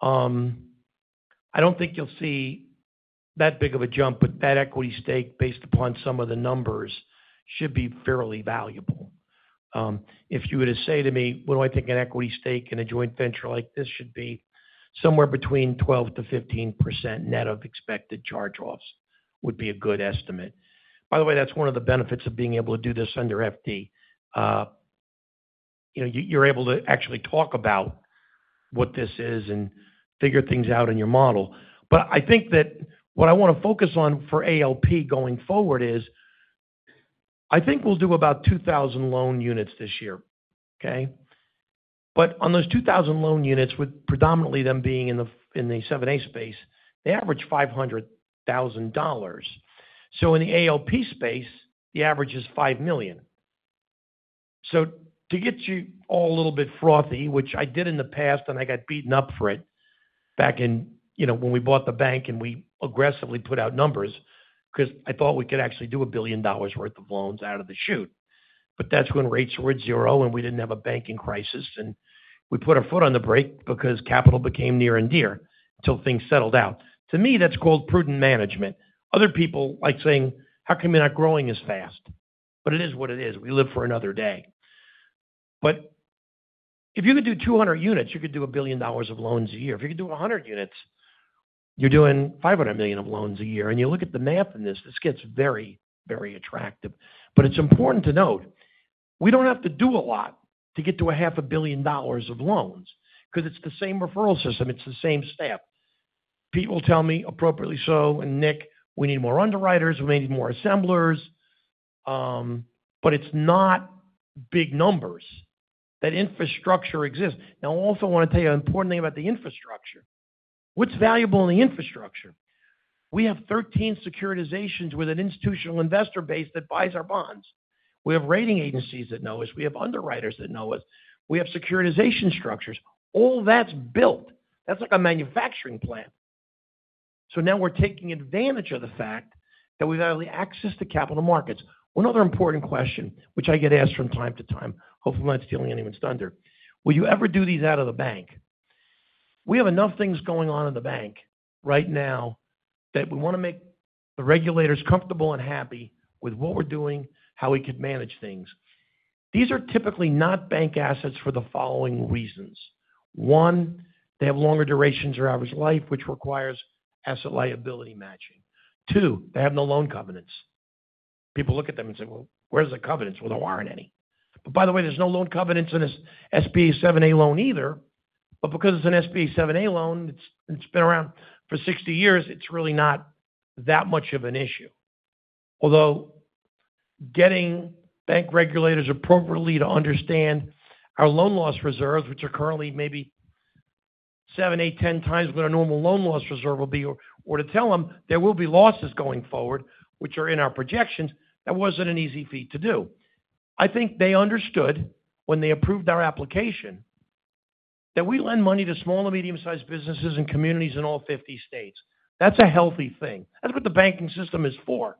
I don't think you'll see that big of a jump, but that equity stake, based upon some of the numbers, should be fairly valuable. If you were to say to me, "What do I think an equity stake in a joint venture like this should be?" Somewhere between 12%-15% net of expected charge-offs would be a good estimate. By the way, that's one of the benefits of being able to do this under FD. You know, you're able to actually talk about what this is and figure things out in your model. But I think that what I wanna focus on for ALP going forward is, I think we'll do about 2,000 loan units this year. Okay? But on those 2,000 loan units, with predominantly them being in the, in the 7(a) space, they average $500,000. So in the ALP space, the average is $5 million. So to get you all a little bit frothy, which I did in the past, and I got beaten up for it... back in, you know, when we bought the bank and we aggressively put out numbers, because I thought we could actually do $1 billion worth of loans out of the chute. But that's when rates were at zero, and we didn't have a banking crisis, and we put our foot on the brake because capital became near and dear till things settled out. To me, that's called prudent management. Other people like saying, "How come you're not growing as fast?" But it is what it is. We live for another day. But if you could do 200 units, you could do $1 billion of loans a year. If you could do 100 units, you're doing $500 million of loans a year. And you look at the math in this, this gets very, very attractive. But it's important to note, we don't have to do a lot to get to $500 million of loans, because it's the same referral system, it's the same staff. People tell me, appropriately so, "And Nick, we need more underwriters, we may need more assemblers," but it's not big numbers. That infrastructure exists. Now, I also wanna tell you an important thing about the infrastructure. What's valuable in the infrastructure? We have 13 securitizations with an institutional investor base that buys our bonds. We have rating agencies that know us. We have underwriters that know us. We have securitization structures. All that's built. That's like a manufacturing plant. So now we're taking advantage of the fact that we've had only access to capital markets. One other important question, which I get asked from time to time, hopefully I'm not stealing anyone's thunder: Will you ever do these out of the bank? We have enough things going on in the bank right now that we wanna make the regulators comfortable and happy with what we're doing, how we could manage things. These are typically not bank assets for the following reasons. One, they have longer durations or average life, which requires asset-liability matching. Two, they have no loan covenants. People look at them and say, "Well, where's the covenants?" Well, there aren't any. But by the way, there's no loan covenants in an SBA 7(a) loan either, but because it's an SBA 7(a) loan, it's, it's been around for 60 years, it's really not that much of an issue. Although, getting bank regulators appropriately to understand our loan loss reserves, which are currently maybe 7, 8, 10 times what our normal loan loss reserve will be, or, or to tell them there will be losses going forward, which are in our projections, that wasn't an easy feat to do. I think they understood when they approved our application, that we lend money to small and medium-sized businesses and communities in all 50 states. That's a healthy thing. That's what the banking system is for.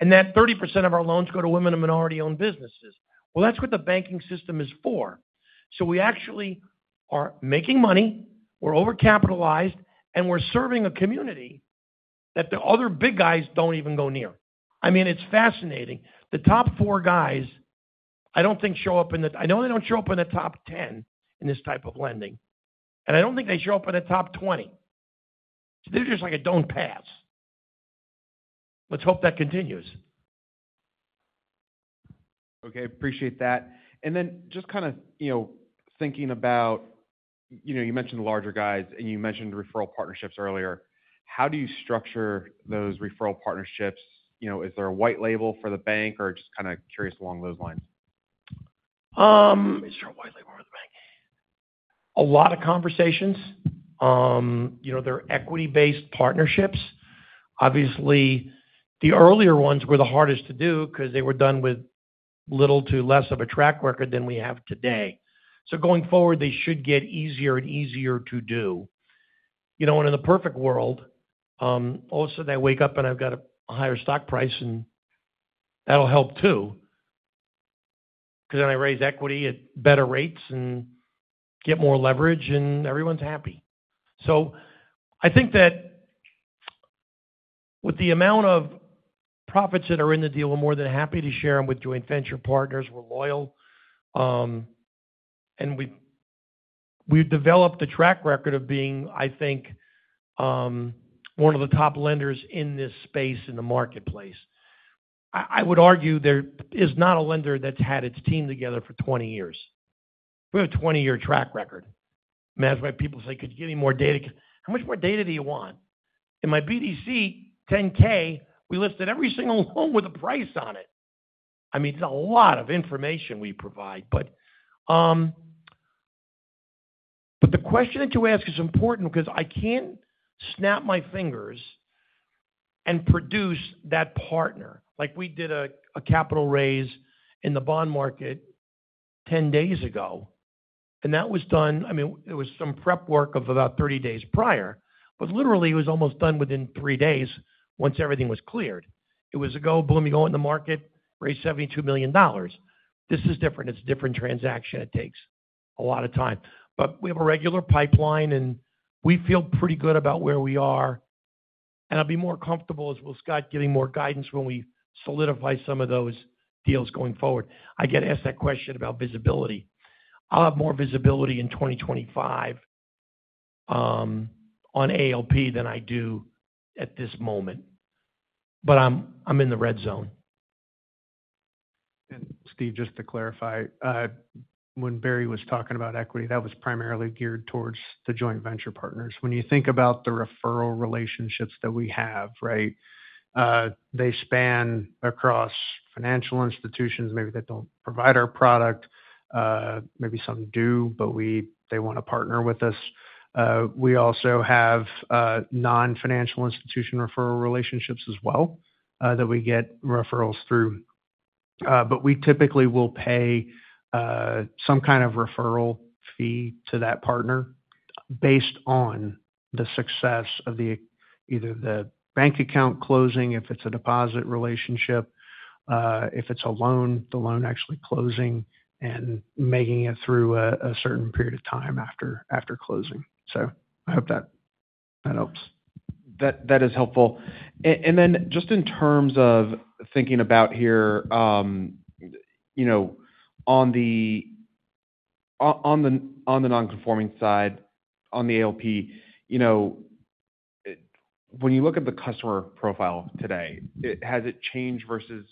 And that 30% of our loans go to women and minority-owned businesses. Well, that's what the banking system is for. So we actually are making money, we're overcapitalized, and we're serving a community that the other big guys don't even go near. I mean, it's fascinating. The top four guys, I don't think show up in the—I know they don't show up in the top ten in this type of lending, and I don't think they show up in the top twenty. So they're just like a don't pass. Let's hope that continues. Okay, appreciate that. And then just kind of, you know, thinking about, you know, you mentioned the larger guys, and you mentioned referral partnerships earlier. How do you structure those referral partnerships? You know, is there a white label for the bank, or just kind of curious along those lines? Is there a white label for the bank? A lot of conversations. You know, they're equity-based partnerships. Obviously, the earlier ones were the hardest to do because they were done with little to less of a track record than we have today. So going forward, they should get easier and easier to do. You know, and in a perfect world, all of a sudden, I wake up and I've got a higher stock price, and that'll help too, because then I raise equity at better rates and get more leverage and everyone's happy. So I think that with the amount of profits that are in the deal, we're more than happy to share them with joint venture partners. We're loyal, and we've developed a track record of being, I think, one of the top lenders in this space in the marketplace. I would argue there is not a lender that's had its team together for 20 years. We have a 20-year track record. That's why people say: Could you give me more data? How much more data do you want? In my BDC 10-K, we listed every single loan with a price on it. I mean, it's a lot of information we provide, but the question that you ask is important because I can't snap my fingers and produce that partner. Like, we did a capital raise in the bond market 10 days ago, and that was done. I mean, there was some prep work of about 30 days prior, but literally, it was almost done within three days once everything was cleared. It was a go, boom, you go in the market, raise $72 million. This is different. It's a different transaction. It takes a lot of time. But we have a regular pipeline, and we feel pretty good about where we are, and I'll be more comfortable, as will Scott, giving more guidance when we solidify some of those deals going forward. I get asked that question about visibility. I'll have more visibility in 2025 on ALP than I do at this moment, but I'm in the red zone. Steve, just to clarify, when Barry was talking about equity, that was primarily geared towards the joint venture partners. When you think about the referral relationships that we have, right, they span across financial institutions. Maybe they don't provide our product, maybe some do, but they wanna partner with us. We also have non-financial institution referral relationships as well, that we get referrals through. But we typically will pay some kind of referral fee to that partner based on the success of the either the bank account closing, if it's a deposit relationship, if it's a loan, the loan actually closing and making it through a certain period of time after closing. So I hope that helps. That is helpful. And then just in terms of thinking about here, you know, on the non-conforming side, on the ALP, you know, when you look at the customer profile today, has it changed versus,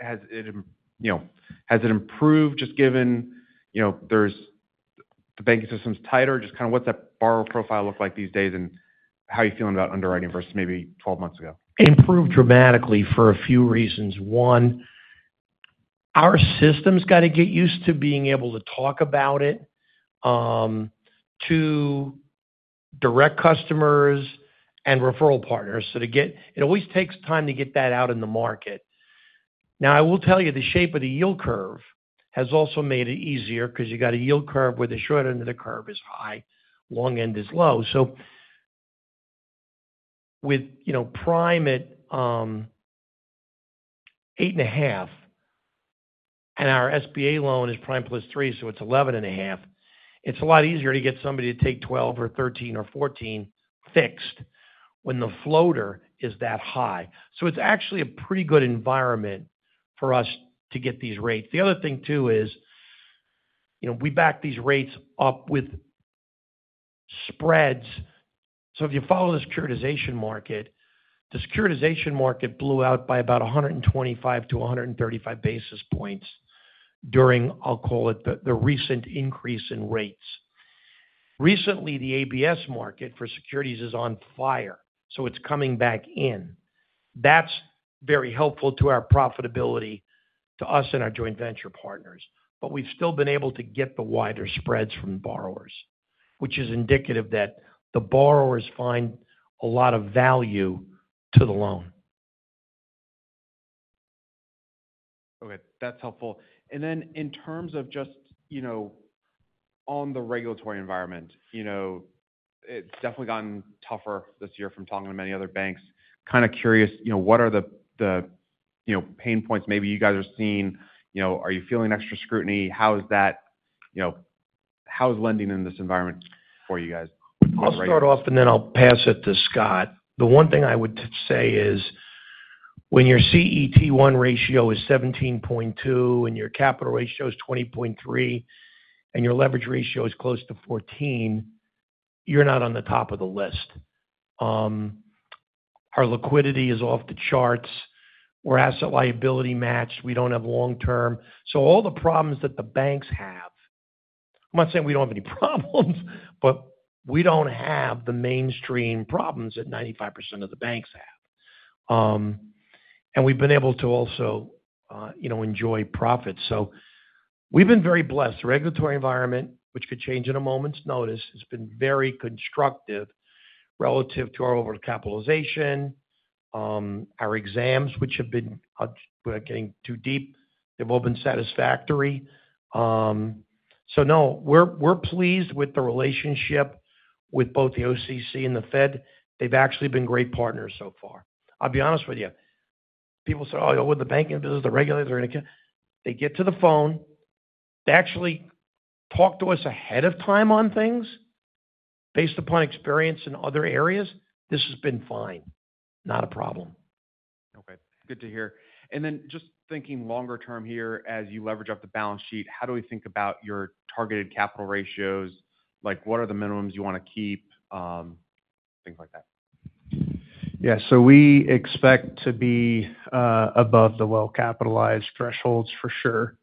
has it, you know, has it improved, just given, you know, there's the banking system's tighter? Just kinda what's that borrower profile look like these days, and how are you feeling about underwriting versus maybe 12 months ago? Improved dramatically for a few reasons. One, our system's gotta get used to being able to talk about it to direct customers and referral partners. So to get it always takes time to get that out in the market. Now, I will tell you, the shape of the yield curve has also made it easier 'cause you got a yield curve where the short end of the curve is high, long end is low. So with, you know, Prime at 8.5, and our SBA loan is Prime +3, so it's 11.5, it's a lot easier to get somebody to take 12 or 13 or 14 fixed when the floater is that high. So it's actually a pretty good environment for us to get these rates. The other thing, too, is, you know, we back these rates up with spreads. So if you follow the securitization market, the securitization market blew out by about 125 to 135 basis points during, I'll call it, the recent increase in rates. Recently, the ABS market for securities is on fire, so it's coming back in. That's very helpful to our profitability, to us and our joint venture partners, but we've still been able to get the wider spreads from borrowers, which is indicative that the borrowers find a lot of value to the loan. Okay, that's helpful. Then in terms of just, you know, on the regulatory environment, you know, it's definitely gotten tougher this year from talking to many other banks. Kind of curious, you know, what are the, you know, pain points maybe you guys are seeing? You know, are you feeling extra scrutiny? How is that? You know, how is lending in this environment for you guys? I'll start off, and then I'll pass it to Scott. The one thing I would say is, when your CET1 ratio is 17.2, and your capital ratio is 20.3, and your leverage ratio is close to 14, you're not on the top of the list. Our liquidity is off the charts. We're asset liability matched. We don't have long term. So all the problems that the banks have... I'm not saying we don't have any problems, but we don't have the mainstream problems that 95% of the banks have. And we've been able to also, you know, enjoy profits. So we've been very blessed. The regulatory environment, which could change in a moment's notice, has been very constructive relative to our overall capitalization. Our exams, which have been, without getting too deep, they've all been satisfactory. So no, we're pleased with the relationship with both the OCC and the Fed. They've actually been great partners so far. I'll be honest with you. People say, "Oh, yeah, with the banking business, the regulators are gonna come-" They get to the phone. They actually talk to us ahead of time on things based upon experience in other areas. This has been fine, not a problem. Okay, good to hear. And then just thinking longer term here, as you leverage up the balance sheet, how do we think about your targeted capital ratios? Like, what are the minimums you wanna keep, things like that? Yeah. So we expect to be above the well-capitalized thresholds for sure.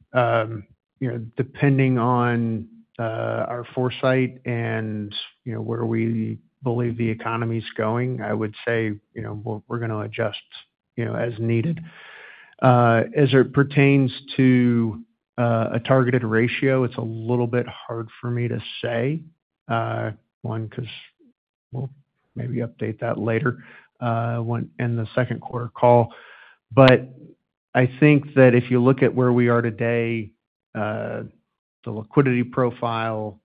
You know, depending on our foresight and, you know, where we believe the economy's going, I would say, you know, we're, we're gonna adjust, you know, as needed. As it pertains to a targeted ratio, it's a little bit hard for me to say. One, 'cause we'll maybe update that later, when in the second quarter call. But I think that if you look at where we are today, the liquidity profile,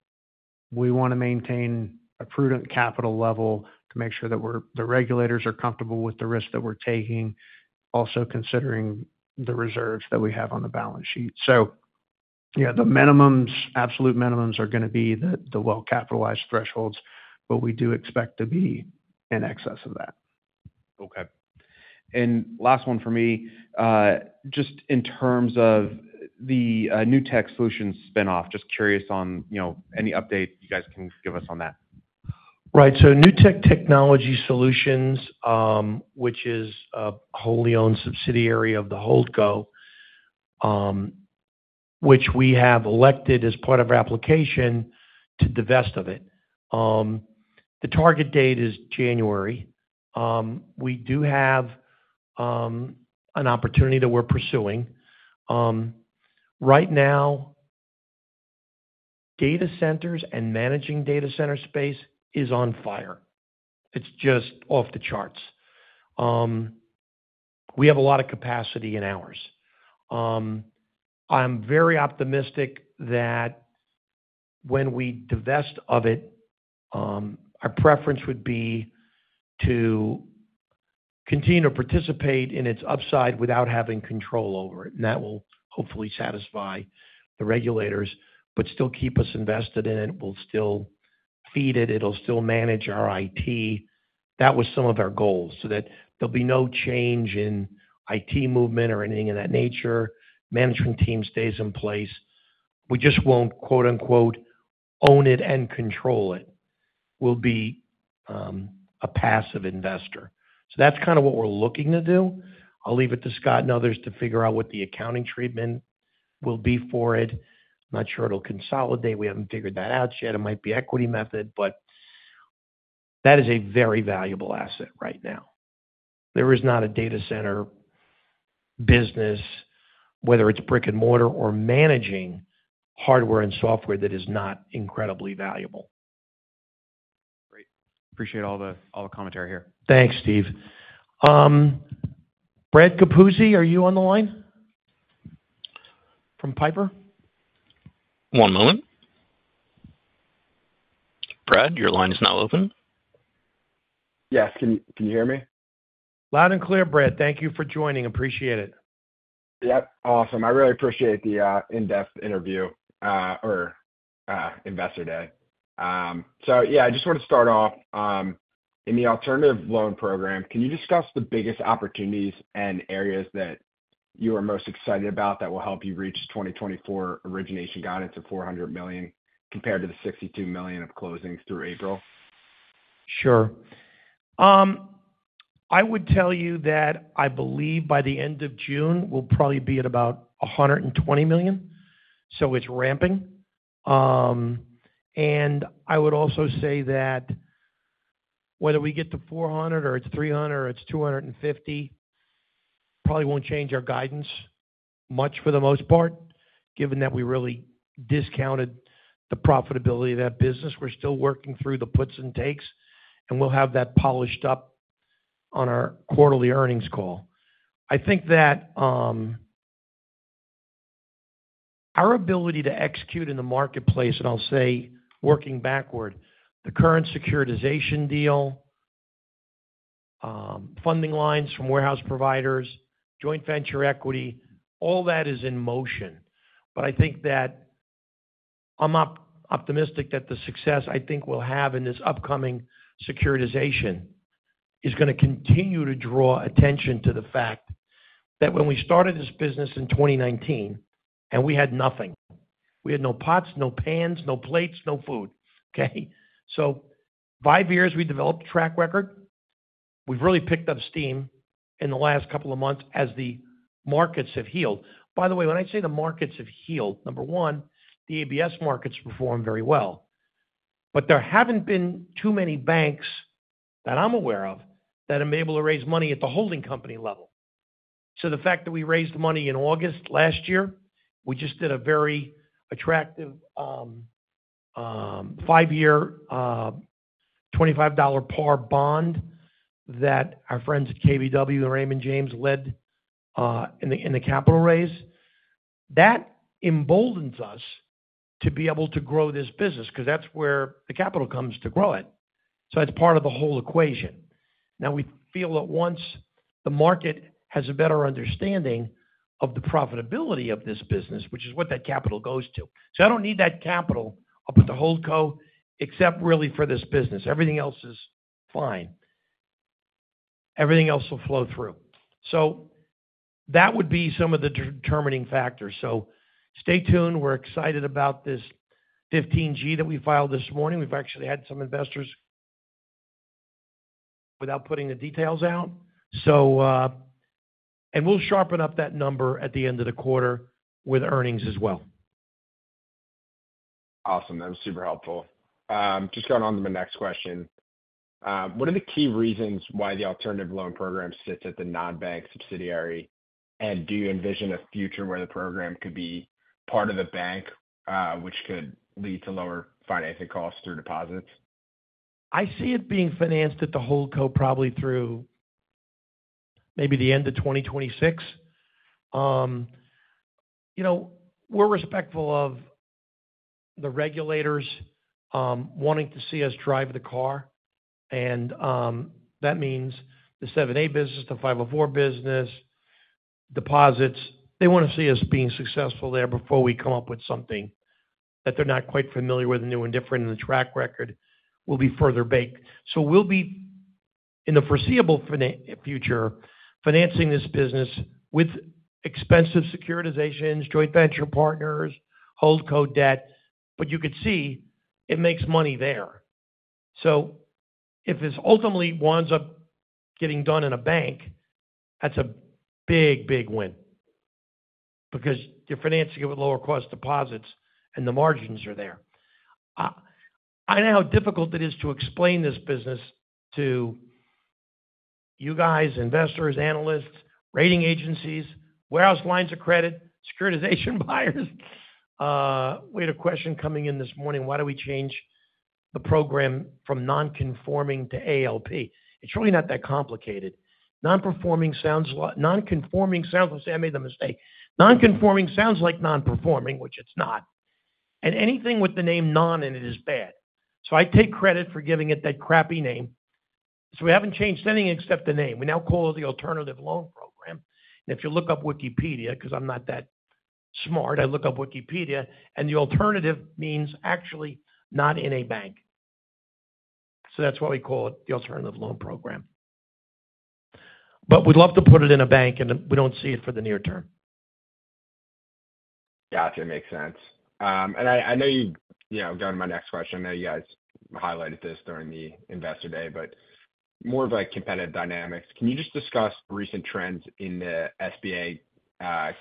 we wanna maintain a prudent capital level to make sure that we're the regulators are comfortable with the risk that we're taking, also considering the reserves that we have on the balance sheet. So yeah, the minimums, absolute minimums are gonna be the, the well-capitalized thresholds, but we do expect to be in excess of that. Okay. And last one for me. Just in terms of the Newtek Solutions spin-off, just curious on, you know, any update you guys can give us on that? Right. So Newtek Technology Solutions, which is a wholly owned subsidiary of the Holdco, which we have elected as part of our application to divest of it. The target date is January. We do have an opportunity that we're pursuing. Right now, data centers and managing data center space is on fire. It's just off the charts. We have a lot of capacity in ours. I'm very optimistic that when we divest of it, our preference would be to continue to participate in its upside without having control over it, and that will hopefully satisfy the regulators, but still keep us invested in it. We'll still feed it, it'll still manage our IT. That was some of our goals, so that there'll be no change in IT movement or anything of that nature. Management team stays in place. We just won't, quote on quote, "own it and control it." We'll be a passive investor. So that's kind of what we're looking to do. I'll leave it to Scott and others to figure out what the accounting treatment will be for it. I'm not sure it'll consolidate. We haven't figured that out yet. It might be equity method, but that is a very valuable asset right now. There is not a data center business, whether it's brick-and-mortar or managing hardware and software, that is not incredibly valuable. Great. Appreciate all the, all the commentary here. Thanks, Steve. Brad Capuzzi, are you on the line? From Piper? One moment. Brad, your line is now open. Yes. Can you hear me? Loud and clear, Brad. Thank you for joining. Appreciate it. Yep, awesome. I really appreciate the in-depth interview or investor day. So yeah, I just want to start off in the alternative loan program, can you discuss the biggest opportunities and areas that you are most excited about that will help you reach 2024 origination guidance of $400 million, compared to the $62 million of closings through April? Sure. I would tell you that I believe by the end of June, we'll probably be at about $120 million, so it's ramping. And I would also say that whether we get to $400 million or it's $300 million or it's $250 million, probably won't change our guidance much for the most part, given that we really discounted the profitability of that business. We're still working through the puts and takes, and we'll have that polished up on our quarterly earnings call. I think that, our ability to execute in the marketplace, and I'll say working backward, the current securitization deal, funding lines from warehouse providers, joint venture equity, all that is in motion. But I think that I'm optimistic that the success I think we'll have in this upcoming securitization is gonna continue to draw attention to the fact that when we started this business in 2019, and we had nothing. We had no pots, no pans, no plates, no food, okay? So five years, we developed a track record. We've really picked up steam in the last couple of months as the markets have healed. By the way, when I say the markets have healed, number one, the ABS markets perform very well. But there haven't been too many banks, that I'm aware of, that have been able to raise money at the holding company level. So the fact that we raised money in August last year, we just did a very attractive five-year $25 par bond that our friends at KBW and Raymond James led in the capital raise. That emboldens us to be able to grow this business, because that's where the capital comes to grow it. So it's part of the whole equation. Now, we feel that once the market has a better understanding of the profitability of this business, which is what that capital goes to. So I don't need that capital up at the Holdco, except really for this business. Everything else is fine. Everything else will flow through. So that would be some of the determining factors. So stay tuned. We're excited about this 15G that we filed this morning. We've actually had some investors without putting the details out. So, and we'll sharpen up that number at the end of the quarter with earnings as well. Awesome. That was super helpful. Just going on to my next question. What are the key reasons why the Alternative Loan Program sits at the non-bank subsidiary? And do you envision a future where the program could be part of the bank, which could lead to lower financing costs or deposits? I see it being financed at the Holdco probably through maybe the end of 2026. You know, we're respectful of the regulators wanting to see us drive the car, and that means the 7(a) business, the 504 business, deposits. They wanna see us being successful there before we come up with something that they're not quite familiar with, and new and different, and the track record will be further baked. So we'll be, in the foreseeable future, financing this business with expensive securitizations, joint venture partners, Holdco debt, but you could see it makes money there. So if this ultimately winds up getting done in a bank, that's a big, big win, because you're financing it with lower cost deposits and the margins are there. I know how difficult it is to explain this business to you guys, investors, analysts, rating agencies, warehouse lines of credit, securitization buyers. We had a question coming in this morning, why do we change the program from non-conforming to ALP? It's really not that complicated. See, I made the mistake. Non-conforming sounds like non-performing, which it's not. And anything with the name non in it is bad. So I take credit for giving it that crappy name. So we haven't changed anything except the name. We now call it the Alternative Loan Program. And if you look up Wikipedia, 'cause I'm not that smart, I look up Wikipedia, and the alternative means actually not in a bank. So that's why we call it the Alternative Loan Program. But we'd love to put it in a bank, and we don't see it for the near term. Gotcha, makes sense. And I know you-- Yeah, going to my next question. I know you guys highlighted this during the investor day, but more of like competitive dynamics. Can you just discuss recent trends in the SBA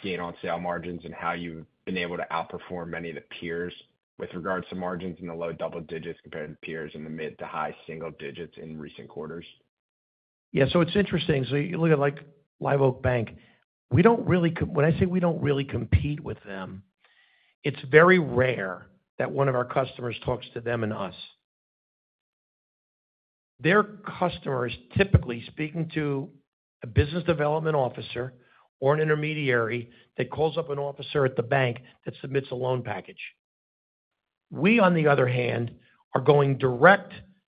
gain on sale margins and how you've been able to outperform many of the peers with regards to margins in the low double digits compared to peers in the mid to high single digits in recent quarters? Yeah, so it's interesting. So you look at, like, Live Oak Bank. We don't really compete with them. When I say we don't really compete with them, it's very rare that one of our customers talks to them and us. Their customers typically speaking to a business development officer or an intermediary that calls up an officer at the bank that submits a loan package. We, on the other hand, are going direct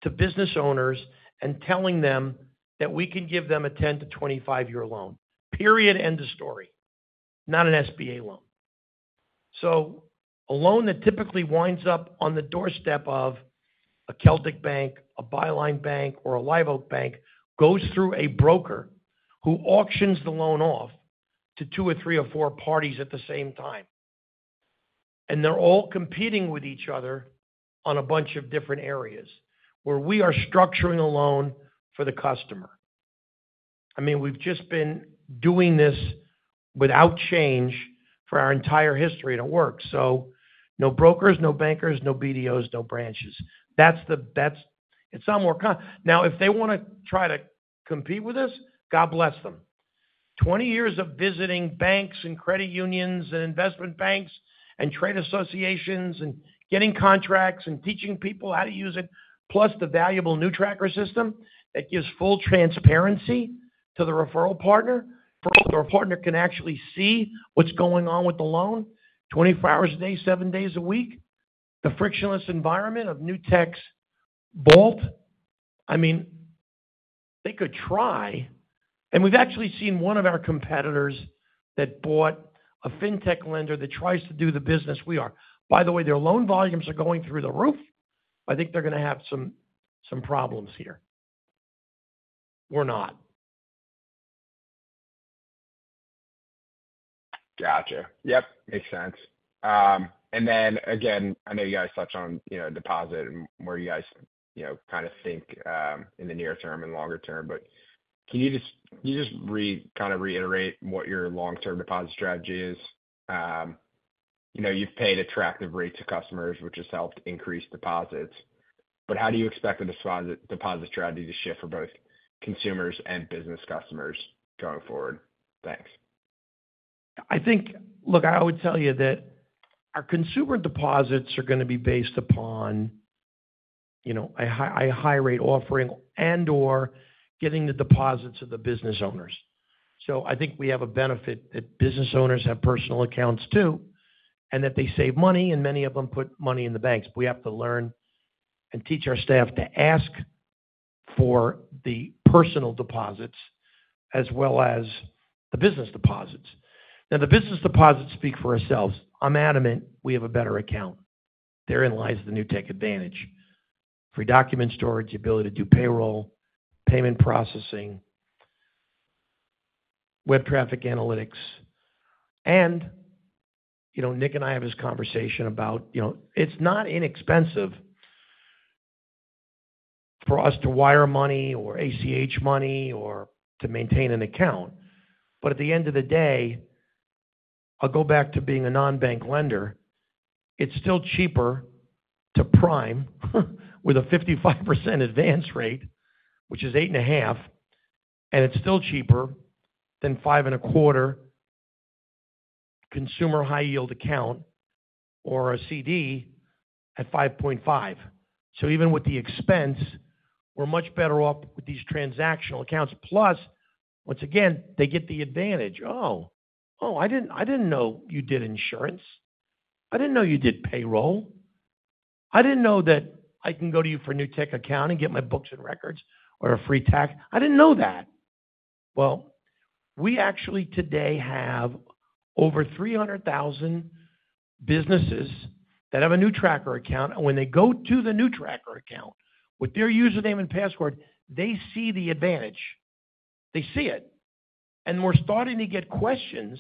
to business owners and telling them that we can give them a 10- to 25-year loan, period, end of story, not an SBA loan. So a loan that typically winds up on the doorstep of a Celtic Bank, a Byline Bank, or a Live Oak Bank, goes through a broker who auctions the loan off to 2, 3, or 4 parties at the same time. They're all competing with each other on a bunch of different areas, where we are structuring a loan for the customer. I mean, we've just been doing this without change for our entire history, and it works. So no brokers, no bankers, no BDOs, no branches. That's it. It's not more complicated. Now, if they wanna try to compete with us, God bless them. 20 years of visiting banks and credit unions and investment banks and trade associations and getting contracts and teaching people how to use it, plus the valuable NewTracker system that gives full transparency to the referral partner. For our partner can actually see what's going on with the loan 24 hours a day, 7 days a week. The frictionless environment of Newtek Vault. I mean, they could try, and we've actually seen one of our competitors that bought a fintech lender that tries to do the business we are. By the way, their loan volumes are going through the roof. I think they're gonna have some problems here. We're not. Gotcha. Yep, makes sense. And then again, I know you guys touched on, you know, deposit and where you guys, you know, kind of think in the near term and longer term, but can you just kind of reiterate what your long-term deposit strategy is? You know, you've paid attractive rates to customers, which has helped increase deposits, but how do you expect the deposit strategy to shift for both consumers and business customers going forward? Thanks. I think... Look, I would tell you that our consumer deposits are gonna be based upon, you know, a high rate offering and or getting the deposits of the business owners. So I think we have a benefit that business owners have personal accounts, too, and that they save money, and many of them put money in the banks. We have to learn and teach our staff to ask for the personal deposits as well as the business deposits. Now, the business deposits speak for ourselves. I'm adamant we have a better account. Therein lies the Newtek Advantage. Free document storage, ability to do payroll, payment processing, web traffic analytics. You know, Nick and I have this conversation about, you know, it's not inexpensive for us to wire money or ACH money or to maintain an account, but at the end of the day, I'll go back to being a non-bank lender. It's still cheaper to Prime with a 55% advance rate, which is 8.5, and it's still cheaper than 5.25% consumer high yield account or a CD at 5.5%. So even with the expense, we're much better off with these transactional accounts. Plus, once again, they get the advantage. "Oh, oh, I didn't know you did insurance. I didn't know you did payroll. I didn't know that I can go to you for a Newtek account and get my books and records or a free tax. I didn't know that." Well, we actually today have over 300,000 businesses that have a NewTracker account, and when they go to the NewTracker account with their username and password, they see the advantage. They see it! And we're starting to get questions: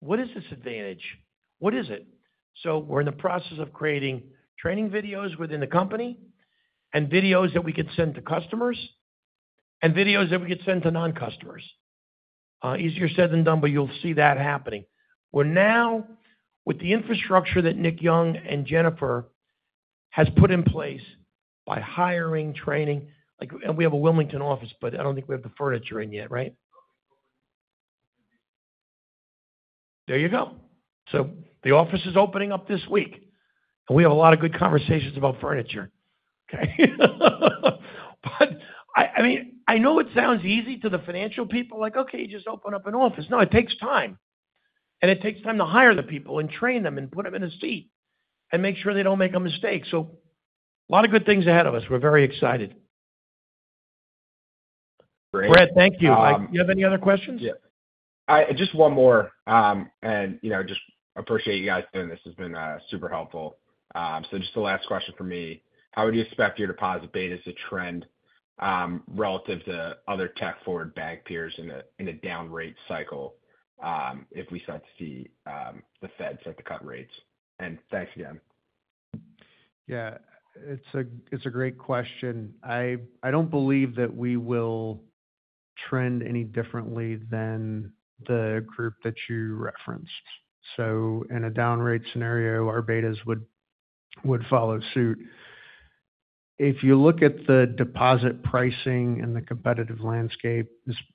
What is this advantage? What is it? So we're in the process of creating training videos within the company and videos that we could send to customers and videos that we could send to non-customers. Easier said than done, but you'll see that happening. We're now, with the infrastructure that Nick Young and Jennifer has put in place by hiring, training, like and we have a Wilmington office, but I don't think we have the furniture in yet, right? There you go. So the office is opening up this week, and we have a lot of good conversations about furniture, okay? But, I mean, I know it sounds easy to the financial people, like: Okay, you just open up an office. No, it takes time. And it takes time to hire the people and train them and put them in a seat and make sure they don't make a mistake. So a lot of good things ahead of us. We're very excited. Great. Brad, thank you. Do you have any other questions? Yeah. Just one more, and you know, just appreciate you guys doing this. This has been super helpful. So just the last question for me: How would you expect your deposit betas to trend relative to other tech-forward bank peers in a downrate cycle if we start to see the Fed start to cut rates? And thanks again. Yeah, it's a great question. I don't believe that we will trend any differently than the group that you referenced. So in a downrate scenario, our betas would follow suit. If you look at the deposit pricing and the competitive landscape,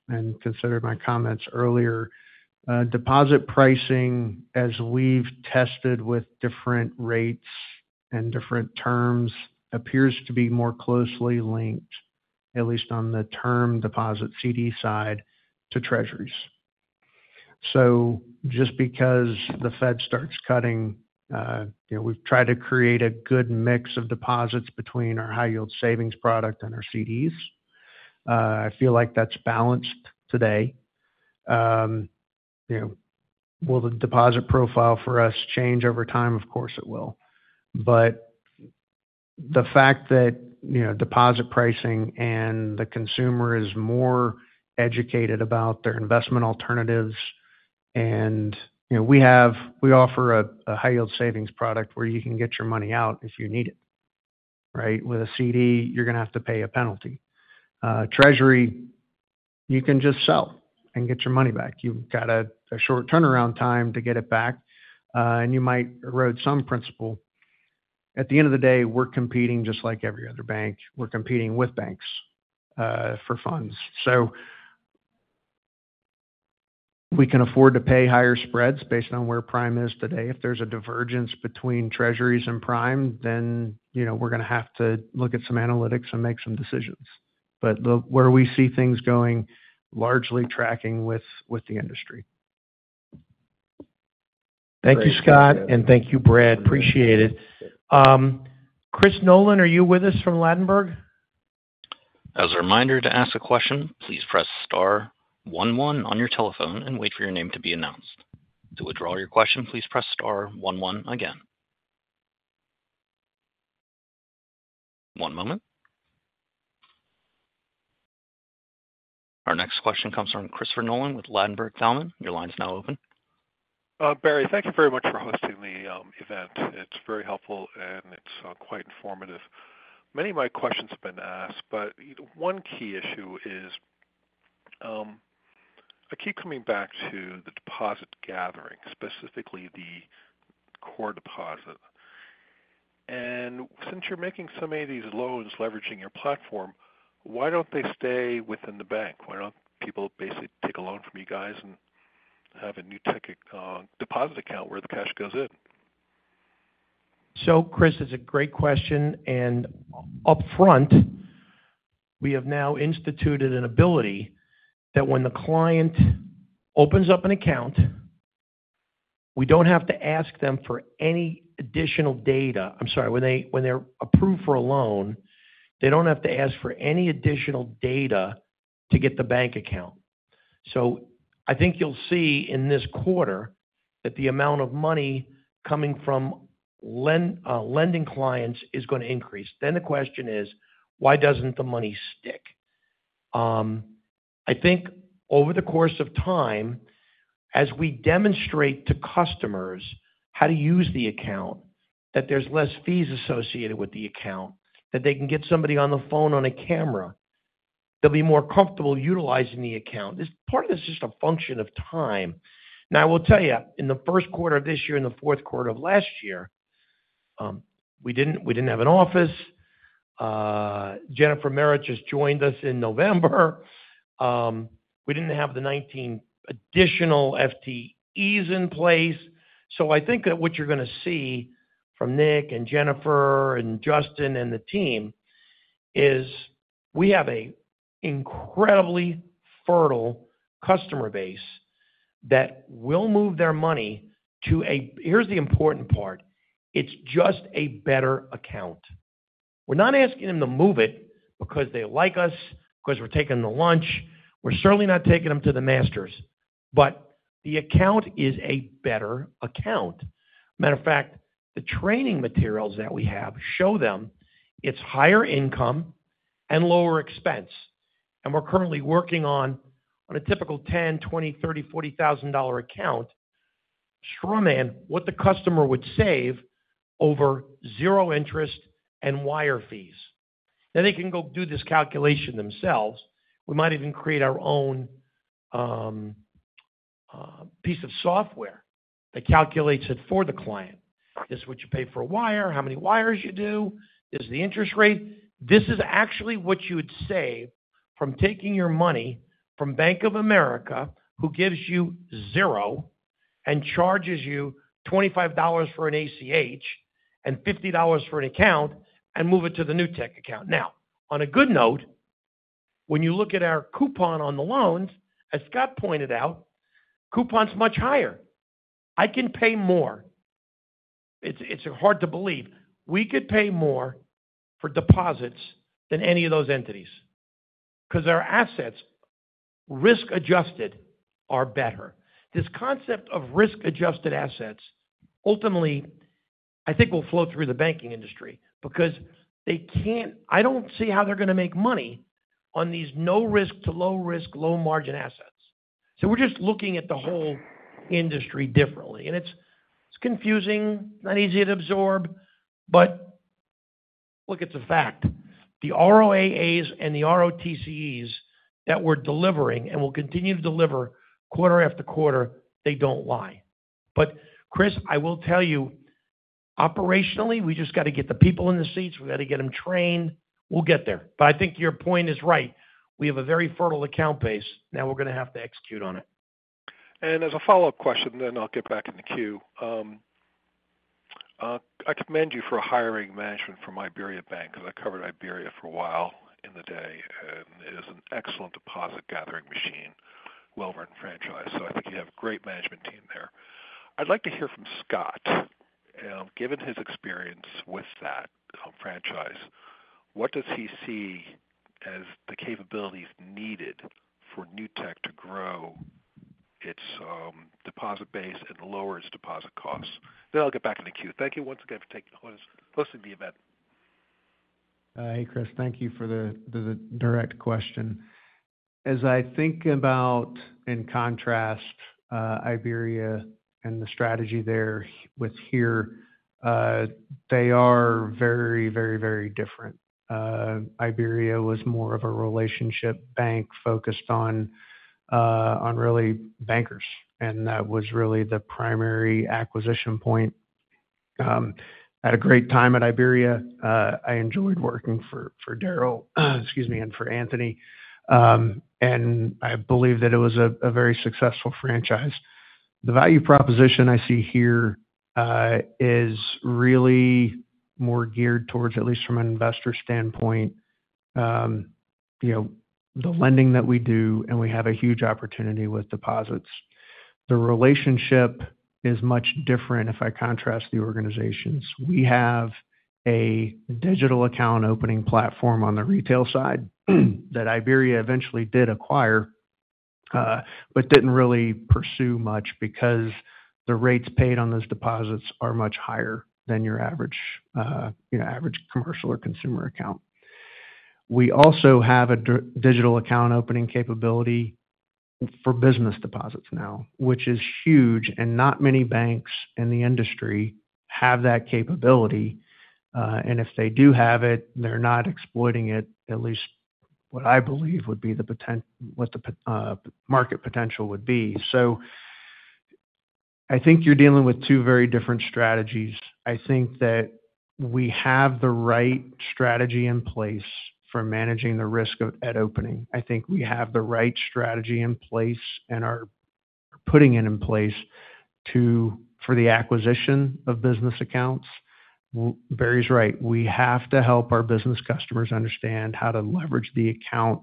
and consider my comments earlier, deposit pricing, as we've tested with different rates and different terms, appears to be more closely linked, at least on the term deposit CD side, to Treasuries. So just because the Fed starts cutting, you know, we've tried to create a good mix of deposits between our high yield savings product and our CDs. I feel like that's balanced today. You know, will the deposit profile for us change over time? Of course, it will. But the fact that, you know, deposit pricing and the consumer is more educated about their investment alternatives, and, you know, we have—we offer a high yield savings product where you can get your money out if you need it, right? With a CD, you're gonna have to pay a penalty. Treasury, you can just sell and get your money back. You've got a short turnaround time to get it back, and you might erode some principal. At the end of the day, we're competing just like every other bank. We're competing with banks for funds. So we can afford to pay higher spreads based on where Prime is today. If there's a divergence between Treasuries and Prime, then, you know, we're gonna have to look at some analytics and make some decisions. But the... where we see things going, largely tracking with, with the industry. Thank you, Scott, and thank you, Brad. Appreciate it. Chris Nolan, are you with us from Ladenburg? As a reminder, to ask a question, please press star one one on your telephone and wait for your name to be announced. To withdraw your question, please press star one one again. One moment. Our next question comes from Christopher Nolan with Ladenburg Thalmann. Your line is now open. Barry, thank you very much for hosting the event. It's very helpful, and it's quite informative. Many of my questions have been asked, but one key issue is, I keep coming back to the deposit gathering, specifically the core deposit. Since you're making so many of these loans leveraging your platform, why don't they stay within the bank? Why don't people basically take a loan from you guys and have a Newtek deposit account where the cash goes in? So, Chris, it's a great question, and upfront, we have now instituted an ability that when the client opens up an account, we don't have to ask them for any additional data. I'm sorry, when they're approved for a loan, they don't have to ask for any additional data to get the bank account. So I think you'll see in this quarter that the amount of money coming from lending clients is gonna increase. Then the question is: Why doesn't the money stick? I think over the course of time, as we demonstrate to customers how to use the account, that there's less fees associated with the account, that they can get somebody on the phone on a camera, they'll be more comfortable utilizing the account. This part is just a function of time. Now, I will tell you, in the first quarter of this year, in the fourth quarter of last year, we didn't have an office. Jennifer Merritt just joined us in November. We didn't have the 19 additional FTEs in place. So I think that what you're gonna see from Nick and Jennifer and Justin and the team is, we have an incredibly fertile customer base that will move their money to a... Here's the important part: It's just a better account. We're not asking them to move it because they like us, because we're taking them to lunch. We're certainly not taking them to the Masters, but the account is a better account. Matter of fact, the training materials that we have show them it's higher income and lower expense, and we're currently working on a typical $10,000, $20,000, $30,000, $40,000 account. Show a man what the customer would save over zero interest and wire fees. Now, they can go do this calculation themselves. We might even create our own piece of software that calculates it for the client. This is what you pay for a wire, how many wires you do, this is the interest rate. This is actually what you would save from taking your money from Bank of America, who gives you zero and charges you $25 for an ACH and $50 for an account, and move it to the Newtek account. Now, on a good note, when you look at our coupon on the loans, as Scott pointed out, coupon's much higher. I can pay more. It's, it's hard to believe. We could pay more for deposits than any of those entities because our assets, risk-adjusted, are better. This concept of risk-adjusted assets, ultimately, I think will flow through the banking industry because they can't, I don't see how they're gonna make money on these no-risk to low-risk, low-margin assets. So we're just looking at the whole industry differently, and it's, it's confusing, not easy to absorb, but look, it's a fact. The ROAAs and the ROTCEs that we're delivering and will continue to deliver quarter after quarter, they don't lie. But Chris, I will tell you, operationally, we just got to get the people in the seats. We got to get them trained. We'll get there. But I think your point is right. We have a very fertile account base. Now we're gonna have to execute on it. As a follow-up question, then I'll get back in the queue. I commend you for hiring management from IBERIABANK, because I covered IBERIABANK for a while in the day, and it is an excellent deposit gathering machine, well-run franchise. So I think you have a great management team there. I'd like to hear from Scott. Given his experience with that franchise, what does he see as the capabilities needed for Newtek to grow its deposit base and lower its deposit costs? Then I'll get back in the queue. Thank you once again for taking the time, hosting the event. Hey, Chris, thank you for the direct question. As I think about, in contrast, IBERIABANK and the strategy there with here, they are very, very, very different. IBERIABANK was more of a relationship bank focused on really bankers, and that was really the primary acquisition point. I had a great time at IBERIABANK. I enjoyed working for Daryl, excuse me, and for Anthony. And I believe that it was a very successful franchise. The value proposition I see here is really more geared towards, at least from an investor standpoint, you know, the lending that we do, and we have a huge opportunity with deposits. The relationship is much different if I contrast the organizations. We have a digital account opening platform on the retail side, that IBERIABANK eventually did acquire, but didn't really pursue much because the rates paid on those deposits are much higher than your average commercial or consumer account. We also have a digital account opening capability for business deposits now, which is huge, and not many banks in the industry have that capability. And if they do have it, they're not exploiting it, at least what I believe would be the market potential would be. So I think you're dealing with two very different strategies. I think that we have the right strategy in place for managing the risk of account opening. I think we have the right strategy in place and are putting it in place for the acquisition of business accounts. Barry's right, we have to help our business customers understand how to leverage the account.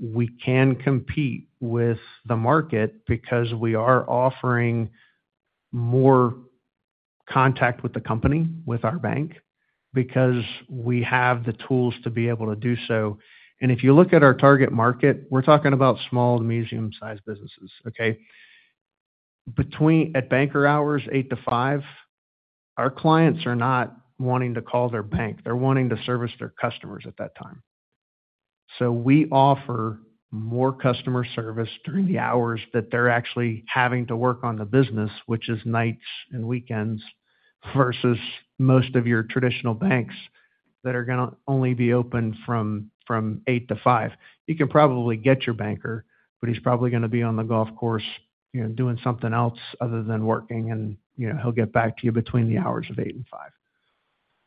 We can compete with the market because we are offering more contact with the company, with our bank, because we have the tools to be able to do so. And if you look at our target market, we're talking about small to medium-sized businesses, okay? At banker hours, 8:00 A.M. to 5:00 P.M. our clients are not wanting to call their bank. They're wanting to service their customers at that time. So we offer more customer service during the hours that they're actually having to work on the business, which is nights and weekends, versus most of your traditional banks that are gonna only be open from 8:00 A.M. to 5:00 P.M.. You can probably get your banker, but he's probably gonna be on the golf course, you know, doing something else other than working, and, you know, he'll get back to you between the hours of 8:00 A.M. and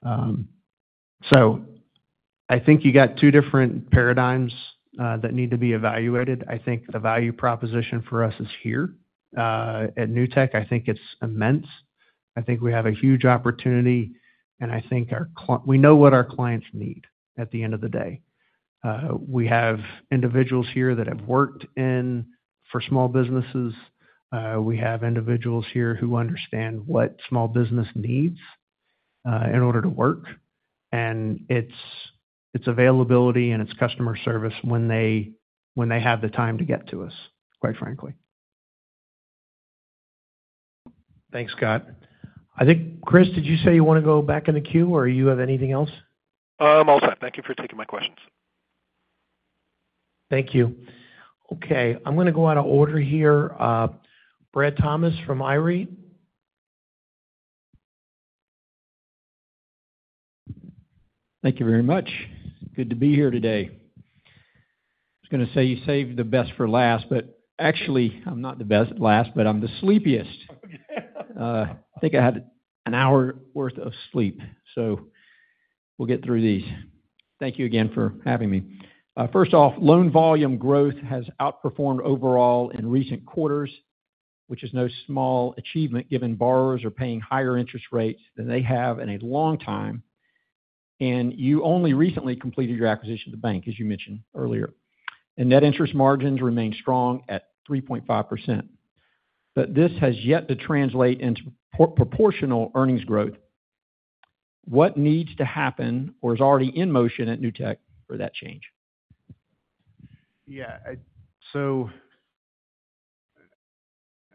5:00 P.M. So I think you got two different paradigms that need to be evaluated. I think the value proposition for us is here. At Newtek, I think it's immense. I think we have a huge opportunity, and I think we know what our clients need at the end of the day. We have individuals here that have worked in for small businesses. We have individuals here who understand what small business needs in order to work. And it's, it's availability and it's customer service when they, when they have the time to get to us, quite frankly. Thanks, Scott. I think, Chris, did you say you want to go back in the queue, or you have anything else? I'm all set. Thank you for taking my questions. Thank you. Okay, I'm gonna go out of order here. Brad Thomas from KeyBanc Capital Markets. Thank you very much. Good to be here today. I was gonna say you saved the best for last, but actually, I'm not the best at last, but I'm the sleepiest. I think I had an hour worth of sleep, so we'll get through these. Thank you again for having me. First off, loan volume growth has outperformed overall in recent quarters, which is no small achievement, given borrowers are paying higher interest rates than they have in a long time, and you only recently completed your acquisition of the bank, as you mentioned earlier. Net interest margins remain strong at 3.5%, but this has yet to translate into proportional earnings growth. What needs to happen or is already in motion at Newtek for that change? Yeah, so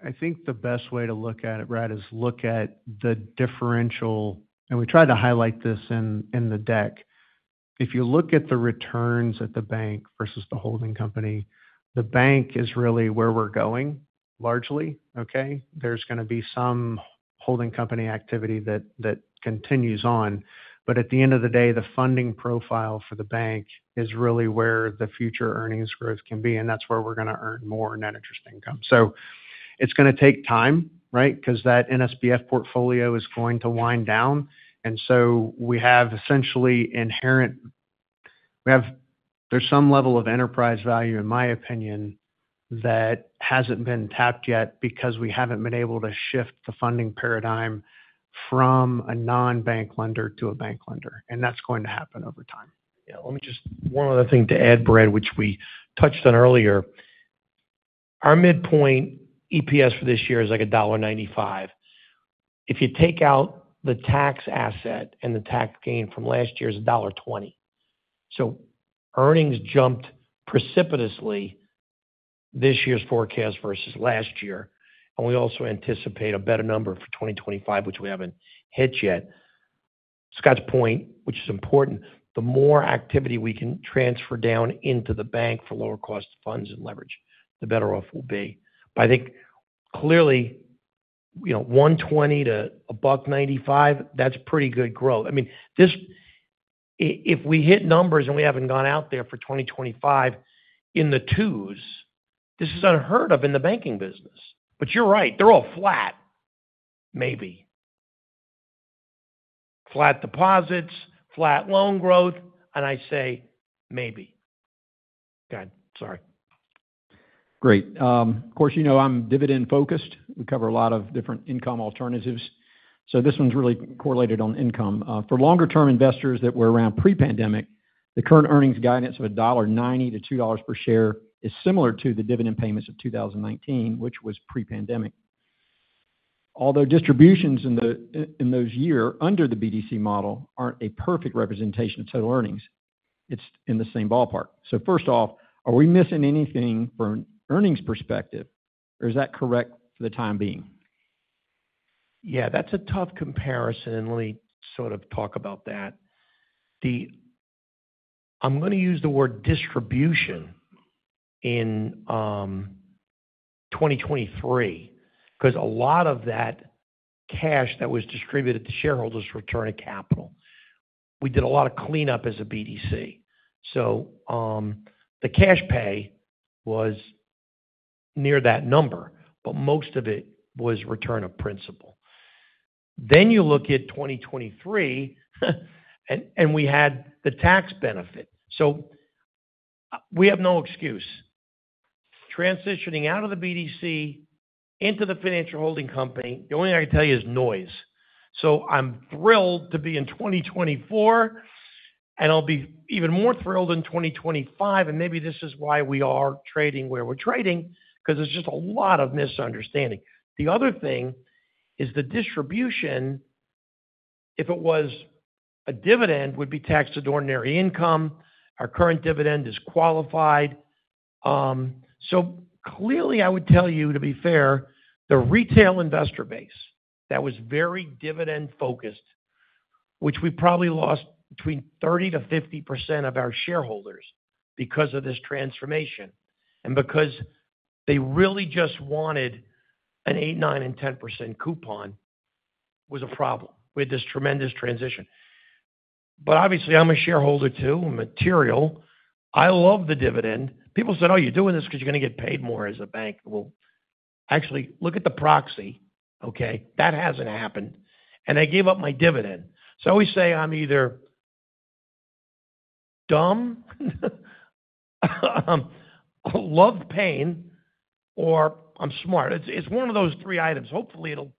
I think the best way to look at it, Brad, is look at the differential, and we tried to highlight this in the deck. If you look at the returns at the bank versus the holding company, the bank is really where we're going, largely, okay? There's gonna be some holding company activity that continues on, but at the end of the day, the funding profile for the bank is really where the future earnings growth can be, and that's where we're gonna earn more net interest income. So it's gonna take time, right? Because that NSBF portfolio is going to wind down, and so we have essentially, there's some level of enterprise value, in my opinion, that hasn't been tapped yet because we haven't been able to shift the funding paradigm from a non-bank lender to a bank lender, and that's going to happen over time. Yeah, let me just... One other thing to add, Brad, which we touched on earlier. Our midpoint EPS for this year is, like, $1.95. If you take out the tax asset and the tax gain from last year, it's $1.20. So earnings jumped precipitously this year's forecast versus last year, and we also anticipate a better number for 2025, which we haven't hit yet. Scott's point, which is important, the more activity we can transfer down into the bank for lower cost of funds and leverage, the better off we'll be. But I think clearly, you know, $1.20 to $1.95, that's pretty good growth. I mean, this - if we hit numbers, and we haven't gone out there for 2025 in the twos, this is unheard of in the banking business. But you're right, they're all flat, maybe. Flat deposits, flat loan growth, and I say maybe. Go ahead, sorry. Great. Of course, you know I'm dividend-focused. We cover a lot of different income alternatives, so this one's really correlated on income. For longer-term investors that were around pre-pandemic, the current earnings guidance of $1.90-$2 per share is similar to the dividend payments of 2019, which was pre-pandemic. Although distributions in those years under the BDC model aren't a perfect representation of total earnings, it's in the same ballpark. So first off, are we missing anything from earnings perspective, or is that correct for the time being? Yeah, that's a tough comparison, and let me sort of talk about that. The I'm gonna use the word distribution in 2023, 'cause a lot of that cash that was distributed to shareholders return of capital. We did a lot of cleanup as a BDC, so the cash pay was near that number, but most of it was return of principal. Then you look at 2023, and we had the tax benefit, so we have no excuse. Transitioning out of the BDC into the financial holding company, the only thing I can tell you is noise. So I'm thrilled to be in 2024, and I'll be even more thrilled in 2025, and maybe this is why we are trading where we're trading, 'cause there's just a lot of misunderstanding. The other thing is the distribution, if it was a dividend, would be taxed to ordinary income. Our current dividend is qualified. So clearly, I would tell you, to be fair, the retail investor base, that was very dividend-focused, which we probably lost between 30%-50% of our shareholders because of this transformation and because they really just wanted an 8%, 9%, and 10% coupon, was a problem with this tremendous transition. But obviously, I'm a shareholder too, material. I love the dividend. People said, "Oh, you're doing this because you're gonna get paid more as a bank." Well, actually, look at the proxy, okay? That hasn't happened. And I gave up my dividend. So I always say I'm either dumb, love pain, or I'm smart. It's, it's one of those three items. Hopefully, it'll-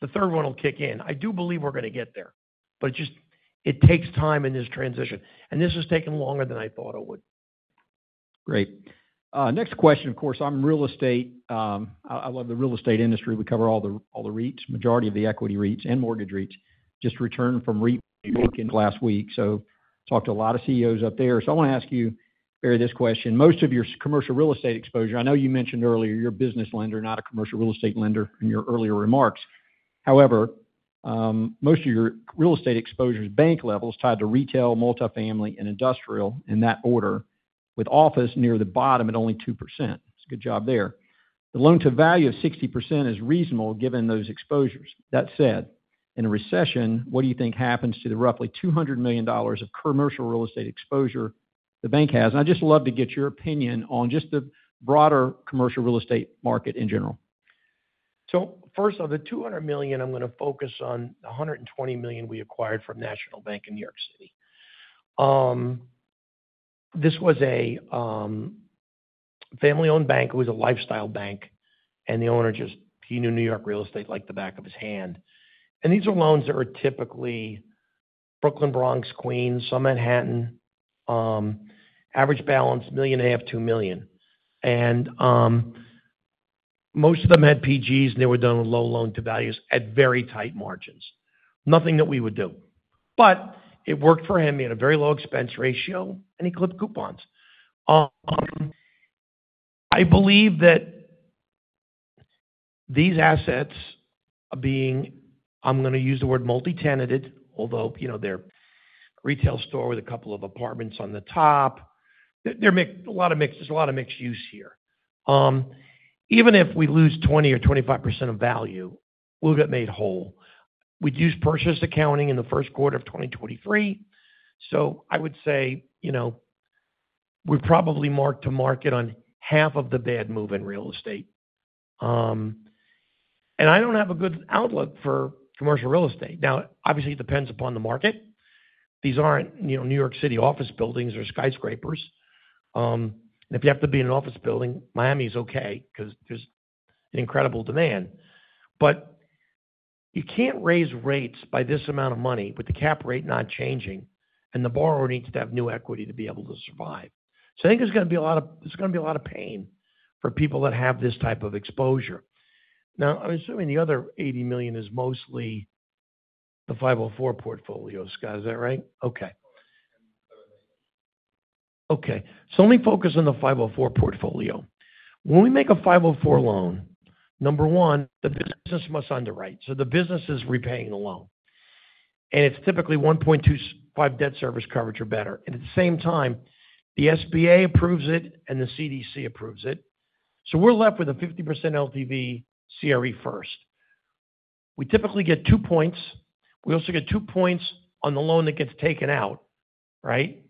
the third one will kick in. I do believe we're gonna get there, but just it takes time in this transition, and this has taken longer than I thought it would. Great. Next question. Of course, I'm real estate. I love the real estate industry. We cover all the REITs, majority of the equity REITs and mortgage REITs. Just returned from REIT last week, so talked to a lot of CEOs up there. So I wanna ask you, Barry, this question: most of your commercial real estate exposure, I know you mentioned earlier, you're a business lender, not a commercial real estate lender in your earlier remarks. However, most of your real estate exposure is bank levels tied to retail, multifamily, and industrial in that order, with office near the bottom at only 2%. It's a good job there. The loan-to-value of 60% is reasonable, given those exposures. That said, in a recession, what do you think happens to the roughly $200 million of commercial real estate exposure the bank has? I'd just love to get your opinion on just the broader commercial real estate market in general. So first, of the $200 million, I'm gonna focus on the $120 million we acquired from National Bank of New York City. This was a family-owned bank. It was a lifestyle bank, and the owner just—he knew New York real estate like the back of his hand. And these are loans that were typically Brooklyn, Bronx, Queens, some Manhattan, average balance $1.5 million-$2 million. And most of them had PGs, and they were done with low loan-to-values at very tight margins. Nothing that we would do. But it worked for him. He had a very low expense ratio, and he clipped coupons. I believe that these assets being, I'm gonna use the word multi-tenanted, although, you know, they're retail store with a couple of apartments on the top. There's a lot of mixed use here. Even if we lose 20 or 25% of value, we'll get made whole. We'd use purchase accounting in the first quarter of 2023, so I would say, you know, we've probably marked to market on half of the bad move in real estate. And I don't have a good outlook for commercial real estate. Now, obviously, it depends upon the market. These aren't, you know, New York City office buildings or skyscrapers. And if you have to be in an office building, Miami is okay because there's an incredible demand. But you can't raise rates by this amount of money with the cap rate not changing, and the borrower needs to have new equity to be able to survive. So I think there's gonna be a lot of pain for people that have this type of exposure. Now, I'm assuming the other $80 million is mostly the 504 portfolio, Scott, is that right? Okay. Okay, so let me focus on the 504 portfolio. When we make a 504 loan, number one, the business must underwrite, so the business is repaying the loan. And it's typically 1.25 debt service coverage or better. And at the same time, the SBA approves it, and the CDC approves it. So we're left with a 50% LTV, CRE first. We typically get two points. We also get two points on the loan that gets taken out, right?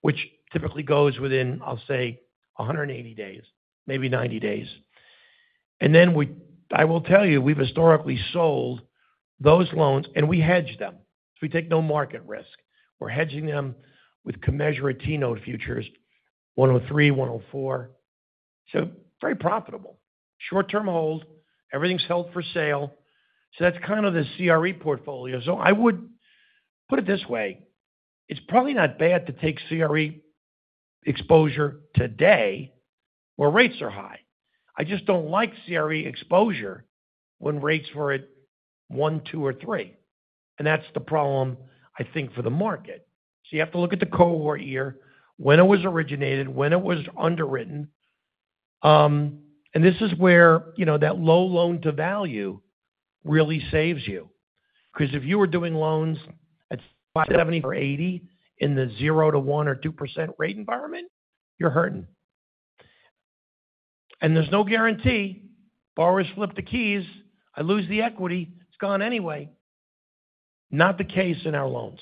Which typically goes within, I'll say, 180 days, maybe 90 days. And then, I will tell you, we've historically sold those loans, and we hedge them, so we take no market risk. We're hedging them with commensurate T-note futures, 103, 104. So very profitable. Short-term hold, everything's held for sale. So that's kind of the CRE portfolio. So I would put it this way: it's probably not bad to take CRE exposure today, where rates are high. I just don't like CRE exposure when rates were at 1%, 2%, or 3%, and that's the problem I think for the market. So you have to look at the cohort year, when it was originated, when it was underwritten. And this is where, you know, that low loan-to-value really saves you. Because if you were doing loans at 70 or 80 in the 0%-1% or 2% rate environment, you're hurting. And there's no guarantee. Borrowers flip the keys, I lose the equity, it's gone anyway. Not the case in our loans.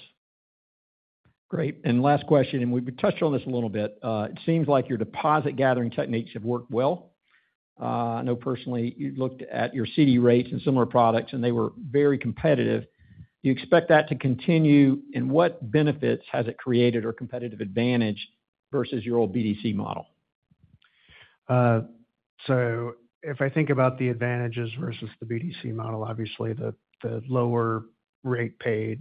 Great. And last question, and we've touched on this a little bit. It seems like your deposit gathering techniques have worked well. I know personally, you've looked at your CD rates and similar products, and they were very competitive. Do you expect that to continue, and what benefits has it created or competitive advantage versus your old BDC model? So if I think about the advantages versus the BDC model, obviously the lower rate paid,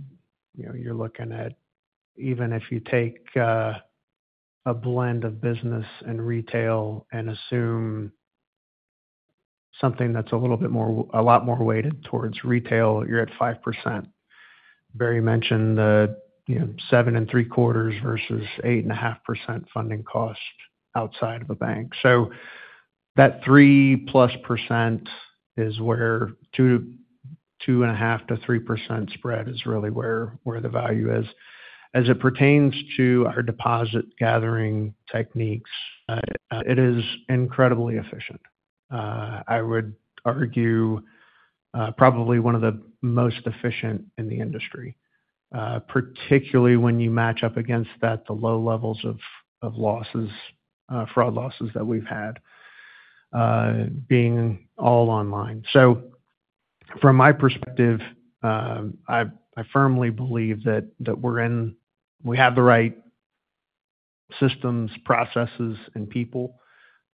you know, you're looking at... Even if you take a blend of business and retail and assume something that's a little bit more, a lot more weighted towards retail, you're at 5%. Barry mentioned the, you know, 7.75% versus 8.5% funding cost outside of a bank. So that 3+% is where 2, 2.5-3% spread is really where the value is. As it pertains to our deposit-gathering techniques, it is incredibly efficient. I would argue probably one of the most efficient in the industry, particularly when you match up against that, the low levels of losses, fraud losses that we've had, being all online. So from my perspective, I firmly believe that we're in-- we have the right systems, processes, and people,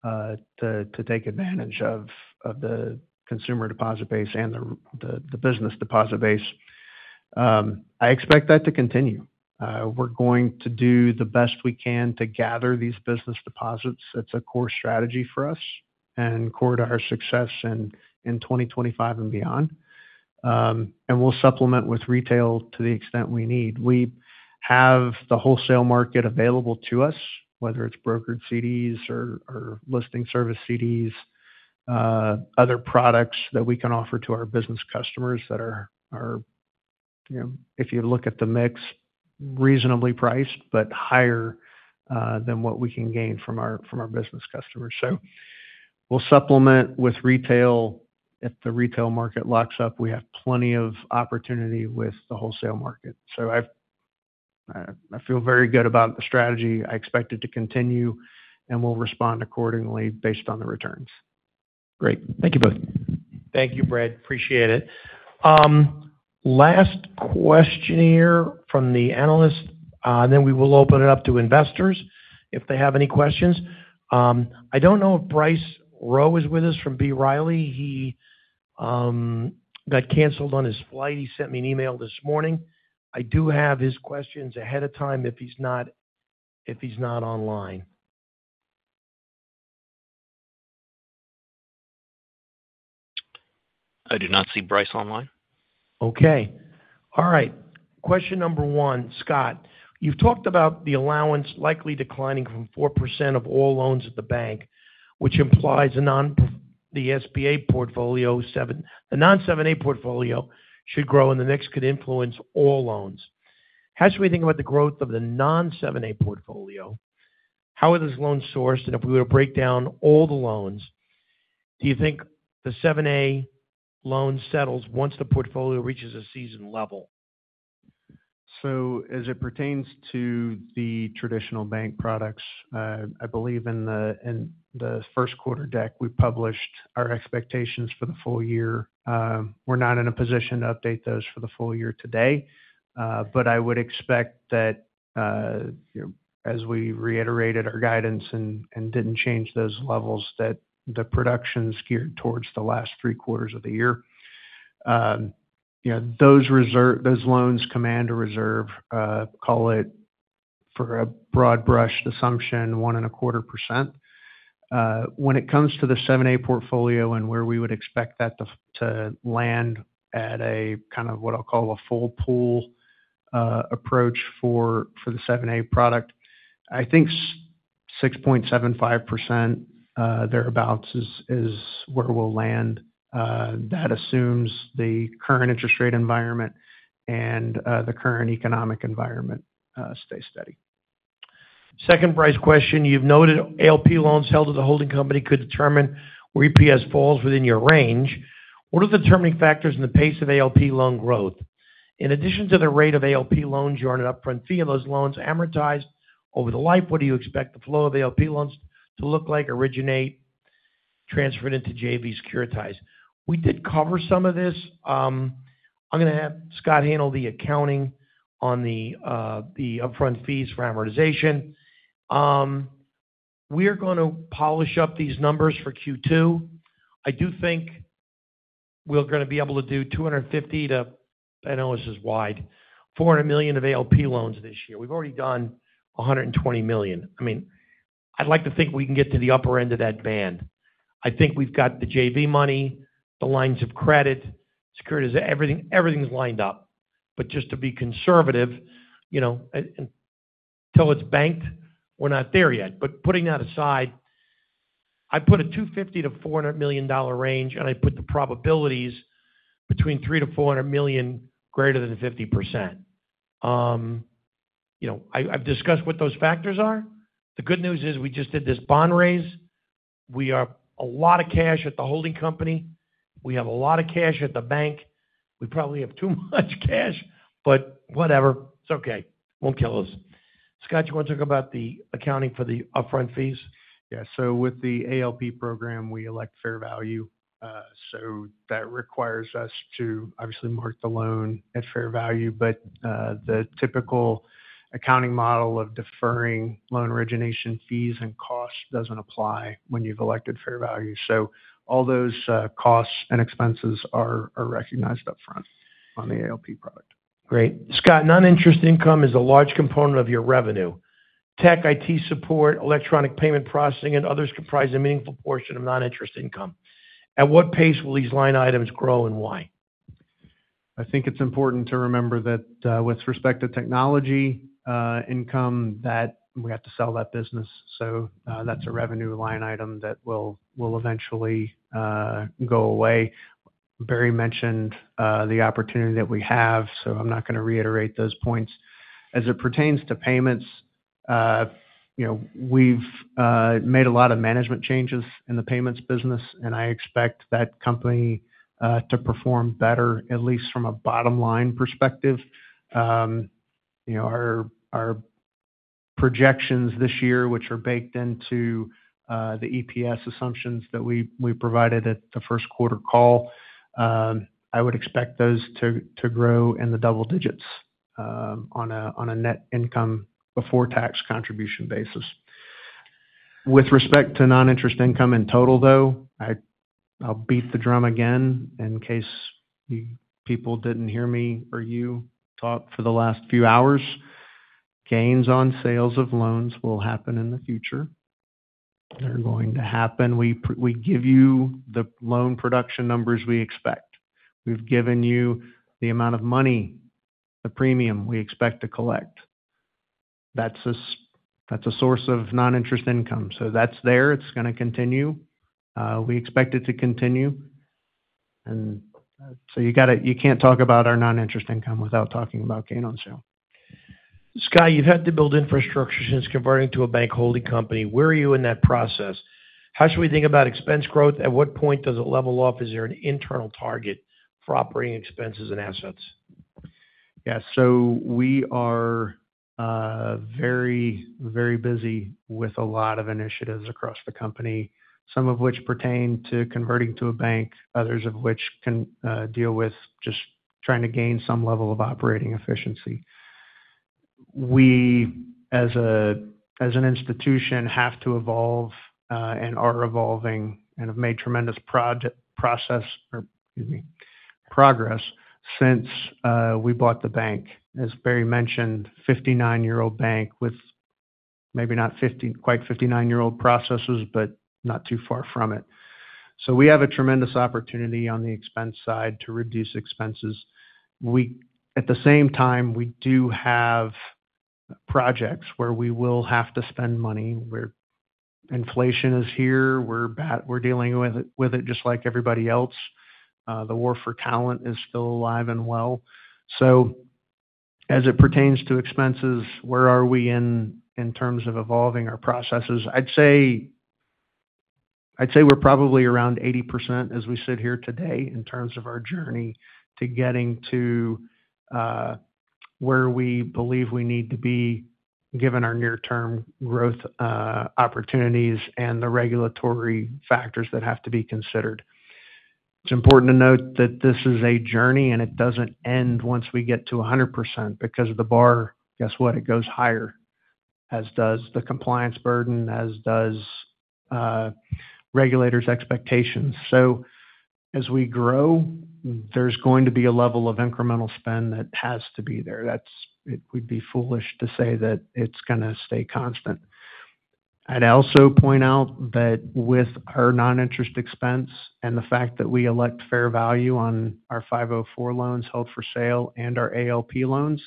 to take advantage of the consumer deposit base and the business deposit base. I expect that to continue. We're going to do the best we can to gather these business deposits. It's a core strategy for us and core to our success in 2025 and beyond. And we'll supplement with retail to the extent we need. We have the wholesale market available to us, whether it's brokered CDs or listing service CDs, other products that we can offer to our business customers that are you know, if you look at the mix, reasonably priced, but higher, than what we can gain from our business customers. So we'll supplement with retail. If the retail market locks up, we have plenty of opportunity with the wholesale market. So I feel very good about the strategy. I expect it to continue, and we'll respond accordingly based on the returns. Great. Thank you both. Thank you, Brad. Appreciate it. Last question here from the analyst, then we will open it up to investors if they have any questions. I don't know if Bryce Rowe is with us from B. Riley. He got canceled on his flight. He sent me an email this morning. I do have his questions ahead of time if he's not, if he's not online. I do not see Bryce online. Okay. All right. Question number 1: Scott, you've talked about the allowance likely declining from 4% of all loans at the bank, which implies the non-7(a) portfolio should grow, and the mix could influence all loans. How should we think about the growth of the non-7(a) portfolio? How are those loans sourced? And if we were to break down all the loans, do you think the 7(a) loan settles once the portfolio reaches a seasoned level? So as it pertains to the traditional bank products, I believe in the first quarter deck, we published our expectations for the full year. We're not in a position to update those for the full year today, but I would expect that, you know, as we reiterated our guidance and didn't change those levels, that the production is geared towards the last three quarters of the year. You know, those loans command a reserve, call it, for a broad-brushed assumption, 1.25%. When it comes to the 7(a) portfolio and where we would expect that to land at a kind of what I'll call a full pool approach for the 7(a) product, I think 6.75%, thereabouts, is where we'll land. That assumes the current interest rate environment and the current economic environment stay steady. Second Bryce question: You've noted ALP loans held to the holding company could determine where EPS falls within your range. What are the determining factors in the pace of ALP loan growth? In addition to the rate of ALP loans, you earn an upfront fee on those loans amortized over the life. What do you expect the flow of ALP loans to look like, originate, transferred into JV securitized? We did cover some of this. I'm gonna have Scott handle the accounting on the the upfront fees for amortization. We are going to polish up these numbers for Q2. I do think we're gonna be able to do $250 million to, I know this is wide, $400 million of ALP loans this year. We've already done $120 million. I mean, I'd like to think we can get to the upper end of that band. I think we've got the JV money, the lines of credit, securities, everything, everything's lined up. But just to be conservative, you know, and, and till it's banked, we're not there yet. But putting that aside, I put a $250 million-$400 million range, and I put the probabilities between $300 million-$400 million greater than 50%. You know, I, I've discussed what those factors are. The good news is, we just did this bond raise. We have a lot of cash at the holding company. We have a lot of cash at the bank. We probably have too much cash, but whatever. It's okay. Won't kill us. Scott, you wanna talk about the accounting for the upfront fees? Yeah. So with the ALP program, we elect fair value. So that requires us to obviously mark the loan at fair value, but the typical accounting model of deferring loan origination fees and costs doesn't apply when you've elected fair value. So all those costs and expenses are recognized upfront on the ALP product. Great. Scott, non-interest income is a large component of your revenue. Tech, IT support, electronic payment processing, and others comprise a meaningful portion of non-interest income. At what pace will these line items grow and why? I think it's important to remember that, with respect to technology income, that we have to sell that business. So, that's a revenue line item that will eventually go away. Barry mentioned the opportunity that we have, so I'm not gonna reiterate those points. As it pertains to payments, you know, we've made a lot of management changes in the payments business, and I expect that company to perform better, at least from a bottom-line perspective. You know, our projections this year, which are baked into the EPS assumptions that we provided at the first quarter call, I would expect those to grow in the double digits, on a net income before tax contribution basis. With respect to non-interest income in total, though, I'll beat the drum again in case you people didn't hear me or you talk for the last few hours. Gains on sales of loans will happen in the future. They're going to happen. We give you the loan production numbers we expect. We've given you the amount of money, the premium we expect to collect... That's a source of non-interest income. So that's there, it's gonna continue. We expect it to continue. So you gotta—you can't talk about our non-interest income without talking about gain on sale. Scott, you've had to build infrastructure since converting to a bank holding company. Where are you in that process? How should we think about expense growth? At what point does it level off? Is there an internal target for operating expenses and assets? Yeah. So we are very, very busy with a lot of initiatives across the company, some of which pertain to converting to a bank, others of which can deal with just trying to gain some level of operating efficiency. We, as a, as an institution, have to evolve, and are evolving and have made tremendous progress since we bought the bank. As Barry mentioned, 59-year-old bank with maybe not quite 59-year-old processes, but not too far from it. So we have a tremendous opportunity on the expense side to reduce expenses. At the same time, we do have projects where we will have to spend money, where inflation is here, we're dealing with it just like everybody else. The war for talent is still alive and well. So as it pertains to expenses, where are we in terms of evolving our processes? I'd say, I'd say we're probably around 80% as we sit here today in terms of our journey to getting to where we believe we need to be, given our near-term growth opportunities and the regulatory factors that have to be considered. It's important to note that this is a journey, and it doesn't end once we get to 100%, because of the bar, guess what? It goes higher, as does the compliance burden, as does regulators' expectations. So as we grow, there's going to be a level of incremental spend that has to be there. That's—It would be foolish to say that it's gonna stay constant. I'd also point out that with our non-interest expense and the fact that we elect fair value on our 504 loans, held for sale and our ALP loans,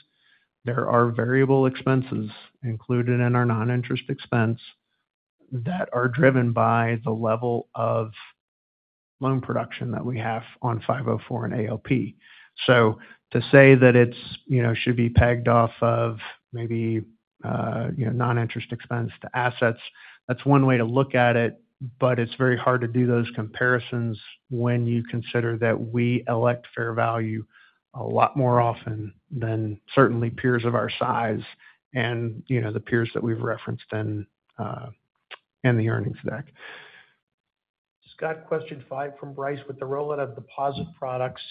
there are variable expenses included in our non-interest expense that are driven by the level of loan production that we have on 504 and ALP. So to say that it's, you know, should be pegged off of maybe, you know, non-interest expense to assets, that's one way to look at it, but it's very hard to do those comparisons when you consider that we elect fair value a lot more often than certainly peers of our size and, you know, the peers that we've referenced in, in the earnings deck. Scott, question five from Bryce: With the rollout of deposit products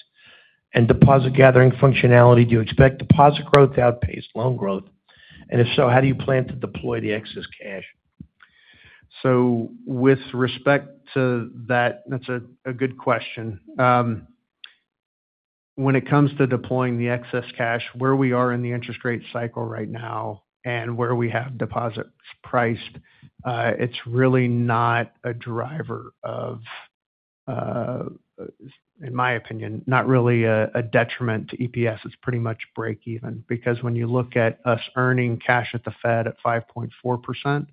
and deposit gathering functionality, do you expect deposit growth to outpace loan growth? And if so, how do you plan to deploy the excess cash? So with respect to that, that's a good question. When it comes to deploying the excess cash, where we are in the interest rate cycle right now and where we have deposits priced, it's really not a driver of, in my opinion, not really a detriment to EPS. It's pretty much break even, because when you look at us earning cash at the Fed at 5.4%,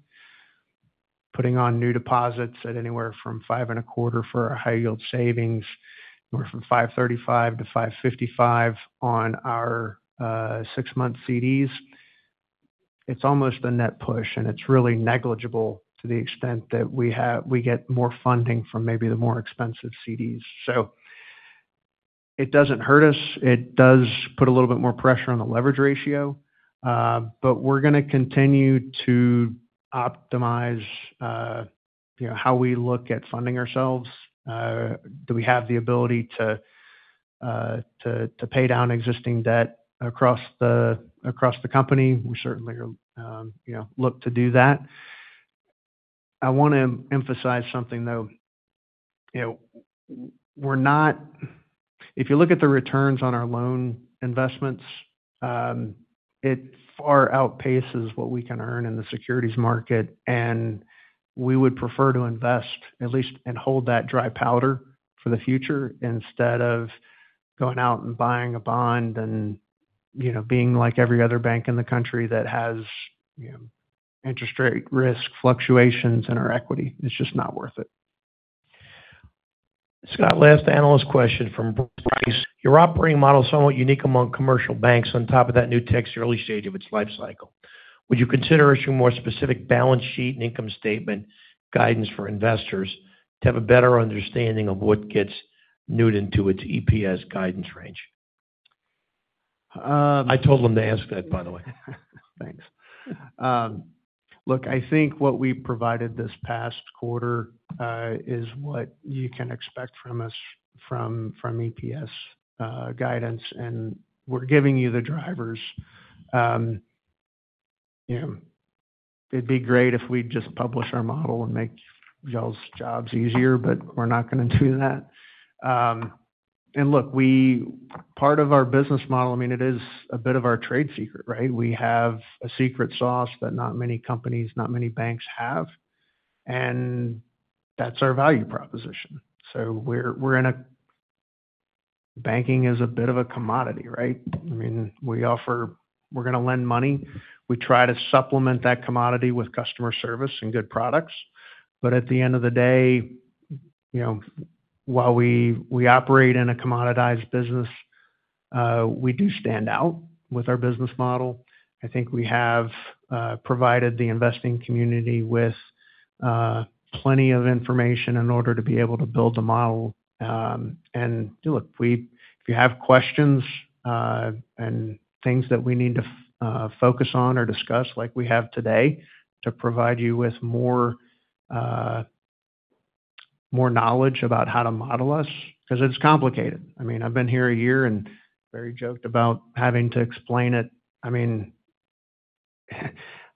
putting on new deposits at anywhere from 5.25% for our high yield savings, or from 5.35% to 5.55% on our six-month CDs, it's almost a net push, and it's really negligible to the extent that we get more funding from maybe the more expensive CDs. So it doesn't hurt us. It does put a little bit more pressure on the leverage ratio, but we're gonna continue to optimize, you know, how we look at funding ourselves. Do we have the ability to pay down existing debt across the company? We certainly are, you know, look to do that. I wanna emphasize something, though. You know, we're not... If you look at the returns on our loan investments, it far outpaces what we can earn in the securities market, and we would prefer to invest at least and hold that dry powder for the future instead of going out and buying a bond and, you know, being like every other bank in the country that has, you know, interest rate risk fluctuations in our equity. It's just not worth it. Scott, last analyst question from Bryce. Your operating model is somewhat unique among commercial banks. On top of that, NewtekOne's early stage of its lifecycle. Would you consider issuing more specific balance sheet and income statement guidance for investors to have a better understanding of what gets baked into its EPS guidance range? Um- I told them to ask that, by the way. Thanks. Look, I think what we provided this past quarter is what you can expect from us, from EPS guidance, and we're giving you the drivers. You know, it'd be great if we just publish our model and make y'all's jobs easier, but we're not gonna do that. And look, part of our business model, I mean, it is a bit of our trade secret, right? We have a secret sauce that not many companies, not many banks have, and that's our value proposition. So banking is a bit of a commodity, right? I mean, we're gonna lend money. We try to supplement that commodity with customer service and good products. But at the end of the day, you know, while we operate in a commoditized business, we do stand out with our business model. I think we have provided the investing community with plenty of information in order to be able to build a model. And look, we-- if you have questions and things that we need to focus on or discuss, like we have today, to provide you with more more knowledge about how to model us, because it's complicated. I mean, I've been here a year, and Barry joked about having to explain it. I mean,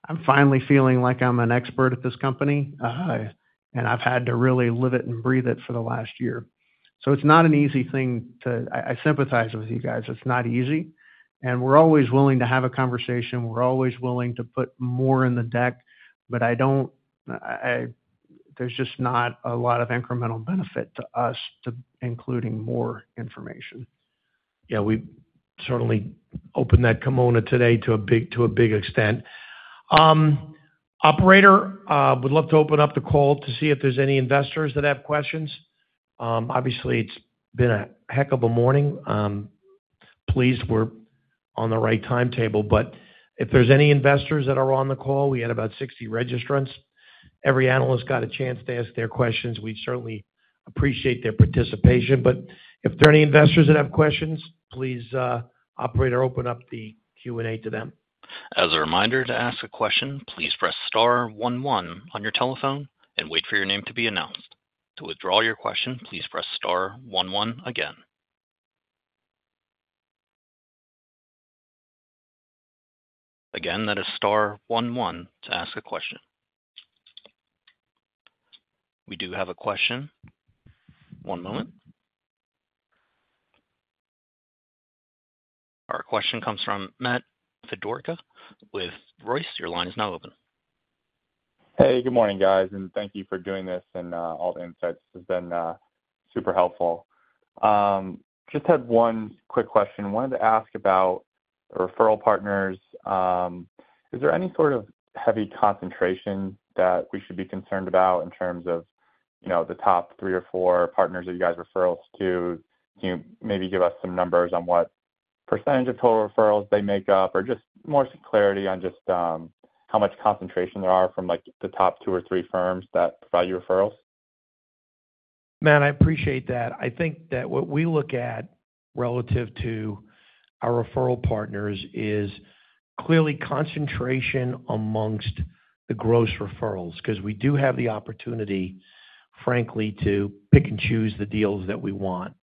I'm finally feeling like I'm an expert at this company, and I've had to really live it and breathe it for the last year. So it's not an easy thing to... I sympathize with you guys. It's not easy, and we're always willing to have a conversation. We're always willing to put more in the deck, but there's just not a lot of incremental benefit to us to including more information. Yeah, we certainly opened that kimono today to a big, to a big extent. Operator, would love to open up the call to see if there's any investors that have questions. Obviously, it's been a heck of a morning. Pleased we're on the right timetable, but if there's any investors that are on the call, we had about 60 registrants. Every analyst got a chance to ask their questions. We certainly appreciate their participation, but if there are any investors that have questions, please, operator, open up the Q&A to them. As a reminder, to ask a question, please press star one one on your telephone and wait for your name to be announced. To withdraw your question, please press star one one again. Again, that is star one one to ask a question. We do have a question. One moment. Our question comes from Matt Fedorjaka with Royce. Your line is now open. Hey, good morning, guys, and thank you for doing this and all the insights. This has been super helpful. Just had one quick question. Wanted to ask about referral partners. Is there any sort of heavy concentration that we should be concerned about in terms of, you know, the top three or four partners that you guys referrals to? Can you maybe give us some numbers on what percentage of total referrals they make up, or just more clarity on just how much concentration there are from, like, the top two or three firms that provide you referrals? Matt, I appreciate that. I think that what we look at relative to our referral partners is clearly concentration amongst the gross referrals, because we do have the opportunity, frankly, to pick and choose the deals that we want.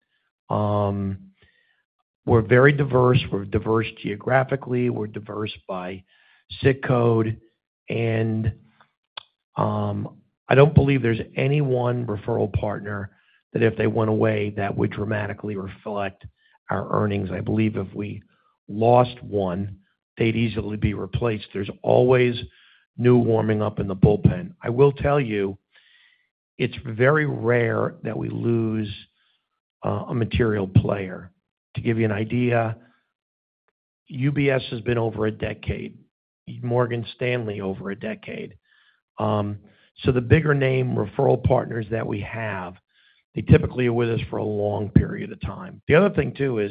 We're very diverse. We're diverse geographically, we're diverse by SIC code, and I don't believe there's any one referral partner that if they went away, that would dramatically reflect our earnings. I believe if we lost one, they'd easily be replaced. There's always new warming up in the bullpen. I will tell you, it's very rare that we lose a material player. To give you an idea, UBS has been over a decade, Morgan Stanley, over a decade. So the bigger name referral partners that we have, they typically are with us for a long period of time. The other thing, too, is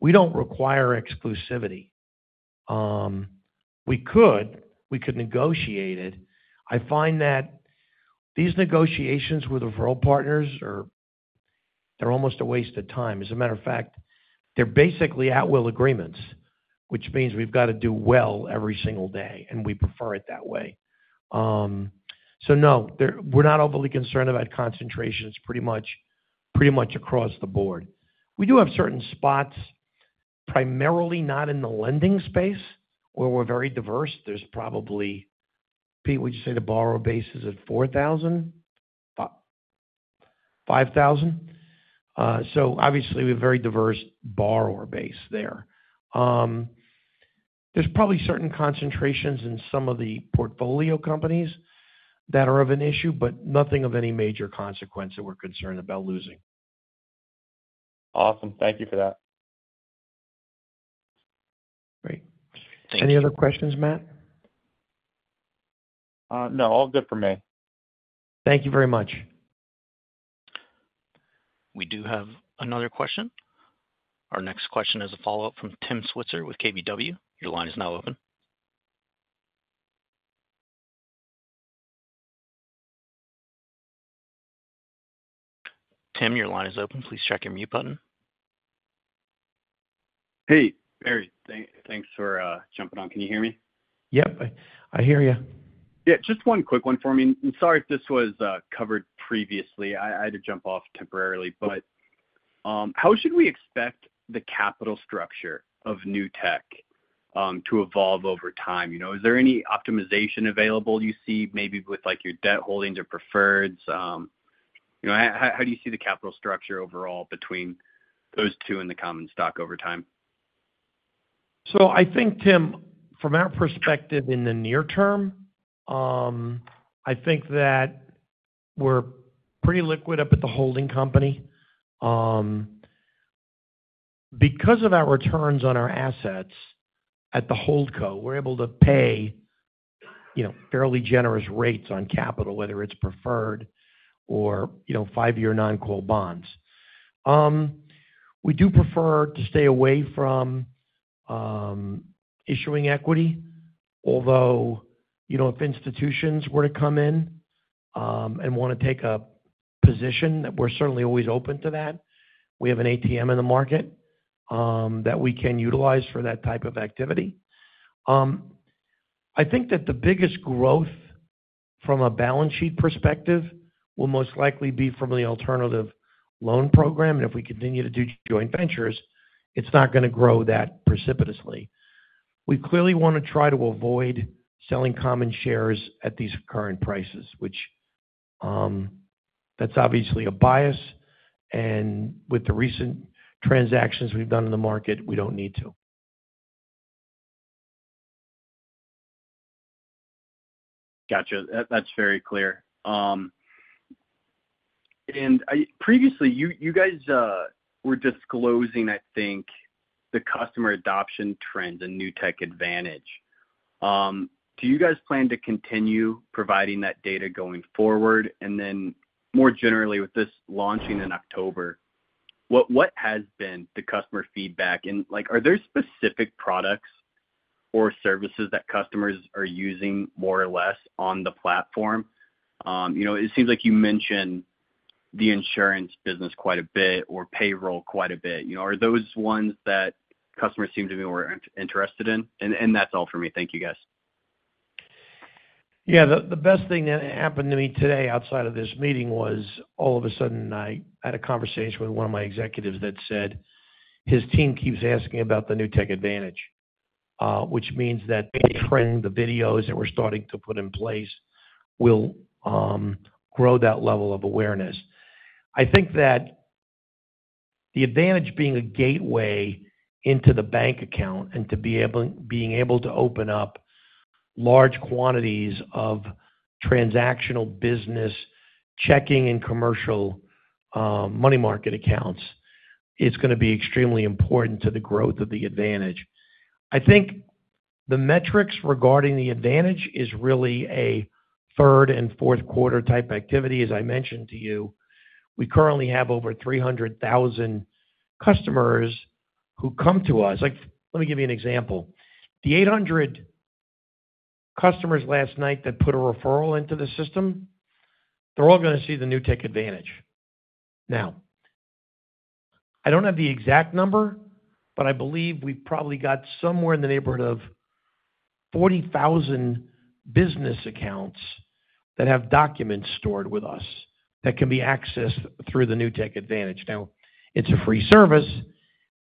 we don't require exclusivity. We could, we could negotiate it. I find that these negotiations with referral partners are, they're almost a waste of time. As a matter of fact, they're basically at-will agreements, which means we've got to do well every single day, and we prefer it that way. So no, they're, we're not overly concerned about concentration. It's pretty much, pretty much across the board. We do have certain spots, primarily not in the lending space, where we're very diverse. There's probably. Pete, would you say the borrower base is at 4,000? 5,000? So obviously, we have a very diverse borrower base there. There's probably certain concentrations in some of the portfolio companies that are of an issue, but nothing of any major consequence that we're concerned about losing. Awesome. Thank you for that. Great. Thank you. Any other questions, Matt? No, all good for me. Thank you very much. We do have another question. Our next question is a follow-up from Tim Switzer with KBW. Your line is now open. Tim, your line is open. Please check your mute button. Hey, Barry. Thanks for jumping on. Can you hear me? Yep, I hear you. Yeah, just one quick one for me. And sorry if this was covered previously. I had to jump off temporarily. But how should we expect the capital structure of Newtek to evolve over time? You know, is there any optimization available you see maybe with, like, your debt holdings or preferreds? You know, how do you see the capital structure overall between those two and the common stock over time? So I think, Tim, from our perspective in the near term, I think that we're pretty liquid up at the holding company. Because of our returns on our assets at the Holdco, we're able to pay, you know, fairly generous rates on capital, whether it's preferred or, you know, five-year non-call bonds. We do prefer to stay away from issuing equity, although, you know, if institutions were to come in and wanna take a position, that we're certainly always open to that. We have an ATM in the market that we can utilize for that type of activity. I think that the biggest growth from a balance sheet perspective will most likely be from the Alternative Loan Program. And if we continue to do joint ventures, it's not gonna grow that precipitously. We clearly wanna try to avoid selling common shares at these current prices, which, that's obviously a bias, and with the recent transactions we've done in the market, we don't need to. Gotcha. That's very clear. And previously, you guys were disclosing, I think, the customer adoption trend and Newtek Advantage. Do you guys plan to continue providing that data going forward? And then, more generally, with this launching in October, what has been the customer feedback? And, like, are there specific products or services that customers are using more or less on the platform? You know, it seems like you mentioned the insurance business quite a bit, or payroll quite a bit. You know, are those ones that customers seem to be more interested in? And that's all for me. Thank you, guys. Yeah, the best thing that happened to me today outside of this meeting was, all of a sudden, I had a conversation with one of my executives that said his team keeps asking about the Newtek Advantage, which means that the trend, the videos that we're starting to put in place will grow that level of awareness. I think that the Advantage being a gateway into the bank account and to be able, being able to open up large quantities of transactional business, checking and commercial, money market accounts, is gonna be extremely important to the growth of the Advantage. I think the metrics regarding the Advantage is really a third and fourth quarter type activity. As I mentioned to you, we currently have over 300,000 customers who come to us. Like, let me give you an example: The 800 customers last night that put a referral into the system, they're all gonna see the Newtek Advantage. Now, I don't have the exact number, but I believe we've probably got somewhere in the neighborhood of 40,000 business accounts that have documents stored with us, that can be accessed through the Newtek Advantage. Now, it's a free service.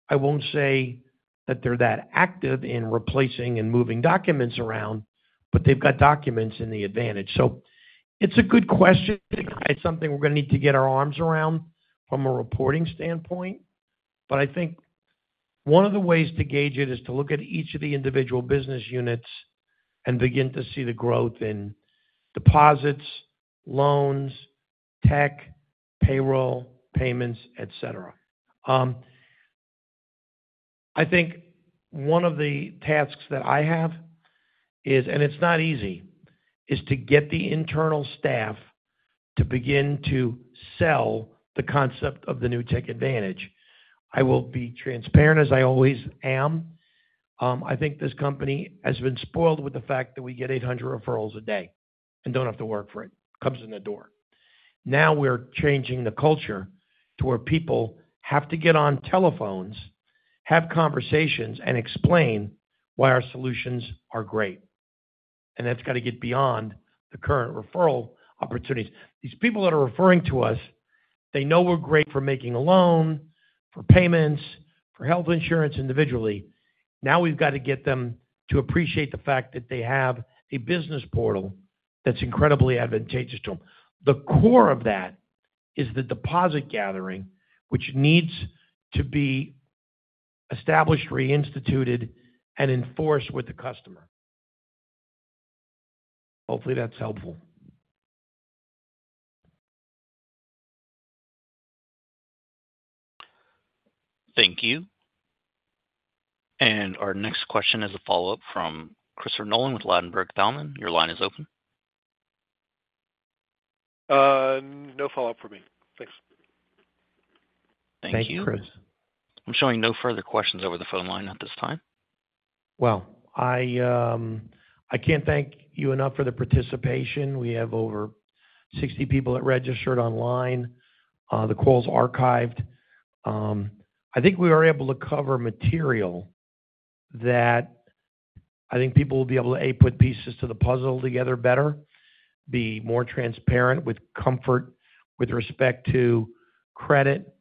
I won't say that they're that active in replacing and moving documents around, but they've got documents in the Advantage. So it's a good question. It's something we're gonna need to get our arms around from a reporting standpoint. But I think one of the ways to gauge it is to look at each of the individual business units and begin to see the growth in deposits, loans, tech, payroll, payments, et cetera. I think one of the tasks that I have is, and it's not easy, is to get the internal staff to begin to sell the concept of the Newtek Advantage. I will be transparent, as I always am. I think this company has been spoiled with the fact that we get 800 referrals a day and don't have to work for it. Comes in the door. Now, we're changing the culture to where people have to get on telephones, have conversations, and explain why our solutions are great, and that's got to get beyond the current referral opportunities. These people that are referring to us, they know we're great for making a loan, for payments, for health insurance individually. Now, we've got to get them to appreciate the fact that they have a business portal that's incredibly advantageous to them. The core of that is the deposit gathering, which needs to be established, reinstituted, and enforced with the customer. Hopefully, that's helpful. Thank you. And our next question is a follow-up from Christopher Nolan with Ladenburg Thalmann. Your line is open. No follow-up for me. Thanks. Thank you, Chris. I'm showing no further questions over the phone line at this time. Well, I, I can't thank you enough for the participation. We have over 60 people that registered online. The call is archived. I think we are able to cover material that I think people will be able to, A, put pieces to the puzzle together better, be more transparent with comfort with respect to credit.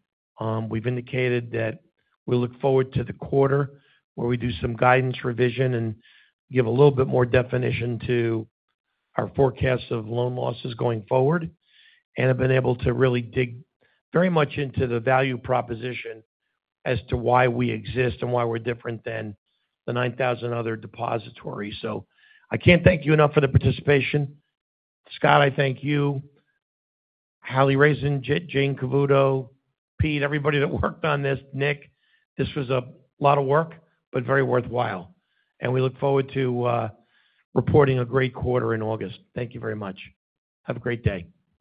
We've indicated that we look forward to the quarter, where we do some guidance revision and give a little bit more definition to our forecast of loan losses going forward, and have been able to really dig very much into the value proposition as to why we exist and why we're different than the 9,000 other depositories. So I can't thank you enough for the participation. Scott, I thank you. Hally Rasin, Jayne Cavuoto, Pete, everybody that worked on this, Nick, this was a lot of work, but very worthwhile. We look forward to reporting a great quarter in August. Thank you very much. Have a great day.